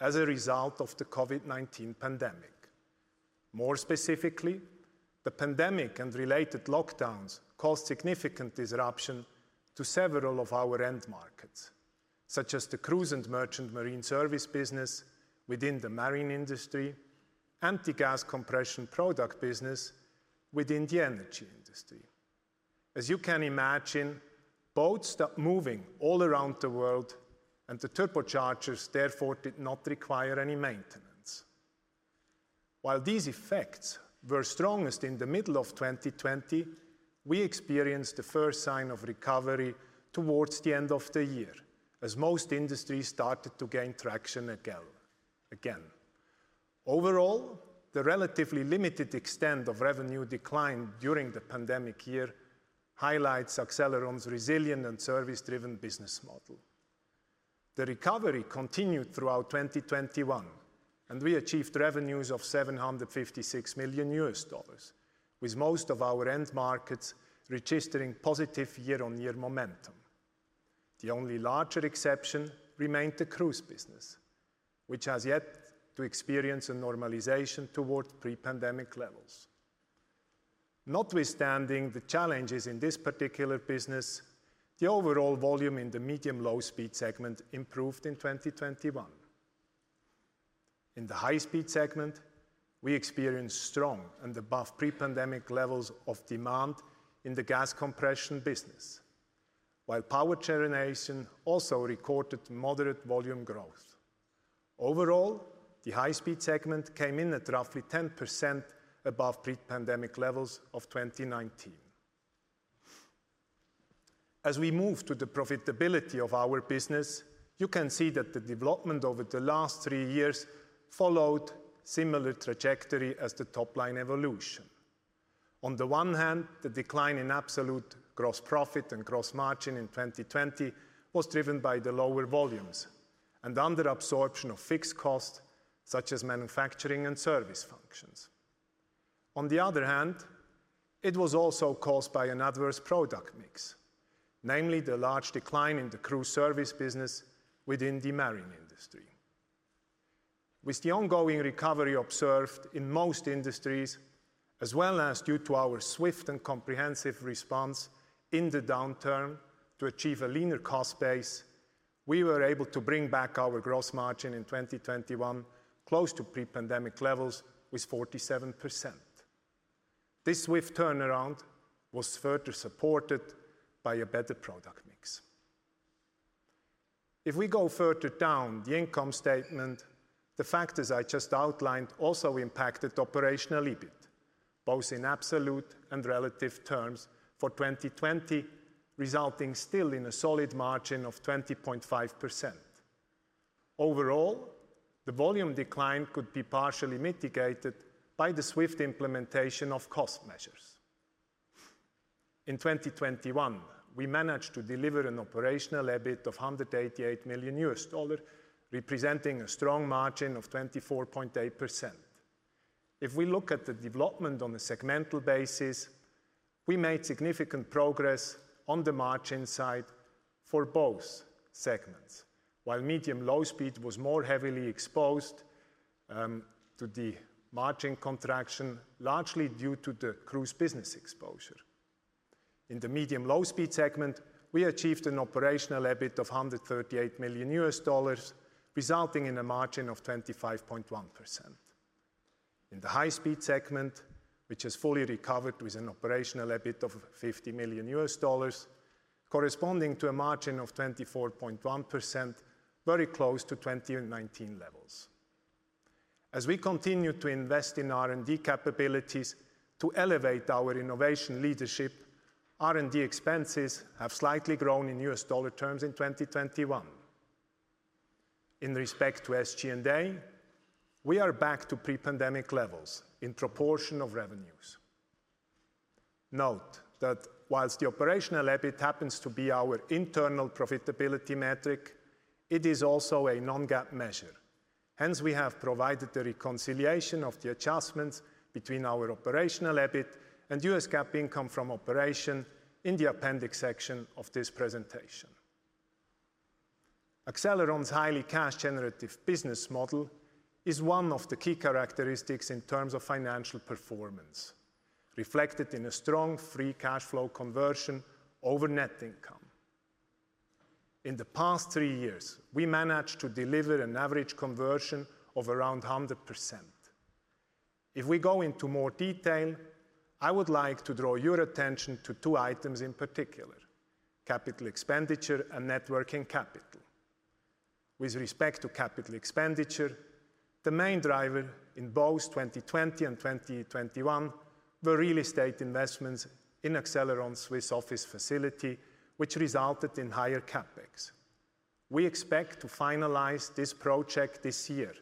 as a result of the COVID-19 pandemic. More specifically, the pandemic and related lockdowns caused significant disruption to several of our end markets, such as the cruise and merchant marine service business within the marine industry, and the gas compression product business within the energy industry. As you can imagine, boats stopped moving all around the world and the turbochargers therefore did not require any maintenance. While these effects were strongest in the middle of 2020, we experienced the first sign of recovery towards the end of the year as most industries started to gain traction again. Overall, the relatively limited extent of revenue decline during the pandemic year highlights Accelleron's resilient and service-driven business model. The recovery continued throughout 2021, and we achieved revenues of $756 million, with most of our end markets registering positive year-on-year momentum. The only larger exception remained the cruise business, which has yet to experience a normalization towards pre-pandemic levels. Notwithstanding the challenges in this particular business, the overall volume in the medium- and low-speed segment improved in 2021. In the high-speed segment, we experienced strong and above pre-pandemic levels of demand in the gas compression business. While power generation also recorded moderate volume growth. Overall, the high speed segment came in at roughly 10% above pre-pandemic levels of 2019. As we move to the profitability of our business, you can see that the development over the last three years followed similar trajectory as the top line evolution. On the one hand, the decline in absolute gross profit and gross margin in 2020 was driven by the lower volumes and under absorption of fixed costs such as manufacturing and service functions. On the other hand, it was also caused by an adverse product mix, namely the large decline in the cruise service business within the marine industry. With the ongoing recovery observed in most industries, as well as due to our swift and comprehensive response in the downturn to achieve a leaner cost base, we were able to bring back our gross margin in 2021 close to pre-pandemic levels with 47%. This swift turnaround was further supported by a better product mix. If we go further down the income statement, the factors I just outlined also impacted operational EBIT, both in absolute and relative terms for 2020, resulting still in a solid margin of 20.5%. Overall, the volume decline could be partially mitigated by the swift implementation of cost measures. In 2021, we managed to deliver an operational EBIT of $188 million, representing a strong margin of 24.8%. If we look at the development on a segmental basis, we made significant progress on the margin side for both segments. While medium & low speed was more heavily exposed to the margin contraction, largely due to the cruise business exposure. In the medium & low speed segment, we achieved an operational EBIT of $138 million, resulting in a margin of 25.1%. In the high speed segment, which has fully recovered with an operational EBIT of $50 million corresponding to a margin of 24.1%, very close to 2019 levels. As we continue to invest in R&D capabilities to elevate our innovation leadership, R&D expenses have slightly grown in U.S. dollar terms in 2021. In respect to SG&A, we are back to pre-pandemic levels in proportion of revenues. Note that while the operational EBIT happens to be our internal profitability metric, it is also a non-GAAP measure. Hence, we have provided the reconciliation of the adjustments between our operational EBIT and U.S. GAAP income from operation in the appendix section of this presentation. Accelleron's highly cash generative business model is one of the key characteristics in terms of financial performance, reflected in a strong free cash flow conversion over net income. In the past three years, we managed to deliver an average conversion of around 100%. If we go into more detail, I would like to draw your attention to two items in particular. Capital expenditure and net working capital. With respect to capital expenditure, the main driver in both 2020 and 2021 were real estate investments in Accelleron's Swiss office facility, which resulted in higher CapEx. We expect to finalize this project this year.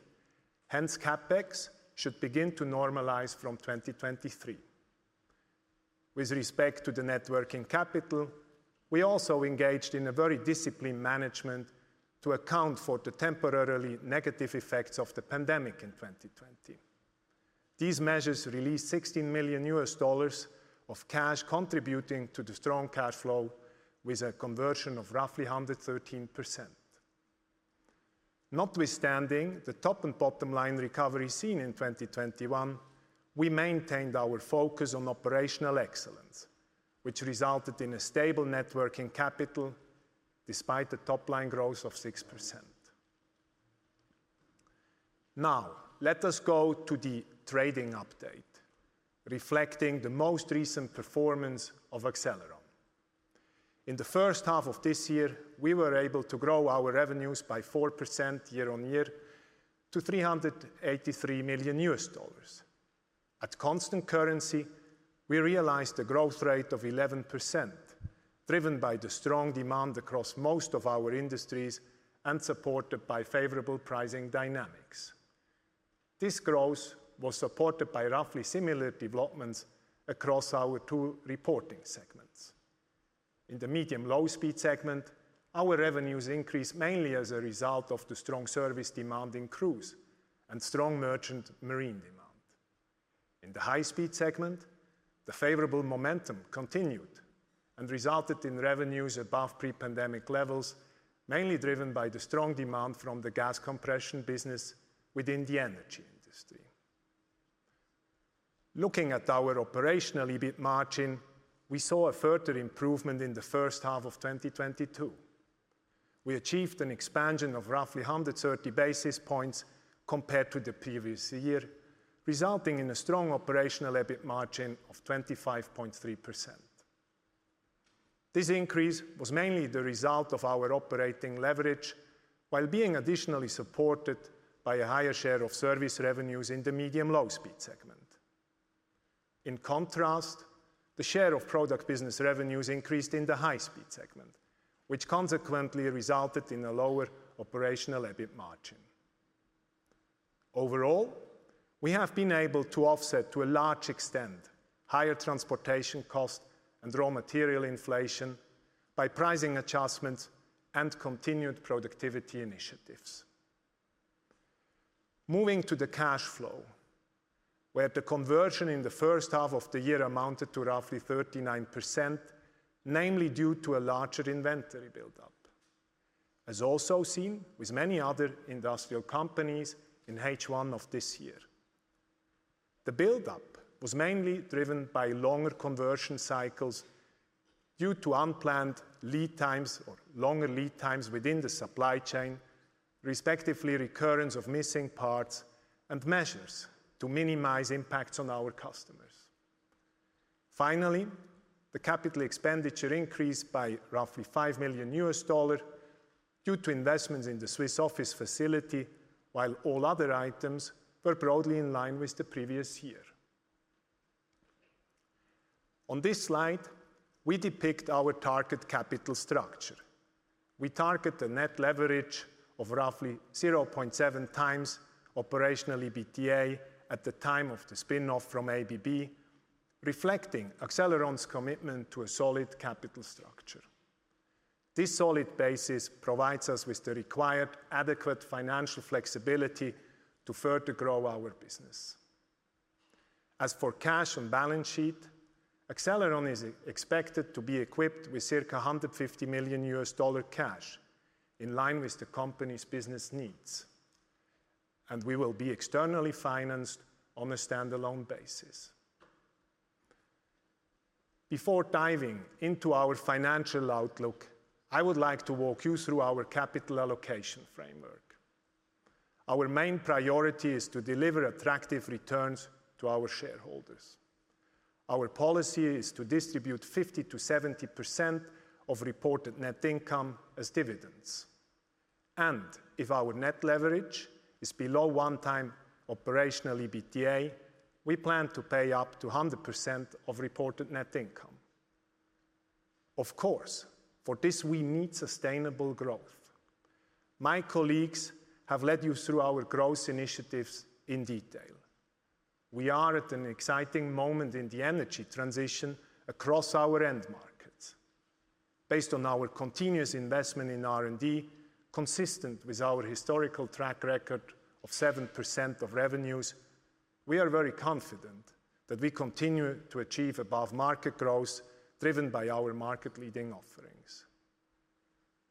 Hence, CapEx should begin to normalize from 2023. With respect to the net working capital, we also engaged in a very disciplined management to account for the temporarily negative effects of the pandemic in 2020. These measures released $16 million of cash, contributing to the strong cash flow with a conversion of roughly 113%. Notwithstanding the top and bottom line recovery seen in 2021, we maintained our focus on operational excellence, which resulted in a stable net working capital despite the top line growth of 6%. Now let us go to the trading update reflecting the most recent performance of Accelleron. In the first half of this year, we were able to grow our revenues by 4% year-on-year to $383 million. At constant currency, we realized a growth rate of 11%, driven by the strong demand across most of our industries and supported by favorable pricing dynamics. This growth was supported by roughly similar developments across our two reporting segments. In the medium- and low-speed segment, our revenues increased mainly as a result of the strong service demand in cruise and strong merchant marine demand. In the high-speed segment, the favorable momentum continued and resulted in revenues above pre-pandemic levels, mainly driven by the strong demand from the gas compression business within the energy industry. Looking at our operational EBIT margin, we saw a further improvement in the first half of 2022. We achieved an expansion of roughly 130 basis points compared to the previous year, resulting in a strong operational EBIT margin of 25.3%. This increase was mainly the result of our operating leverage while being additionally supported by a higher share of service revenues in the medium- and low-speed segment. In contrast, the share of product business revenues increased in the high-speed segment, which consequently resulted in a lower operational EBIT margin. Overall, we have been able to offset to a large extent higher transportation cost and raw material inflation by pricing adjustments and continued productivity initiatives. Moving to the cash flow, where the conversion in the first half of the year amounted to roughly 39%, namely due to a larger inventory buildup. As also seen with many other industrial companies in H1 of this year. The buildup was mainly driven by longer conversion cycles due to unplanned lead times or longer lead times within the supply chain, respectively recurrence of missing parts and measures to minimize impacts on our customers. Finally, the capital expenditure increased by roughly $5 million due to investments in the Swiss office facility, while all other items were broadly in line with the previous year. On this slide, we depict our target capital structure. We target a net leverage of roughly 0.7x operational EBITDA at the time of the spin-off from ABB, reflecting Accelleron's commitment to a solid capital structure. This solid basis provides us with the required adequate financial flexibility to further grow our business. As for cash and balance sheet, Accelleron is expected to be equipped with circa $150 million cash in line with the company's business needs. We will be externally financed on a standalone basis. Before diving into our financial outlook, I would like to walk you through our capital allocation framework. Our main priority is to deliver attractive returns to our shareholders. Our policy is to distribute 50%-70% of reported net income as dividends. If our net leverage is below 1x operational EBITDA, we plan to pay up to 100% of reported net income. Of course, for this, we need sustainable growth. My colleagues have led you through our growth initiatives in detail. We are at an exciting moment in the energy transition across our end markets. Based on our continuous investment in R&D, consistent with our historical track record of 7% of revenues, we are very confident that we continue to achieve above market growth driven by our market-leading offerings.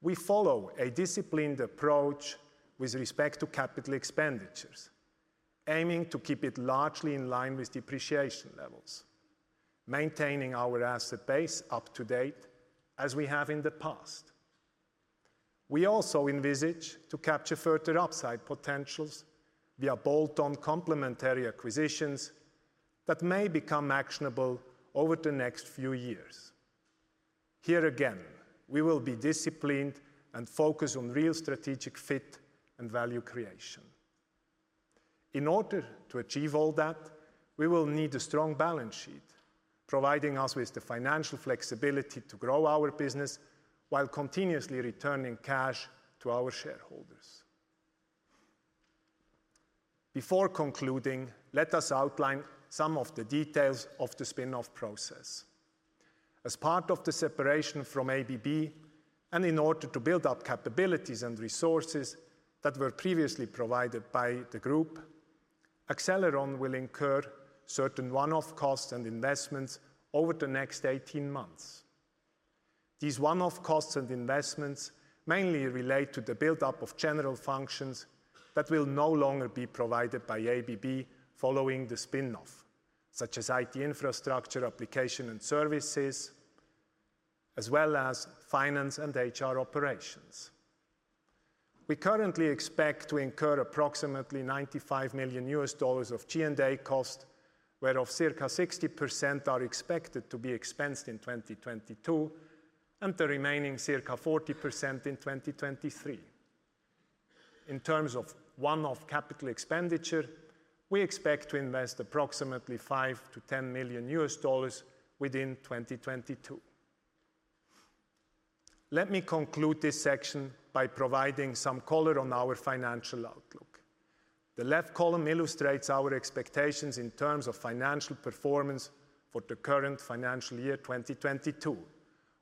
We follow a disciplined approach with respect to capital expenditures, aiming to keep it largely in line with depreciation levels, maintaining our asset base up to date as we have in the past. We also envisage to capture further upside potentials via bolt-on complementary acquisitions that may become actionable over the next few years. Here again, we will be disciplined and focused on real strategic fit and value creation. In order to achieve all that, we will need a strong balance sheet, providing us with the financial flexibility to grow our business while continuously returning cash to our shareholders. Before concluding, let us outline some of the details of the spin-off process. As part of the separation from ABB, and in order to build up capabilities and resources that were previously provided by the group, Accelleron will incur certain one-off costs and investments over the next 18 months. These one-off costs and investments mainly relate to the build-up of general functions that will no longer be provided by ABB following the spin-off, such as IT infrastructure, application and services, as well as finance and HR operations. We currently expect to incur approximately $95 million of G&A cost, whereof circa 60% are expected to be expensed in 2022, and the remaining circa 40% in 2023. In terms of one-off capital expenditure, we expect to invest approximately $5-$10 million within 2022. Let me conclude this section by providing some color on our financial outlook. The left column illustrates our expectations in terms of financial performance for the current financial year, 2022,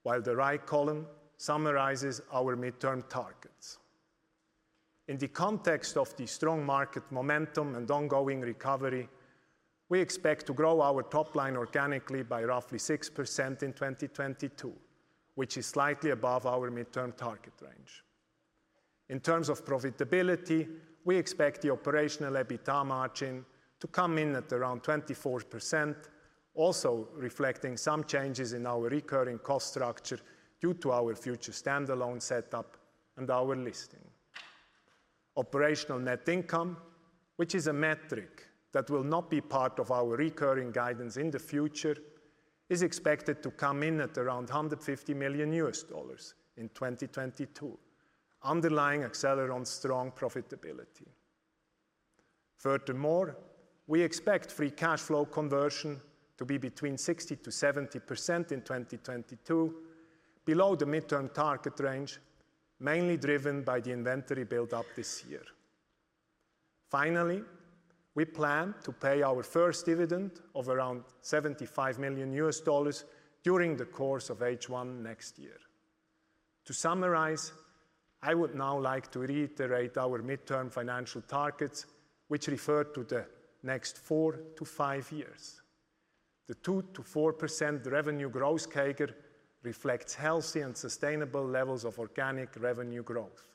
while the right column summarizes our mid-term targets. In the context of the strong market momentum and ongoing recovery, we expect to grow our top line organically by roughly 6% in 2022, which is slightly above our mid-term target range. In terms of profitability, we expect the operational EBITDA margin to come in at around 24%, also reflecting some changes in our recurring cost structure due to our future standalone setup and our listing. Operational net income, which is a metric that will not be part of our recurring guidance in the future, is expected to come in at around $150 million in 2022, underlying Accelleron's strong profitability. Furthermore, we expect free cash flow conversion to be between 60%-70% in 2022, below the mid-term target range, mainly driven by the inventory build-up this year. Finally, we plan to pay our first dividend of around $75 million during the course of H1 next year. To summarize, I would now like to reiterate our mid-term financial targets, which refer to the next four to five years. The 2%-4% revenue growth CAGR reflects healthy and sustainable levels of organic revenue growth.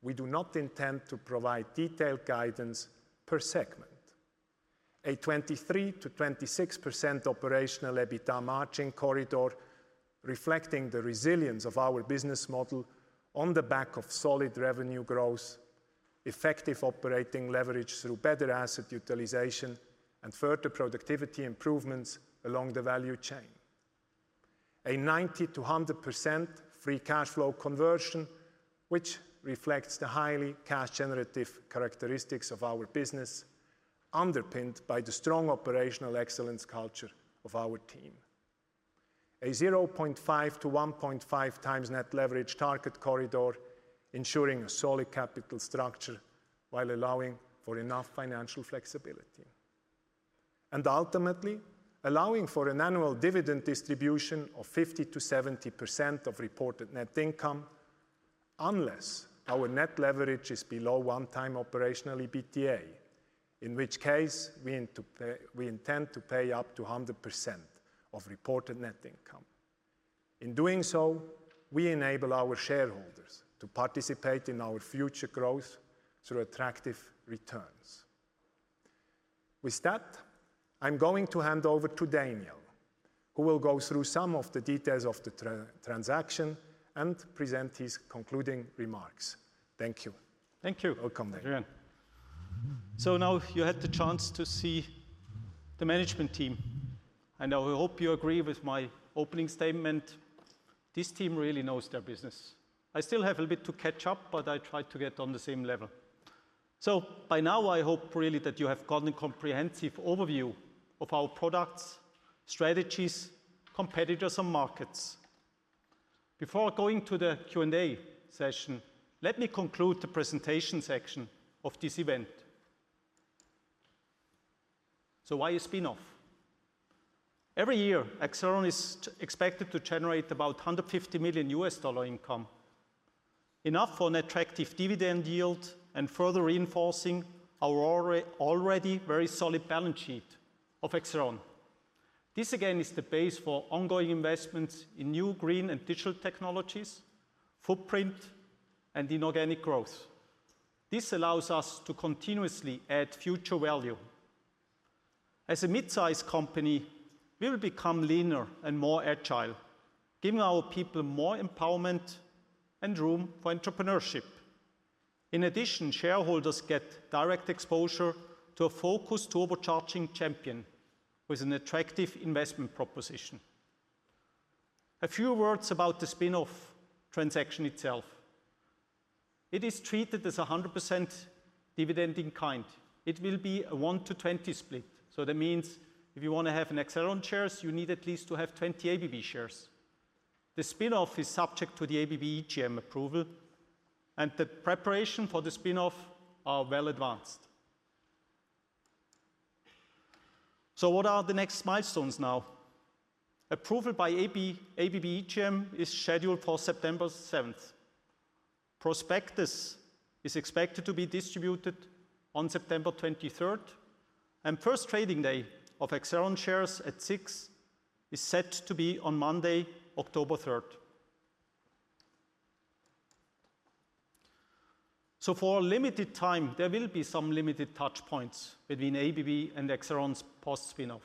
We do not intend to provide detailed guidance per segment. A 23%-26% operational EBITDA margin corridor reflecting the resilience of our business model on the back of solid revenue growth, effective operating leverage through better asset utilization and further productivity improvements along the value chain. 90%-100% free cash flow conversion, which reflects the highly cash generative characteristics of our business, underpinned by the strong operational excellence culture of our team. 0.5x-1.5x net leverage target corridor ensuring a solid capital structure while allowing for enough financial flexibility. Ultimately, allowing for an annual dividend distribution of 50%-70% of reported net income, unless our net leverage is below 1 time operational EBITDA, in which case we intend to pay up to 100% of reported net income. In doing so, we enable our shareholders to participate in our future growth through attractive returns. With that, I'm going to hand over to Daniel, who will go through some of the details of the transaction and present his concluding remarks. Thank you. Thank you. Welcome, Daniel. Now you had the chance to see the management team, and I hope you agree with my opening statement. This team really knows their business. I still have a bit to catch up, but I try to get on the same level. By now, I hope really that you have gotten a comprehensive overview of our products, strategies, competitors, and markets. Before going to the Q&A session, let me conclude the presentation section of this event. Why a spin-off? Every year, Accelleron is expected to generate about $150 million income. Enough for an attractive dividend yield and further reinforcing our already very solid balance sheet of Accelleron. This, again, is the base for ongoing investments in new green and digital technologies, footprint, and inorganic growth. This allows us to continuously add future value. As a midsize company, we will become leaner and more agile, giving our people more empowerment and room for entrepreneurship. In addition, shareholders get direct exposure to a focused turbocharging champion with an attractive investment proposition. A few words about the spin-off transaction itself. It is treated as a 100% dividend in kind. It will be a 1-to-20 split. That means if you wanna have an Accelleron shares, you need at least to have 20 ABB shares. The spin-off is subject to the ABB AGM approval, and the preparation for the spin-off are well advanced. What are the next milestones now? Approval by ABB AGM is scheduled for September seventh. Prospectus is expected to be distributed on September twenty-third, and first trading day of Accelleron shares at SIX is set to be on Monday, October third. For a limited time, there will be some limited touchpoints between ABB and Accelleron's post-spin-off.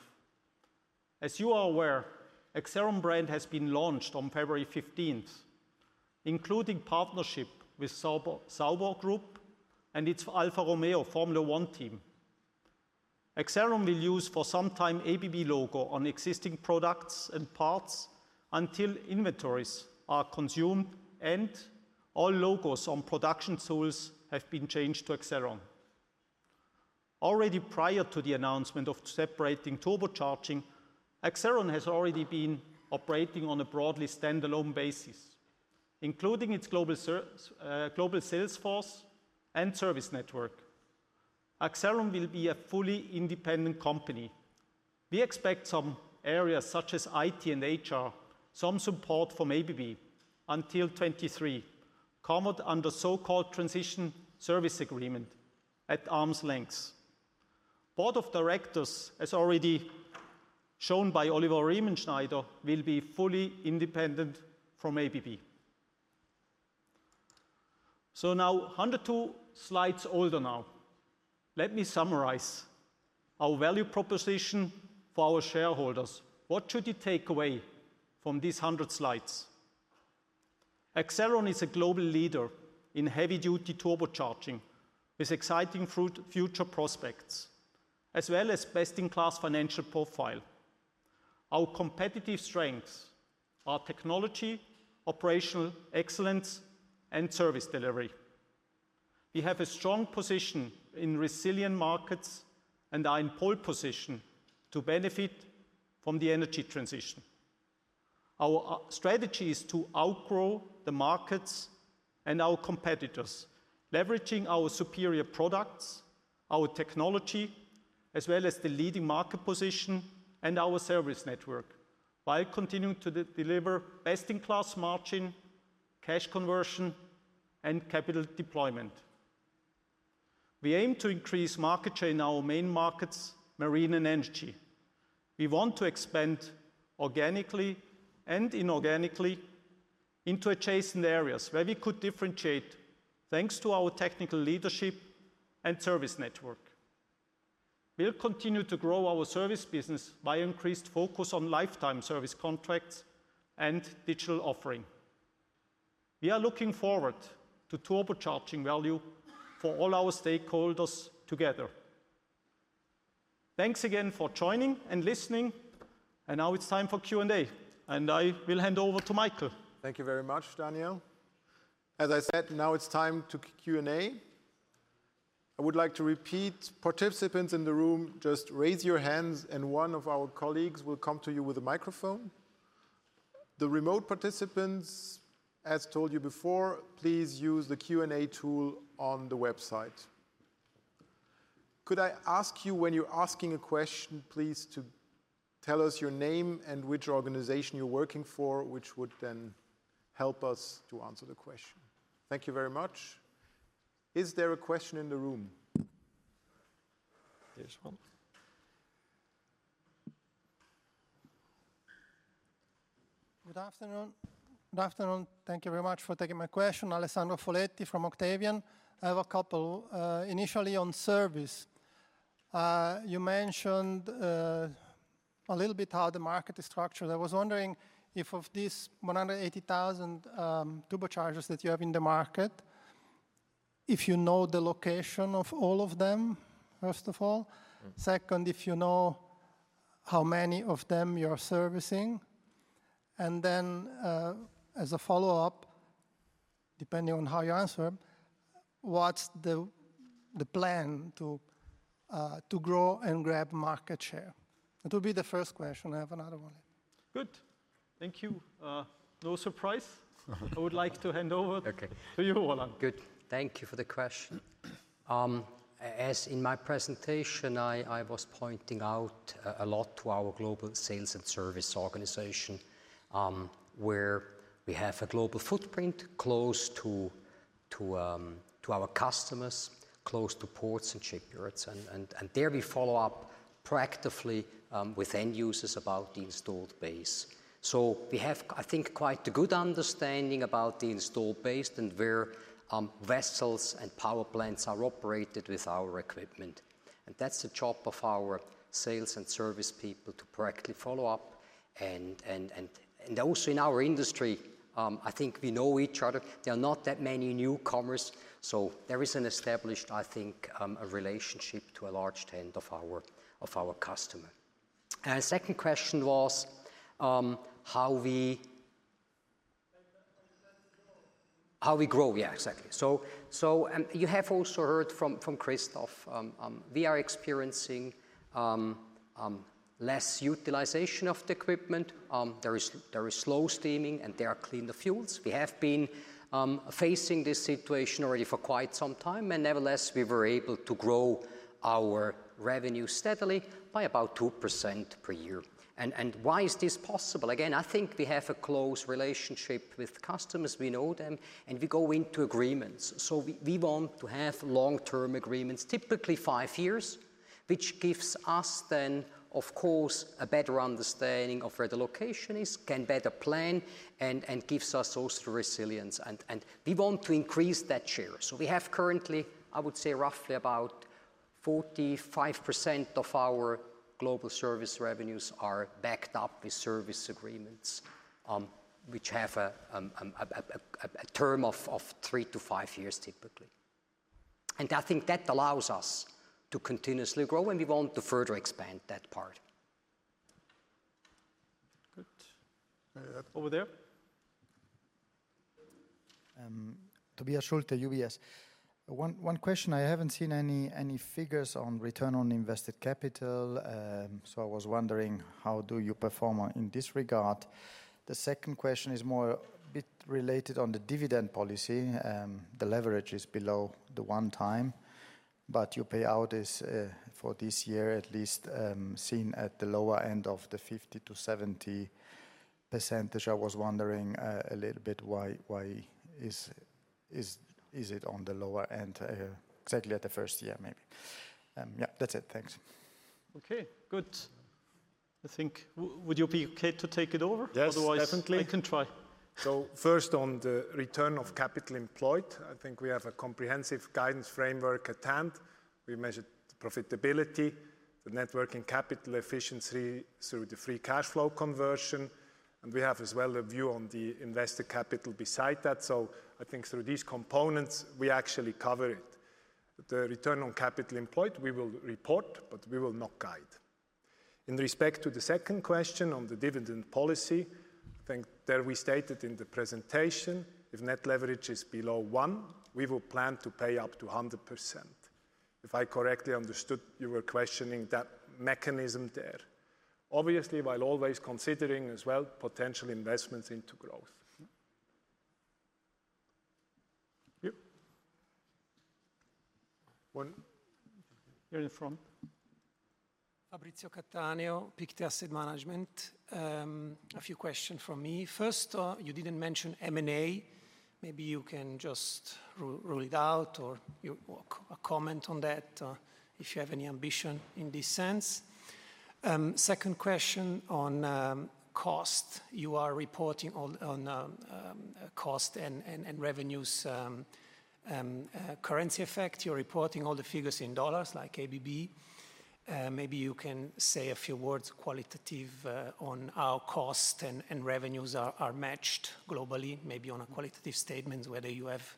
As you are aware, Accelleron brand has been launched on February fifteenth, including partnership with Sauber Group and its Alfa Romeo Formula One team. Accelleron will use for some time ABB logo on existing products and parts until inventories are consumed and all logos on production tools have been changed to Accelleron. Already prior to the announcement of separating turbocharging, Accelleron has already been operating on a broadly standalone basis, including its global sales force and service network. Accelleron will be a fully independent company. We expect some areas such as IT and HR, some support from ABB until 2023, covered under so-called transition service agreement at arm's lengths. Board of directors, as already shown by Oliver Riemenschneider, will be fully independent from ABB. Now, 102 slides older, let me summarize our value proposition for our shareholders. What should you take away from these 100 slides? Accelleron is a global leader in heavy-duty turbocharging with exciting future prospects as well as best-in-class financial profile. Our competitive strengths are technology, operational excellence, and service delivery. We have a strong position in resilient markets and are in pole position to benefit from the energy transition. Our strategy is to outgrow the markets and our competitors, leveraging our superior products, our technology, as well as the leading market position and our service network, while continuing to deliver best-in-class margin, cash conversion, and capital deployment. We aim to increase market share in our main markets, marine and energy. We want to expand organically and inorganically into adjacent areas where we could differentiate thanks to our technical leadership and service network. We'll continue to grow our service business by increased focus on lifetime service contracts and digital offering. We are looking forward to turbocharging value for all our stakeholders together. Thanks again for joining and listening, and now it's time for Q&A, and I will hand over to Michael. Thank you very much, Daniel. As I said, now it's time to Q&A. I would like to repeat, participants in the room, just raise your hands, and one of our colleagues will come to you with a microphone. The remote participants, as told you before, please use the Q&A tool on the website. Could I ask you, when you're asking a question, please, to tell us your name and which organization you're working for, which would then help us to answer the question. Thank you very much. Is there a question in the room? This one. Good afternoon. Thank you very much for taking my question. Alessandro Foletti from Octavian. I have a couple initially on service. You mentioned a little bit how the market is structured. I was wondering if of these 180,000 turbochargers that you have in the market, if you know the location of all of them, first of all. Second, if you know how many of them you are servicing. Then, as a follow-up, depending on how you answer, what's the plan to grow and grab market share? That will be the first question. I have another one. Good. Thank you. No surprise. I would like to hand over- Okay to you, Roland. Good. Thank you for the question. As in my presentation, I was pointing out a lot to our global sales and service organization, where we have a global footprint close to our customers, close to ports and shipyards, and there we follow up proactively with end users about the installed base. We have, I think, quite a good understanding about the installed base and where vessels and power plants are operated with our equipment. That's the job of our sales and service people to proactively follow up and also in our industry, I think we know each other. There are not that many newcomers, so there is an established, I think, a relationship to a large extent of our customer. Second question was, how we- How we grow. Yeah, exactly. So, and you have also heard from Christoph, we are experiencing less utilization of the equipment. There is slow steaming, and there are cleaner fuels. We have been facing this situation already for quite some time, and nevertheless, we were able to grow our revenue steadily by about 2% per year. Why is this possible? Again, I think we have a close relationship with customers. We know them, and we go into agreements. So we want to have long-term agreements, typically five years, which gives us then, of course, a better understanding of where the location is, can better plan, and gives us also resilience. We want to increase that share. We have currently, I would say roughly about 45% of our global service revenues are backed up with service agreements, which have a term of three to five years typically. I think that allows us to continuously grow, and we want to further expand that part. Good. Over there. Tobias Schulte, UBS. One question. I haven't seen any figures on return on invested capital, so I was wondering how do you perform in this regard? The second question is more a bit related on the dividend policy. The leverage is below the 1 time, but your payout is, for this year at least, seen at the lower end of the 50%-70%. I was wondering a little bit why is it on the lower end exactly at the first year maybe? Yeah, that's it. Thanks. Okay, good. I think would you be okay to take it over? Yes, definitely. Otherwise, I can try. First on the return of capital employed, I think we have a comprehensive guidance framework at hand. We measure the profitability, the net working capital efficiency through the free cash flow conversion, and we have as well a view on the invested capital beside that. I think through these components, we actually cover it. The return on capital employed we will report, but we will not guide. In respect to the second question on the dividend policy, I think there we stated in the presentation if net leverage is below one, we will plan to pay up to 100%. If I correctly understood, you were questioning that mechanism there. Obviously, while always considering as well potential investments into growth. You one here in the front. Fabrizio Cattaneo, Pictet Asset Management. A few questions from me. First, you didn't mention M&A. Maybe you can just rule it out or comment on that, if you have any ambition in this sense. Second question on cost. You are reporting on cost and revenues, currency effect. You're reporting all the figures in dollars like ABB. Maybe you can say a few words qualitative on how cost and revenues are matched globally, maybe on a qualitative statement, whether you have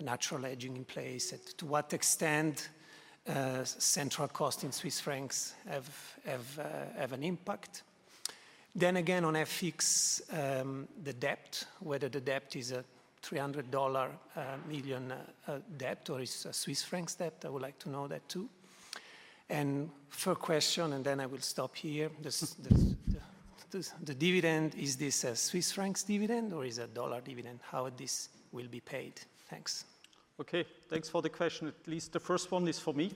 natural hedging in place and to what extent, central cost in Swiss francs have an impact. Then again, on FX, the debt, whether the debt is a $300 million debt or is a Swiss francs debt. I would like to know that too. Third question, and then I will stop here. The dividend, is this a Swiss francs dividend or is a dollar dividend? How this will be paid? Thanks. Okay, thanks for the question. At least the first one is for me.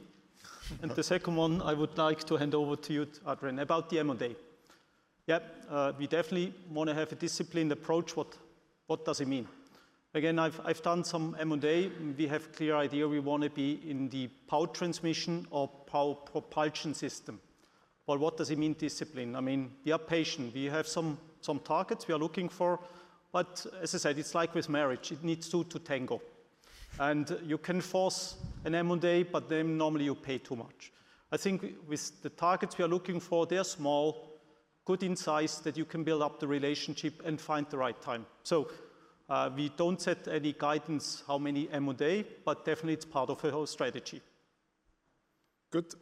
The second one I would like to hand over to you, Adrian. About the M&A. Yep, we definitely wanna have a disciplined approach. What does it mean? Again, I've done some M&A. We have clear idea we wanna be in the power transmission or power propulsion system. What does it mean, discipline? I mean, we are patient. We have some targets we are looking for, but as I said, it's like with marriage, it needs two to tango, and you can force an M&A, but then normally you pay too much. I think with the targets we are looking for, they are small, good in size that you can build up the relationship and find the right time. We don't set any guidance how many M&A, but definitely it's part of the whole strategy. Good.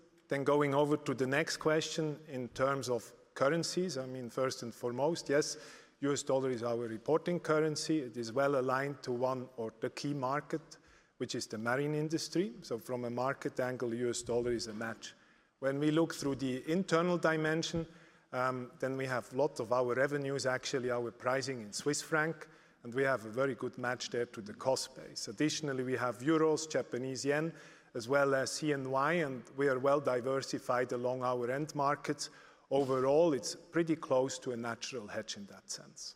Going over to the next question in terms of currencies, I mean, first and foremost, yes, US dollar is our reporting currency. It is well aligned to one of the key markets, which is the marine industry. From a market angle, US dollar is a match. When we look through the internal dimension, then we have a lot of our revenues, actually our pricing in Swiss franc, and we have a very good match there to the cost base. Additionally, we have euros, Japanese yen, as well as CNY, and we are well diversified along our end markets. Overall, it's pretty close to a natural hedge in that sense.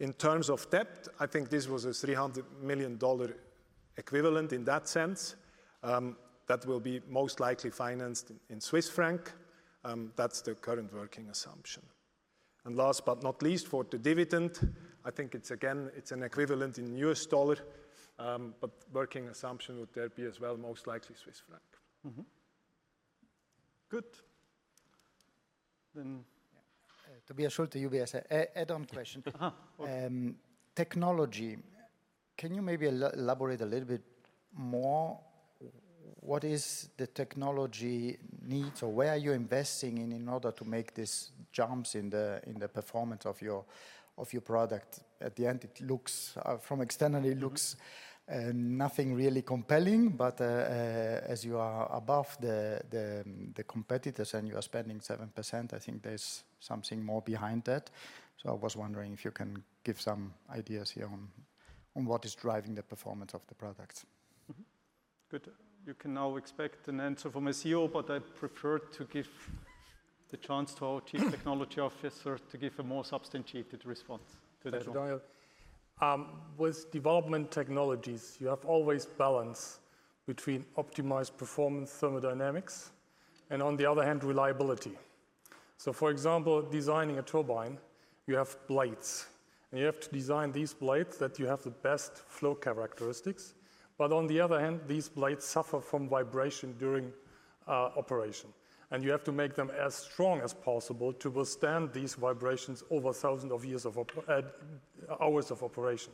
In terms of debt, I think this was a $300 million equivalent in that sense, that will be most likely financed in Swiss franc. That's the current working assumption. Last but not least, for the dividend, I think it's again an equivalent in U.S. dollar, but working assumption would be as well most likely Swiss franc. Mm-hmm. Good. Tobias Schulte, UBS. Add-on question. Technology, can you maybe elaborate a little bit more? What is the technology needs or where are you investing in order to make these jumps in the performance of your product? At the end, it looks from externally nothing really compelling, but as you are above the competitors and you are spending 7%, I think there's something more behind that. I was wondering if you can give some ideas here on what is driving the performance of the product. Good. You can now expect an answer from a CEO, but I prefer to give the chance to our chief technology officer to give a more substantiated response to that one. Thank you, Daniel. With development technologies, you always balance between optimized performance thermodynamics and on the other hand, reliability. For example, designing a turbine, you have blades, and you have to design these blades that you have the best flow characteristics. On the other hand, these blades suffer from vibration during operation, and you have to make them as strong as possible to withstand these vibrations over thousands of hours of operation.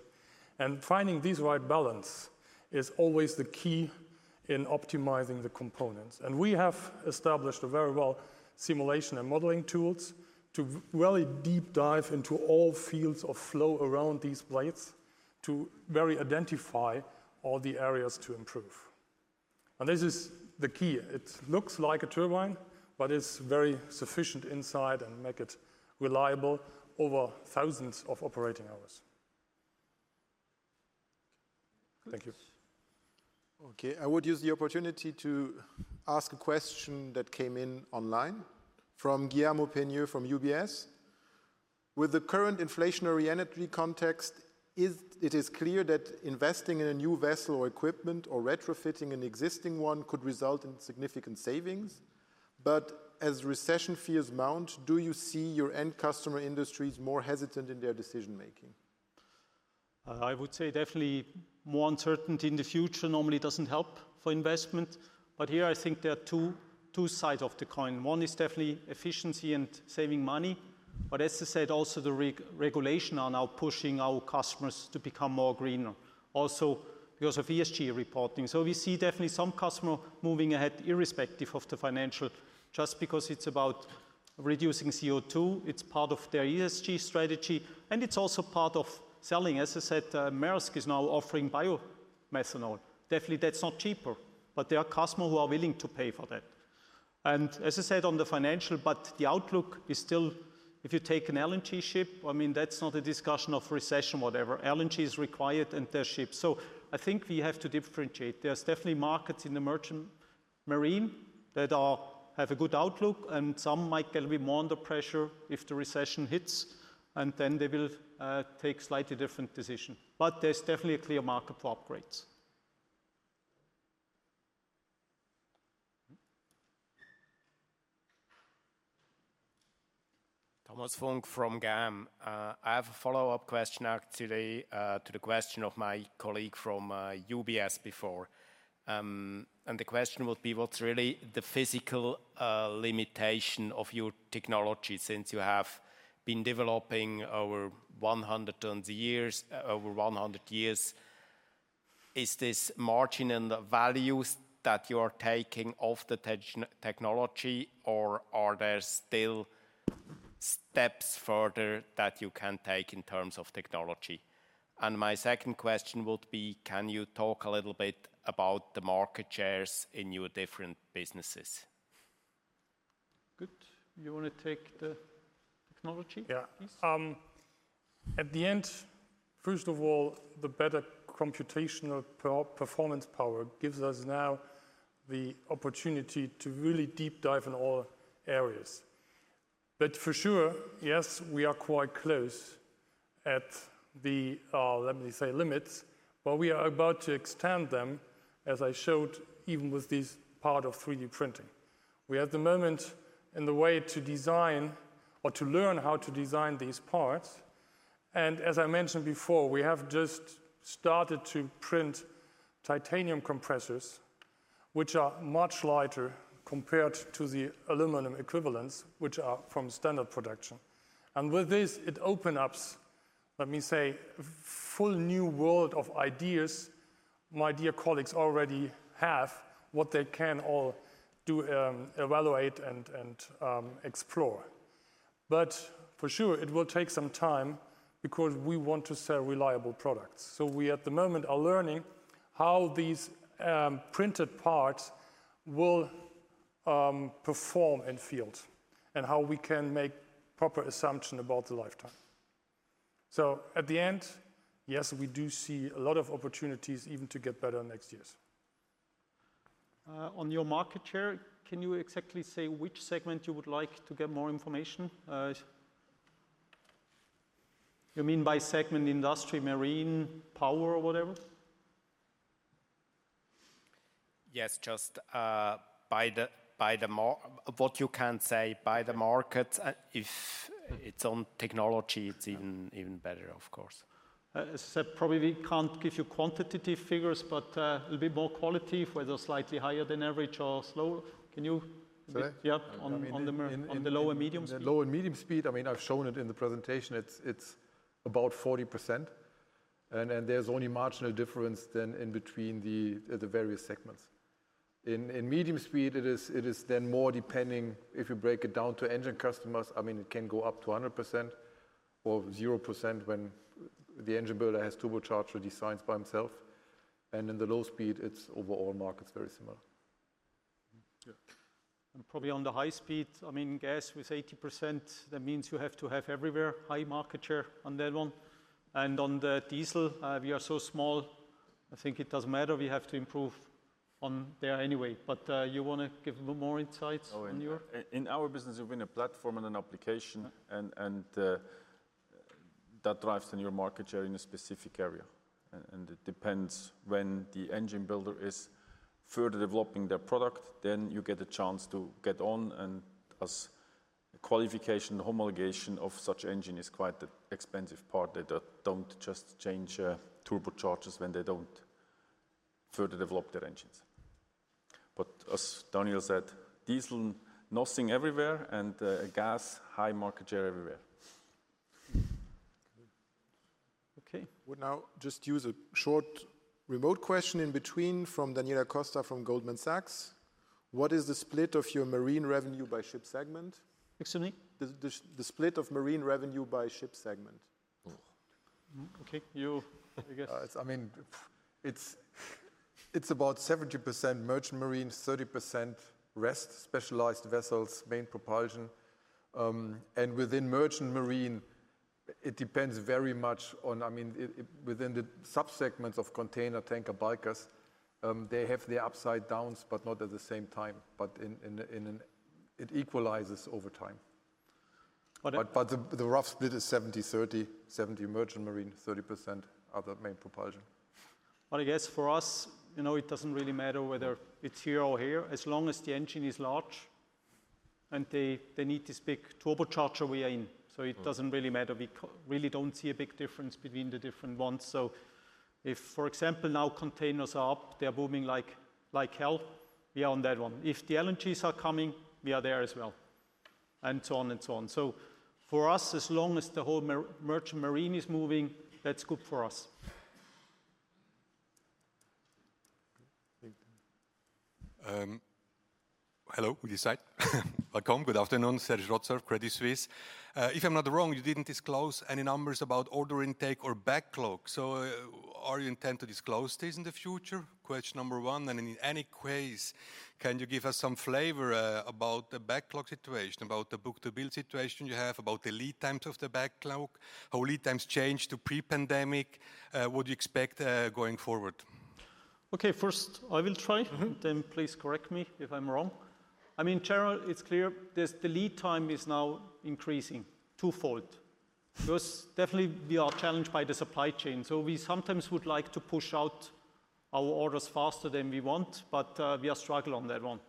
Finding this right balance is always the key in optimizing the components. We have established a very well simulation and modeling tools to really deep dive into all fields of flow around these blades to really identify all the areas to improve. This is the key. It looks like a turbine, but it's very efficient inside and make it reliable over thousands of operating hours. Good. Thank you. Okay. I would use the opportunity to ask a question that came in online from Guillermo Peigneux-Lojo from UBS. With the current inflationary energy context, it is clear that investing in a new vessel or equipment or retrofitting an existing one could result in significant savings. As recession fears mount, do you see your end customer industries more hesitant in their decision-making? I would say definitely more uncertainty in the future normally doesn't help for investment. Here I think there are two sides of the coin. One is definitely efficiency and saving money, but as I said, also the regulations are now pushing our customers to become greener. Also because of ESG reporting. We see definitely some customers moving ahead irrespective of the financial, just because it's about reducing CO2, it's part of their ESG strategy, and it's also part of selling. As I said, Maersk is now offering biomethanol. Definitely that's not cheaper, but there are customers who are willing to pay for that. And as I said on the financial, but the outlook is still if you take an LNG ship, I mean, that's not a discussion of recession, whatever. LNG is required in their ship. I think we have to differentiate. There's definitely markets in the merchant marine that have a good outlook and some might get a little bit more under pressure if the recession hits, and then they will take slightly different decision. There's definitely a clear market for upgrades. Mm-hmm. Thomas Funk from GAM. I have a follow-up question actually, to the question of my colleague from UBS before. The question would be: What's really the physical limitation of your technology since you have been developing over 100 years? Is this margin and the values that you are taking of the technology or are there still steps further that you can take in terms of technology? My second question would be, can you talk a little bit about the market shares in your different businesses? Good. You wanna take the technology? Yeah. Please. At the end, first of all, the better computational performance power gives us now the opportunity to really deep dive in all areas. For sure, yes, we are quite close to the, let me say limits, but we are about to extend them, as I showed even with this part of 3D printing. We at the moment on the way to design or to learn how to design these parts, and as I mentioned before, we have just started to print titanium compressors, which are much lighter compared to the aluminum equivalents, which are from standard production. With this, it opens up, let me say, a whole new world of ideas my dear colleagues already have what they can all do, evaluate and explore. For sure, it will take some time because we want to sell reliable products. We at the moment are learning how these printed parts will perform in field and how we can make proper assumption about the lifetime. At the end, yes, we do see a lot of opportunities even to get better next years. On your market share, can you exactly say which segment you would like to get more information? You mean by segment industry, marine, power or whatever? Yes. What you can say by the market, if it's on technology, it's even better, of course. Sepp, probably we can't give you quantitative figures, but it'll be more qualitative, whether slightly higher than average or slow. Can you- Should I? Yeah. On the low and medium speed. In the low and medium speed, I mean, I've shown it in the presentation, it's about 40% and there's only marginal difference than between the various segments. In medium speed it is then more depending if you break it down to engine customers. I mean, it can go up to 100% or 0% when the engine builder has turbocharger designs by himself, and in the low speed it's overall market is very similar. Probably on the high speed, I mean, gas with 80%, that means you have to have everywhere high market share on that one. On the diesel, we are so small, I think it doesn't matter. We have to improve on there anyway. But you want to give a bit more insights on your In our business between a platform and an application. Uh-huh That drives then your market share in a specific area. It depends when the engine builder is further developing their product, then you get a chance to get on, and as qualification, the homologation of such engine is quite the expensive part. They don't just change turbochargers when they don't further develop their engines. As Daniel said, diesel nothing everywhere and gas high market share everywhere. Okay. We'll now just use a short remote question in between from Daniela Costa from Goldman Sachs. What is the split of your marine revenue by ship segment? Excuse me? The split of marine revenue by ship segment. Oh. Okay. You, I guess. I mean, it's about 70% merchant marine, 30% rest, specialized vessels, main propulsion. Within merchant marine it depends very much on, I mean, it within the sub-segments of container, tanker, bulkers, they have the ups and downs but not at the same time. In the end, it equalizes over time. But- The rough split is 70/30. 70 merchant marine, 30% other main propulsion. I guess for us, you know, it doesn't really matter whether it's here or here, as long as the engine is large and they need this big turbocharger we are in. It doesn't really matter. We really don't see a big difference between the different ones. If, for example, now containers are up, they're booming like hell, we are on that one. If the LNGs are coming, we are there as well, and so on and so on. For us, as long as the whole merchant marine is moving, that's good for us. Okay. Thank you. Hello this side. Welcome. Good afternoon. Serge Rotzer, Credit Suisse. If I'm not wrong, you didn't disclose any numbers about order intake or backlog. Do you intend to disclose this in the future? Question number one. In any case, can you give us some flavor about the backlog situation, about the book-to-bill situation you have, about the lead times of the backlog? How have lead times changed compared to pre-pandemic? What do you expect going forward? Okay. First I will try. Mm-hmm. Please correct me if I'm wrong. I mean, in general it's clear there's the lead time is now increasing twofold because definitely we are challenged by the supply chain. We sometimes would like to push out our orders faster than we want, but we are struggling on that one.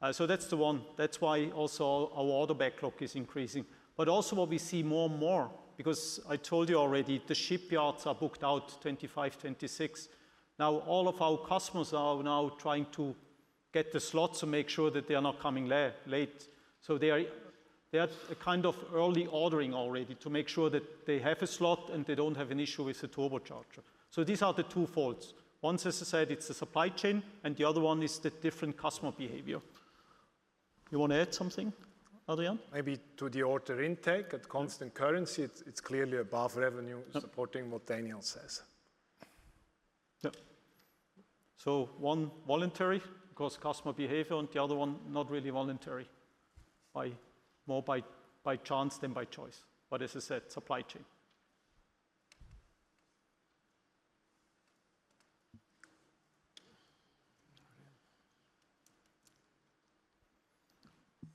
That's the one, that's why also our order backlog is increasing. Also what we see more and more, because I told you already the shipyards are booked out 2025, 2026, all of our customers are now trying to get the slots to make sure that they are not coming late. They are kind of early ordering already to make sure that they have a slot and they don't have an issue with the turbocharger. These are the two folds. One, as I said, it's the supply chain and the other one is the different customer behavior. You wanna add something, Adrian? Maybe to the order intake at constant currency, it's clearly above revenue. Uh Supporting what Daniel says. Yeah. One voluntary, because customer behavior, and the other one not really voluntary, by chance than by choice. As I said, supply chain.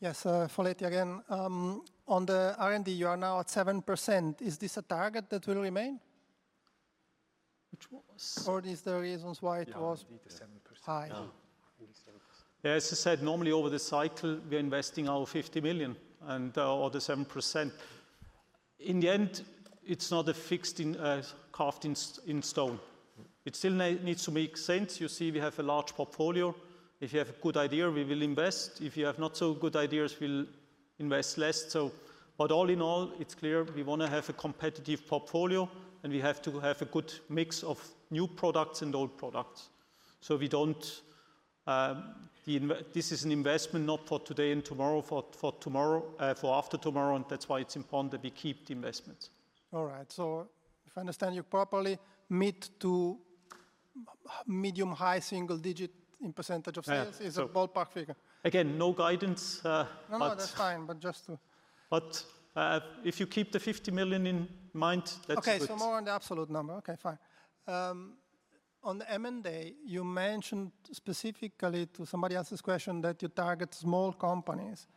Yes, Gael Foletti again. On the R&D, you are now at 7%. Is this a target that will remain? Which was- Is there reasons why it was? Yeah, R&D the 7%. High? R&D 7%. Yeah, as I said, normally over the cycle, we are investing our $50 million and or the 7%. In the end, it's not fixed, carved in stone. It still needs to make sense. You see, we have a large portfolio. If you have a good idea, we will invest. If you have not so good ideas, we'll invest less. All in all, it's clear we wanna have a competitive portfolio, and we have to have a good mix of new products and old products. This is an investment not for today and tomorrow, for tomorrow, for after tomorrow, and that's why it's important that we keep the investments. All right. If I understand you properly, mid to medium high single digit in % of sales- Yeah, so- is a ballpark figure. Again, no guidance. No, no, that's fine. If you keep the $50 million in mind, that's good. Okay, more on the absolute number. Okay, fine. On the M&A, you mentioned specifically to somebody else's question that you target small companies.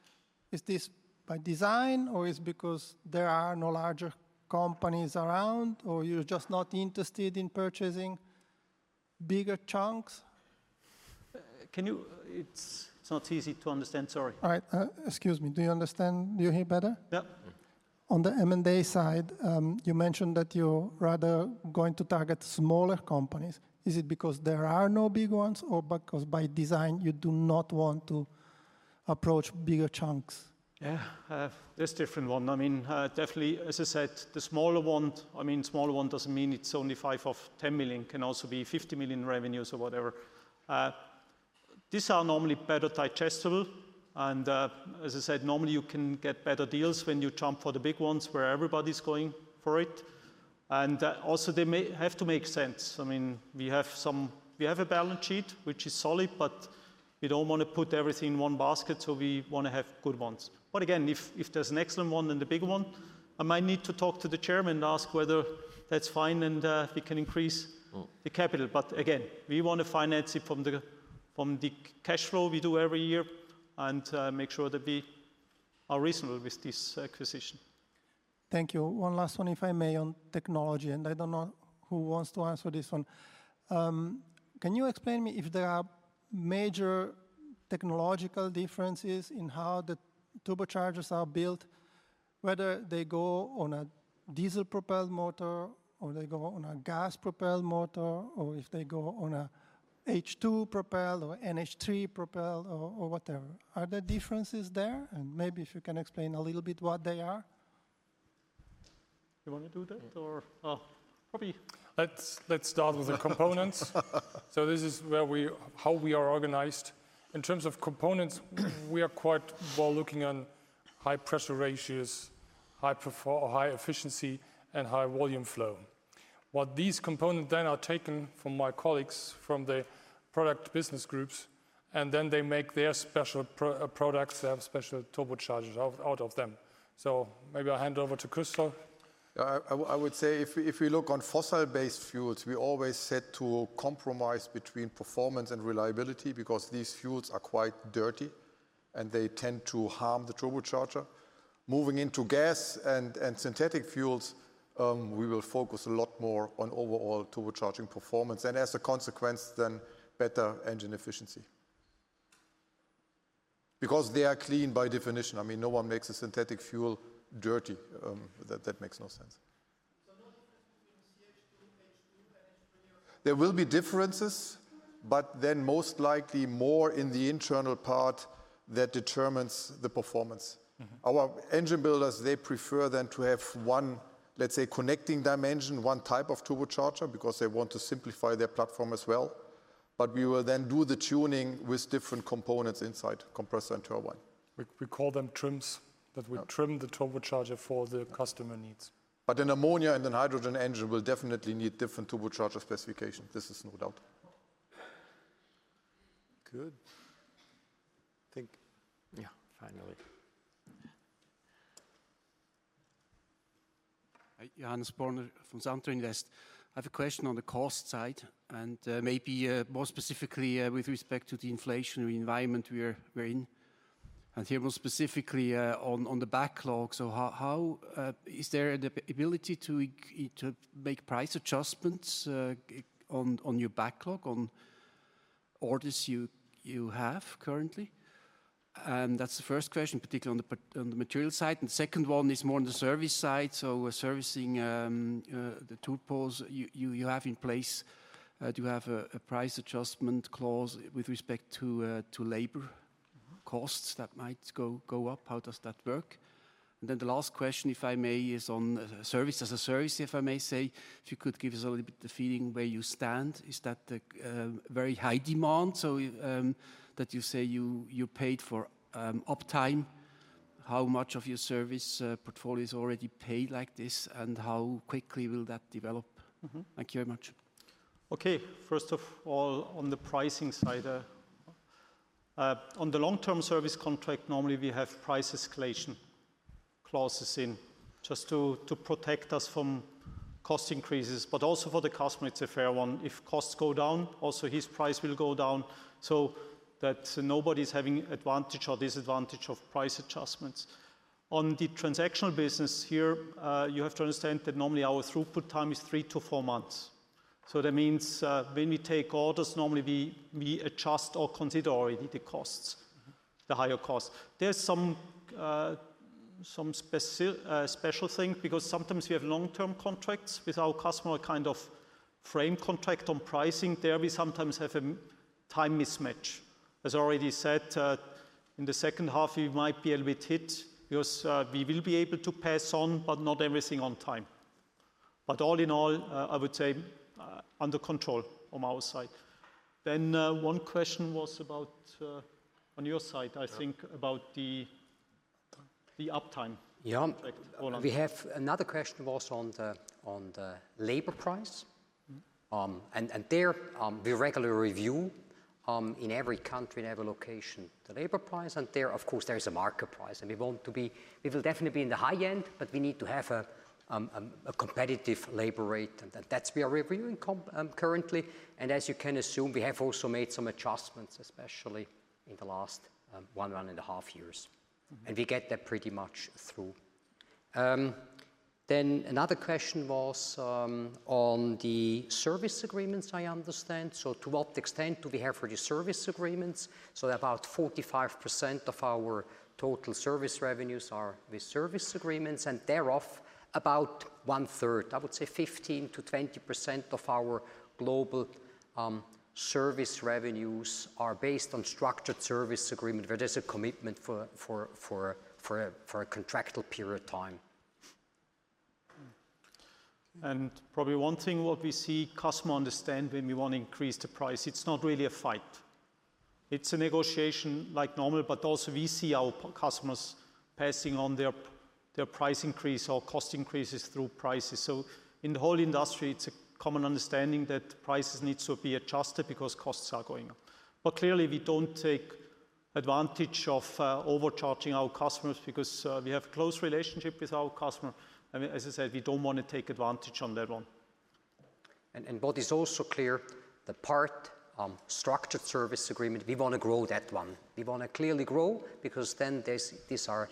Is this by design or is because there are no larger companies around, or you're just not interested in purchasing bigger chunks? It's not easy to understand, sorry. All right. Excuse me. Do you understand, do you hear better? Yeah. On the M&A side, you mentioned that you're rather going to target smaller companies. Is it because there are no big ones or because by design you do not want to approach bigger chunks? Yeah. There's different one. I mean, definitely, as I said, the smaller one, I mean, smaller one doesn't mean it's only $5-$10 million, can also be $50 million revenues or whatever. These are normally better digestible, and, as I said, normally you can get better deals when you jump for the big ones where everybody's going for it. Also they have to make sense. I mean, we have a balance sheet, which is solid, but we don't wanna put everything in one basket, so we wanna have good ones. Again, if there's an excellent one and a bigger one, I might need to talk to the chairman and ask whether that's fine and, we can increase. Mm The capital. We wanna finance it from the cash flow we do every year and make sure that we are reasonable with this acquisition. Thank you. One last one, if I may, on technology, and I don't know who wants to answer this one. Can you explain me if there are major technological differences in how the turbochargers are built, whether they go on a diesel-propelled motor or they go on a gas-propelled motor, or if they go on a H2 propelled or NH3 propelled or whatever? Are there differences there? Maybe if you can explain a little bit what they are. You wanna do that or? Probably. Let's start with the components. This is how we are organized. In terms of components, we are quite well looking on high pressure ratios, high efficiency, and high volume flow. What these components then are taken from my colleagues from the product business groups, and then they make their special products. They have special turbochargers out of them. Maybe I'll hand over to Christoph. Yeah. I would say if we look on fossil-based fuels, we always had to compromise between performance and reliability because these fuels are quite dirty, and they tend to harm the turbocharger. Moving into gas and synthetic fuels, we will focus a lot more on overall turbocharging performance, and as a consequence then, better engine efficiency. Because they are clean by definition. I mean, no one makes a synthetic fuel dirty. That makes no sense. No difference between CH2, H2, and H3. There will be differences, but then most likely more in the internal part that determines the performance. Mm-hmm. Our engine builders, they prefer then to have one, let's say, connecting dimension, one type of turbocharger, because they want to simplify their platform as well. We will then do the tuning with different components inside compressor and turbine. We call them trims. Yeah Trim the turbocharger for the customer needs. An ammonia and a hydrogen engine will definitely need different turbocharger specifications. This is no doubt. Good. Yeah, finally. Hi. Johannes Borner from Santro Invest. I have a question on the cost side, and maybe more specifically with respect to the inflationary environment we're in, and here more specifically on the backlog. How is there the ability to make price adjustments on your backlog, on orders you have currently? That's the first question, particularly on the material side. Second one is more on the service side. We're servicing the tool pools you have in place. Do you have a price adjustment clause with respect to labor costs that might go up? How does that work? Then the last question, if I may, is on service. As a service, if I may say, if you could give us a little bit the feeling where you stand. Is that the very high demand, so that you say you paid for uptime? How much of your service portfolio is already paid like this, and how quickly will that develop? Mm-hmm. Thank you very much. Okay. First of all, on the pricing side, on the long-term service contract, normally we have price escalation clauses in place to protect us from cost increases, but also for the customer it's a fair one. If costs go down, also his price will go down, so that nobody's having advantage or disadvantage of price adjustments. On the transactional business here, you have to understand that normally our throughput time is three to four months. That means, when we take orders, normally we adjust or consider already the costs. Mm-hmm The higher costs. There's some special thing because sometimes we have long-term contracts with our customer, a kind of frame contract on pricing. There we sometimes have a time mismatch. As already said, in the second half we might be a little bit hit because we will be able to pass on, but not everything on time. All in all, I would say, under control on our side. One question was about, on your side, I think. Yeah... about the- Time the uptime contract. Yeah. Go on. We have another question was on the labor price. Mm-hmm. There we regularly review in every country, in every location, the labor price, and, of course, there is a market price, and we will definitely be in the high end, but we need to have a competitive labor rate. That's where we're reviewing currently. As you can assume, we have also made some adjustments, especially in the last 1 1/2 years. Mm-hmm. We get that pretty much through. Another question was on the service agreements, I understand. To what extent do we have for the service agreements? About 45% of our total service revenues are with service agreements, and thereof, about one-third, I would say 15%-20% of our global service revenues are based on structured service agreement, where there's a commitment for a contractual period of time. Probably one thing what we see customer understand when we wanna increase the price, it's not really a fight. It's a negotiation like normal, but also we see our customers passing on their price increase or cost increases through prices. In the whole industry, it's a common understanding that prices need to be adjusted because costs are going up. Clearly we don't take advantage of overcharging our customers because we have close relationship with our customer, and as I said, we don't wanna take advantage on that one. What is also clear, the part, structured service agreement, we wanna grow that one. We wanna clearly grow because these are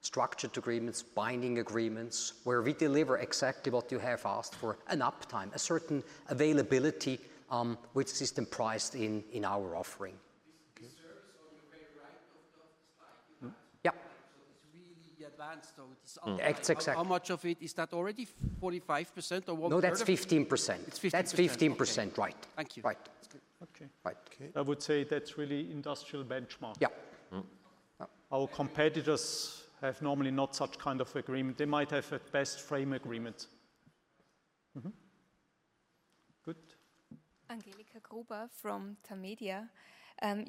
structured agreements, binding agreements, where we deliver exactly what you have asked for, an uptime, a certain availability, which is then priced in our offering. Okay. This service on the very right of the slide you have. Yeah. It's really advanced. That's exact. How much of it? Is that already 45% or 1/3 of it? No, that's 15%. It's 15%. That's 15%. Okay. Right. Thank you. Right. That's good. Okay. Right. Okay. I would say that's really industry benchmark. Yeah. Mm-hmm. Yeah. Our competitors have normally not such kind of agreement. They might have at best frame agreement. Mm-hmm. Good. Angelika Gruber from Tamedia. I'm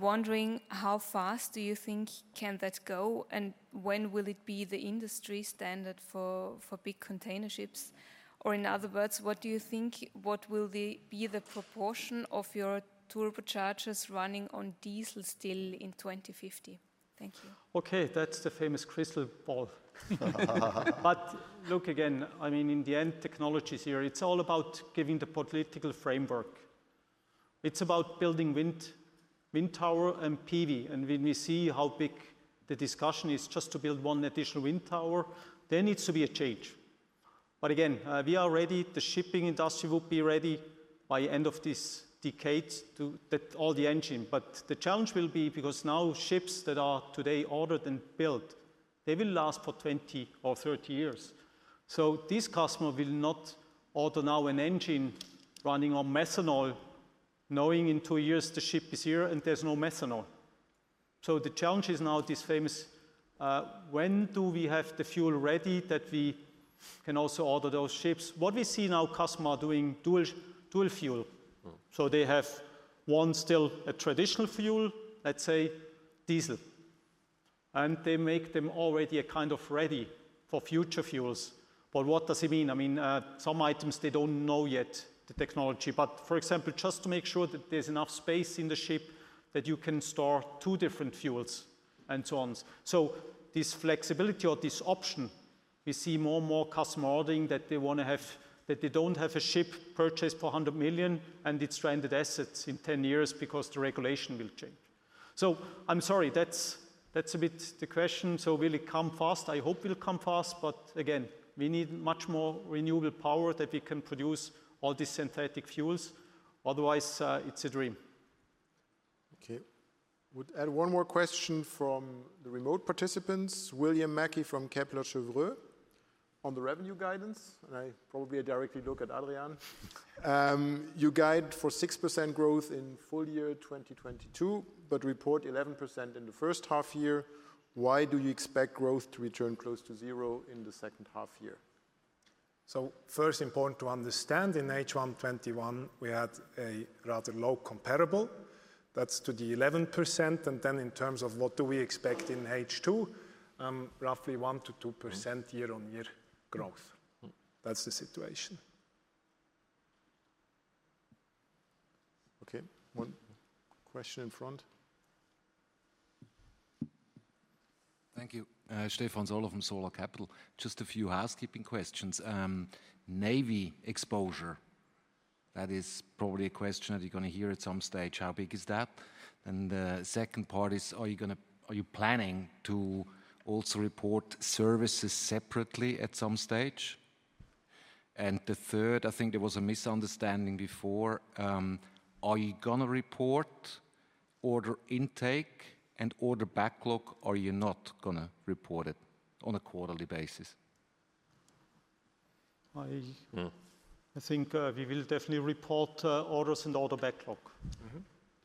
wondering, how fast do you think can that go, and when will it be the industry standard for big container ships? Or in other words, what do you think, what will be the proportion of your turbochargers running on diesel still in 2050? Thank you. Okay. That's the famous crystal ball. Look, again, I mean, in the end technology's here. It's all about giving the political framework. It's about building wind tower and PV. When we see how big the discussion is just to build one additional wind tower, there needs to be a change. Again, we are ready. The shipping industry will be ready by end of this decade to get all the engine. The challenge will be because now ships that are today ordered and built, they will last for 20 or 30 years. This customer will not order now an engine running on methanol, knowing in two years the ship is here and there's no methanol. The challenge is now this famous, when do we have the fuel ready that we can also order those ships? What we see now customers doing dual fuel. Mm. They have one still a traditional fuel, let's say diesel, and they make them already a kind of ready for future fuels. But what does it mean? I mean, some items they don't know yet the technology, but for example, just to make sure that there's enough space in the ship that you can store two different fuels and so on. This flexibility or this option, we see more and more customer ordering that they wanna have that they don't have a ship purchased for $100 million and it's stranded assets in 10 years because the regulation will change. I'm sorry, that's a bit the question. Will it come fast? I hope it'll come fast, but again, we need much more renewable power that we can produce all these synthetic fuels, otherwise, it's a dream. Okay. I'll add one more question from the remote participants, William Mackie from Kepler Cheuvreux, on the revenue guidance, and I probably directly look at Adrian. You guide for 6% growth in full year 2022, but report 11% in the first half year. Why do you expect growth to return close to zero in the second half year? First important to understand, in H1 2021 we had a rather low comparable. That's due to the 11%, and then in terms of what do we expect in H2, roughly 1%-2% year-on-year growth. Mm-hmm. Mm-hmm. That's the situation. Okay. One question up front. Thank you. Stefan Zoller from Zoller Capital. Just a few housekeeping questions. Navy exposure, that is probably a question that you're gonna hear at some stage. How big is that? And the second part is, are you planning to also report services separately at some stage? And the third, I think there was a misunderstanding before, are you gonna report order intake and order backlog, or you're not gonna report it on a quarterly basis? I- Mm. I think, we will definitely report orders and order backlog. Mm-hmm.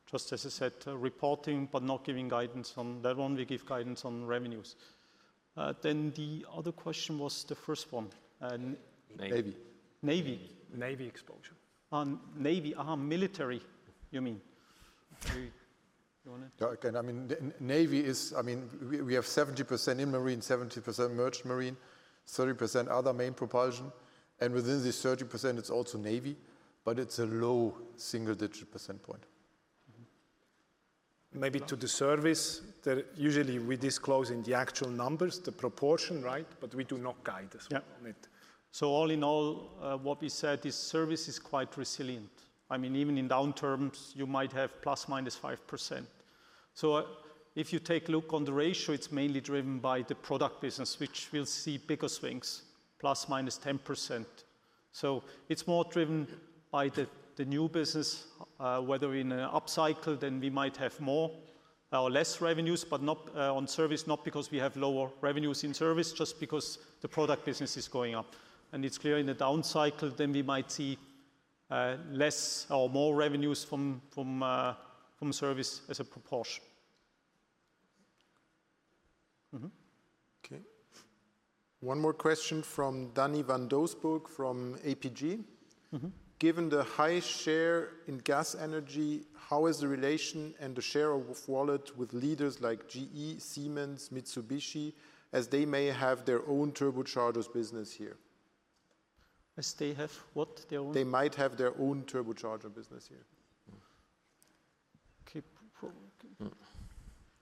Just as I said, reporting but not giving guidance on that one. We give guidance on revenues. Then the other question was the first one. Navy. Navy. Navy. Navy exposure. On Navy. Military, you mean. You wanna? Yeah, I can. I mean we have 70% in marine, 70% merchant marine, 30% other main propulsion, and within this 30% it's also navy, but it's a low single-digit percentage point. Maybe to the service that usually we disclose in the actual numbers, the proportion, right? We do not guide as well on it. Yeah. All in all, what we said is service is quite resilient. I mean, even in down terms you might have ±5%. If you take a look on the ratio, it's mainly driven by the product business, which we'll see bigger swings, ±10%. It's more driven by the new business, whether in an upcycle, then we might have more or less revenues, but not on service, not because we have lower revenues in service, just because the product business is going up. It's clear in the down cycle then we might see less or more revenues from service as a proportion. Mm-hmm. Okay. One more question from Danny van Doosburg from APG. Mm-hmm. Given the high share in gas energy, how is the relation and the share of wallet with leaders like GE, Siemens, Mitsubishi, as they may have their own turbochargers business here? As they have what? They might have their own turbocharger business here. Okay.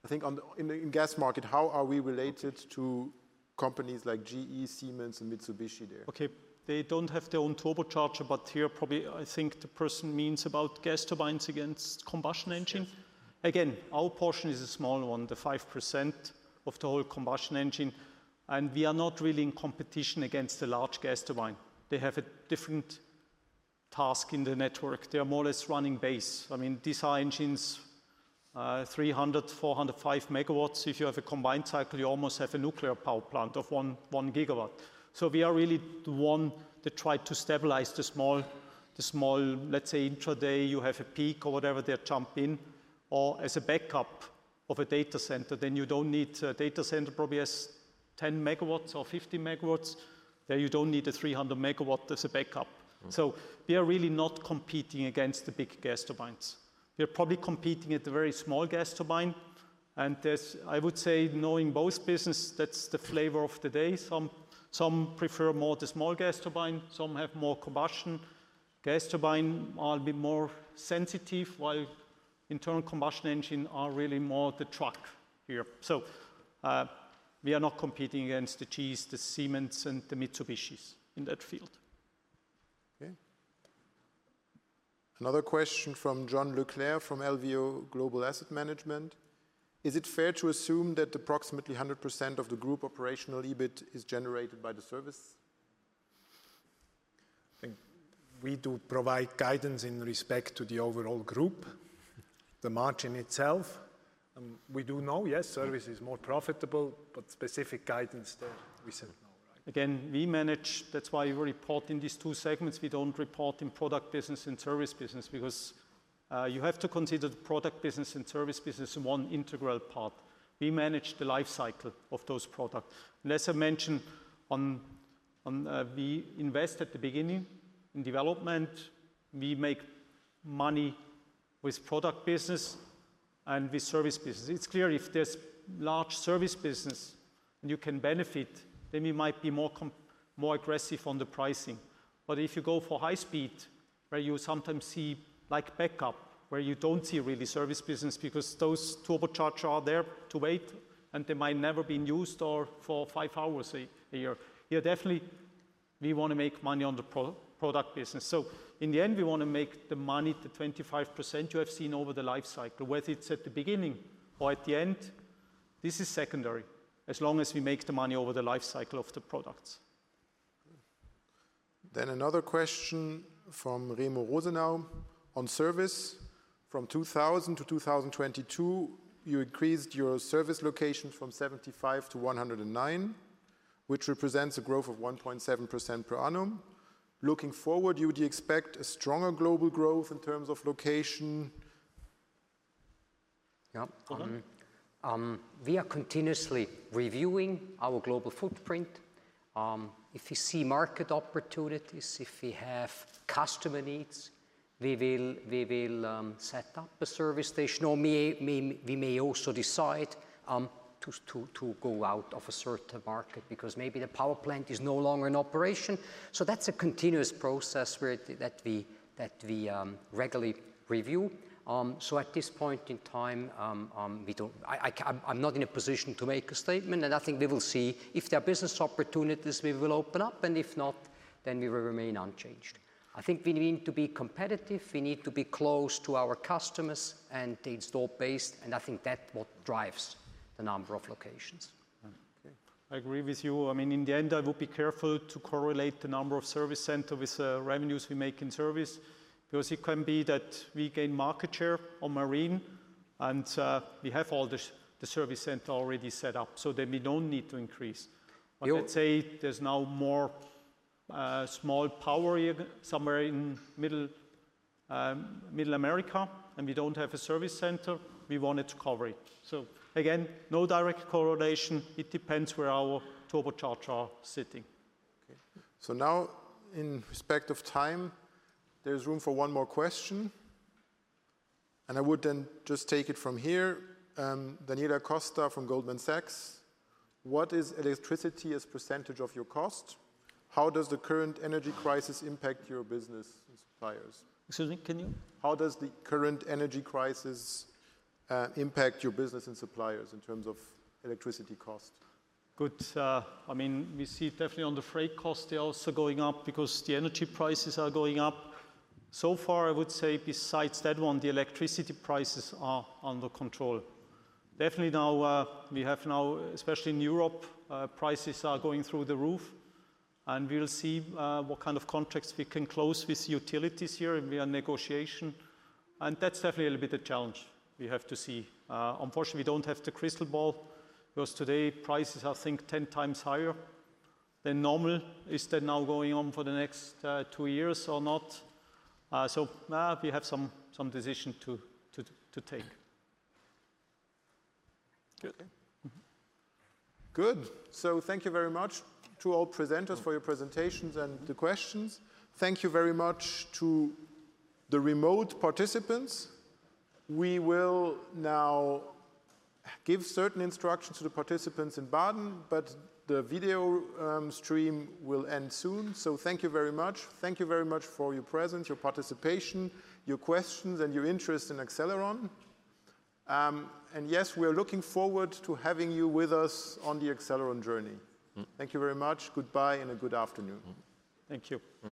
I think in the gas market, how are we related? Okay to companies like GE, Siemens and Mitsubishi there? Okay. They don't have their own turbocharger, but here probably I think the person means about gas turbines against combustion engine. Yes. Again, our portion is a small one, the 5% of the whole combustion engine, and we are not really in competition against the large gas turbine. They have a different task in the network. They are more or less running base. I mean, these are engines, 300, 400, 5 MW. If you have a combined cycle, you almost have a nuclear power plant of 1 GW. We are really the one that try to stabilize the small, let's say intraday you have a peak or whatever, they jump in or as a backup of a data center. A data center probably has 10 MW or 50 MW. There you don't need a 300 MW as a backup. Mm-hmm. We are really not competing against the big gas turbines. We are probably competing at the very small gas turbine, and there's, I would say, knowing both businesses, that's the flavor of the day. Some prefer more the small gas turbine, some have more combustion. Gas turbines are a bit more sensitive, while internal combustion engines are really more the workhorse here. We are not competing against the GEs, the Siemens and the Mitsubishis in that field. Okay. Another question from John Leclerc from LVO Global Asset Management. Is it fair to assume that approximately 100% of the group operational EBIT is generated by the service? I think we do provide guidance in respect to the overall group, the margin itself. We do know, yes, service is more profitable, but specific guidance there we said no, right. Again, we manage, that's why we report in these two segments. We don't report in product business and service business because you have to consider the product business and service business in one integral part. We manage the life cycle of those products. As I mentioned, we invest at the beginning in development. We make money with product business and with service business. It's clear if there's large service business and you can benefit, then we might be more aggressive on the pricing. If you go for high speed where you sometimes see like backup, where you don't see really service business because those turbochargers are there to wait and they might never be used or for five hours a year. Yeah, definitely we wanna make money on the pro-product business. In the end we wanna make the money, the 25% you have seen over the life cycle. Whether it's at the beginning or at the end, this is secondary as long as we make the money over the life cycle of the products. Another question from Remo Rosenau. On service from 2000 to 2022, you increased your service location from 75 to 109, which represents a growth of 1.7% per annum. Looking forward, would you expect a stronger global growth in terms of location? We are continuously reviewing our global footprint. If we see market opportunities, if we have customer needs, we will set up a service station or we may also decide to go out of a certain market because maybe the power plant is no longer in operation. That's a continuous process that we regularly review. At this point in time, I'm not in a position to make a statement, and I think we will see if there are business opportunities, we will open up, and if not, then we will remain unchanged. I think we need to be competitive. We need to be close to our customers and the install base, and I think that what drives the number of locations. Okay. I agree with you. I mean, in the end, I would be careful to correlate the number of service center with revenues we make in service because it can be that we gain market share on marine and we have all the service center already set up so then we don't need to increase. You- Let's say there's now more small power unit somewhere in Middle America, and we don't have a service center, we wanted to cover it. Again, no direct correlation. It depends where our turbochargers are sitting. Okay. Now in respect of time, there's room for one more question, and I would then just take it from here. Daniela Costa from Goldman Sachs: What is electricity as a percentage of your cost? How does the current energy crisis impact your business and suppliers? Excuse me. How does the current energy crisis impact your business and suppliers in terms of electricity cost? Good. I mean, we see definitely on the freight cost, they're also going up because the energy prices are going up. So far, I would say besides that one, the electricity prices are under control. Definitely now, we have now, especially in Europe, prices are going through the roof and we'll see what kind of contracts we can close with utilities here and we are in negotiation, and that's definitely a little bit a challenge we have to see. Unfortunately, we don't have the crystal ball because today prices are, I think, 10 times higher than normal. Is that now going on for the next two years or not? Now we have some decision to take. Good. Thank you very much to all presenters for your presentations and the questions. Thank you very much to the remote participants. We will now give certain instructions to the participants in Baden, but the video stream will end soon. Thank you very much. Thank you very much for your presence, your participation, your questions, and your interest in Accelleron. Yes, we are looking forward to having you with us on the Accelleron journey. Mm. Thank you very much. Goodbye and a good afternoon. Thank you. Mm.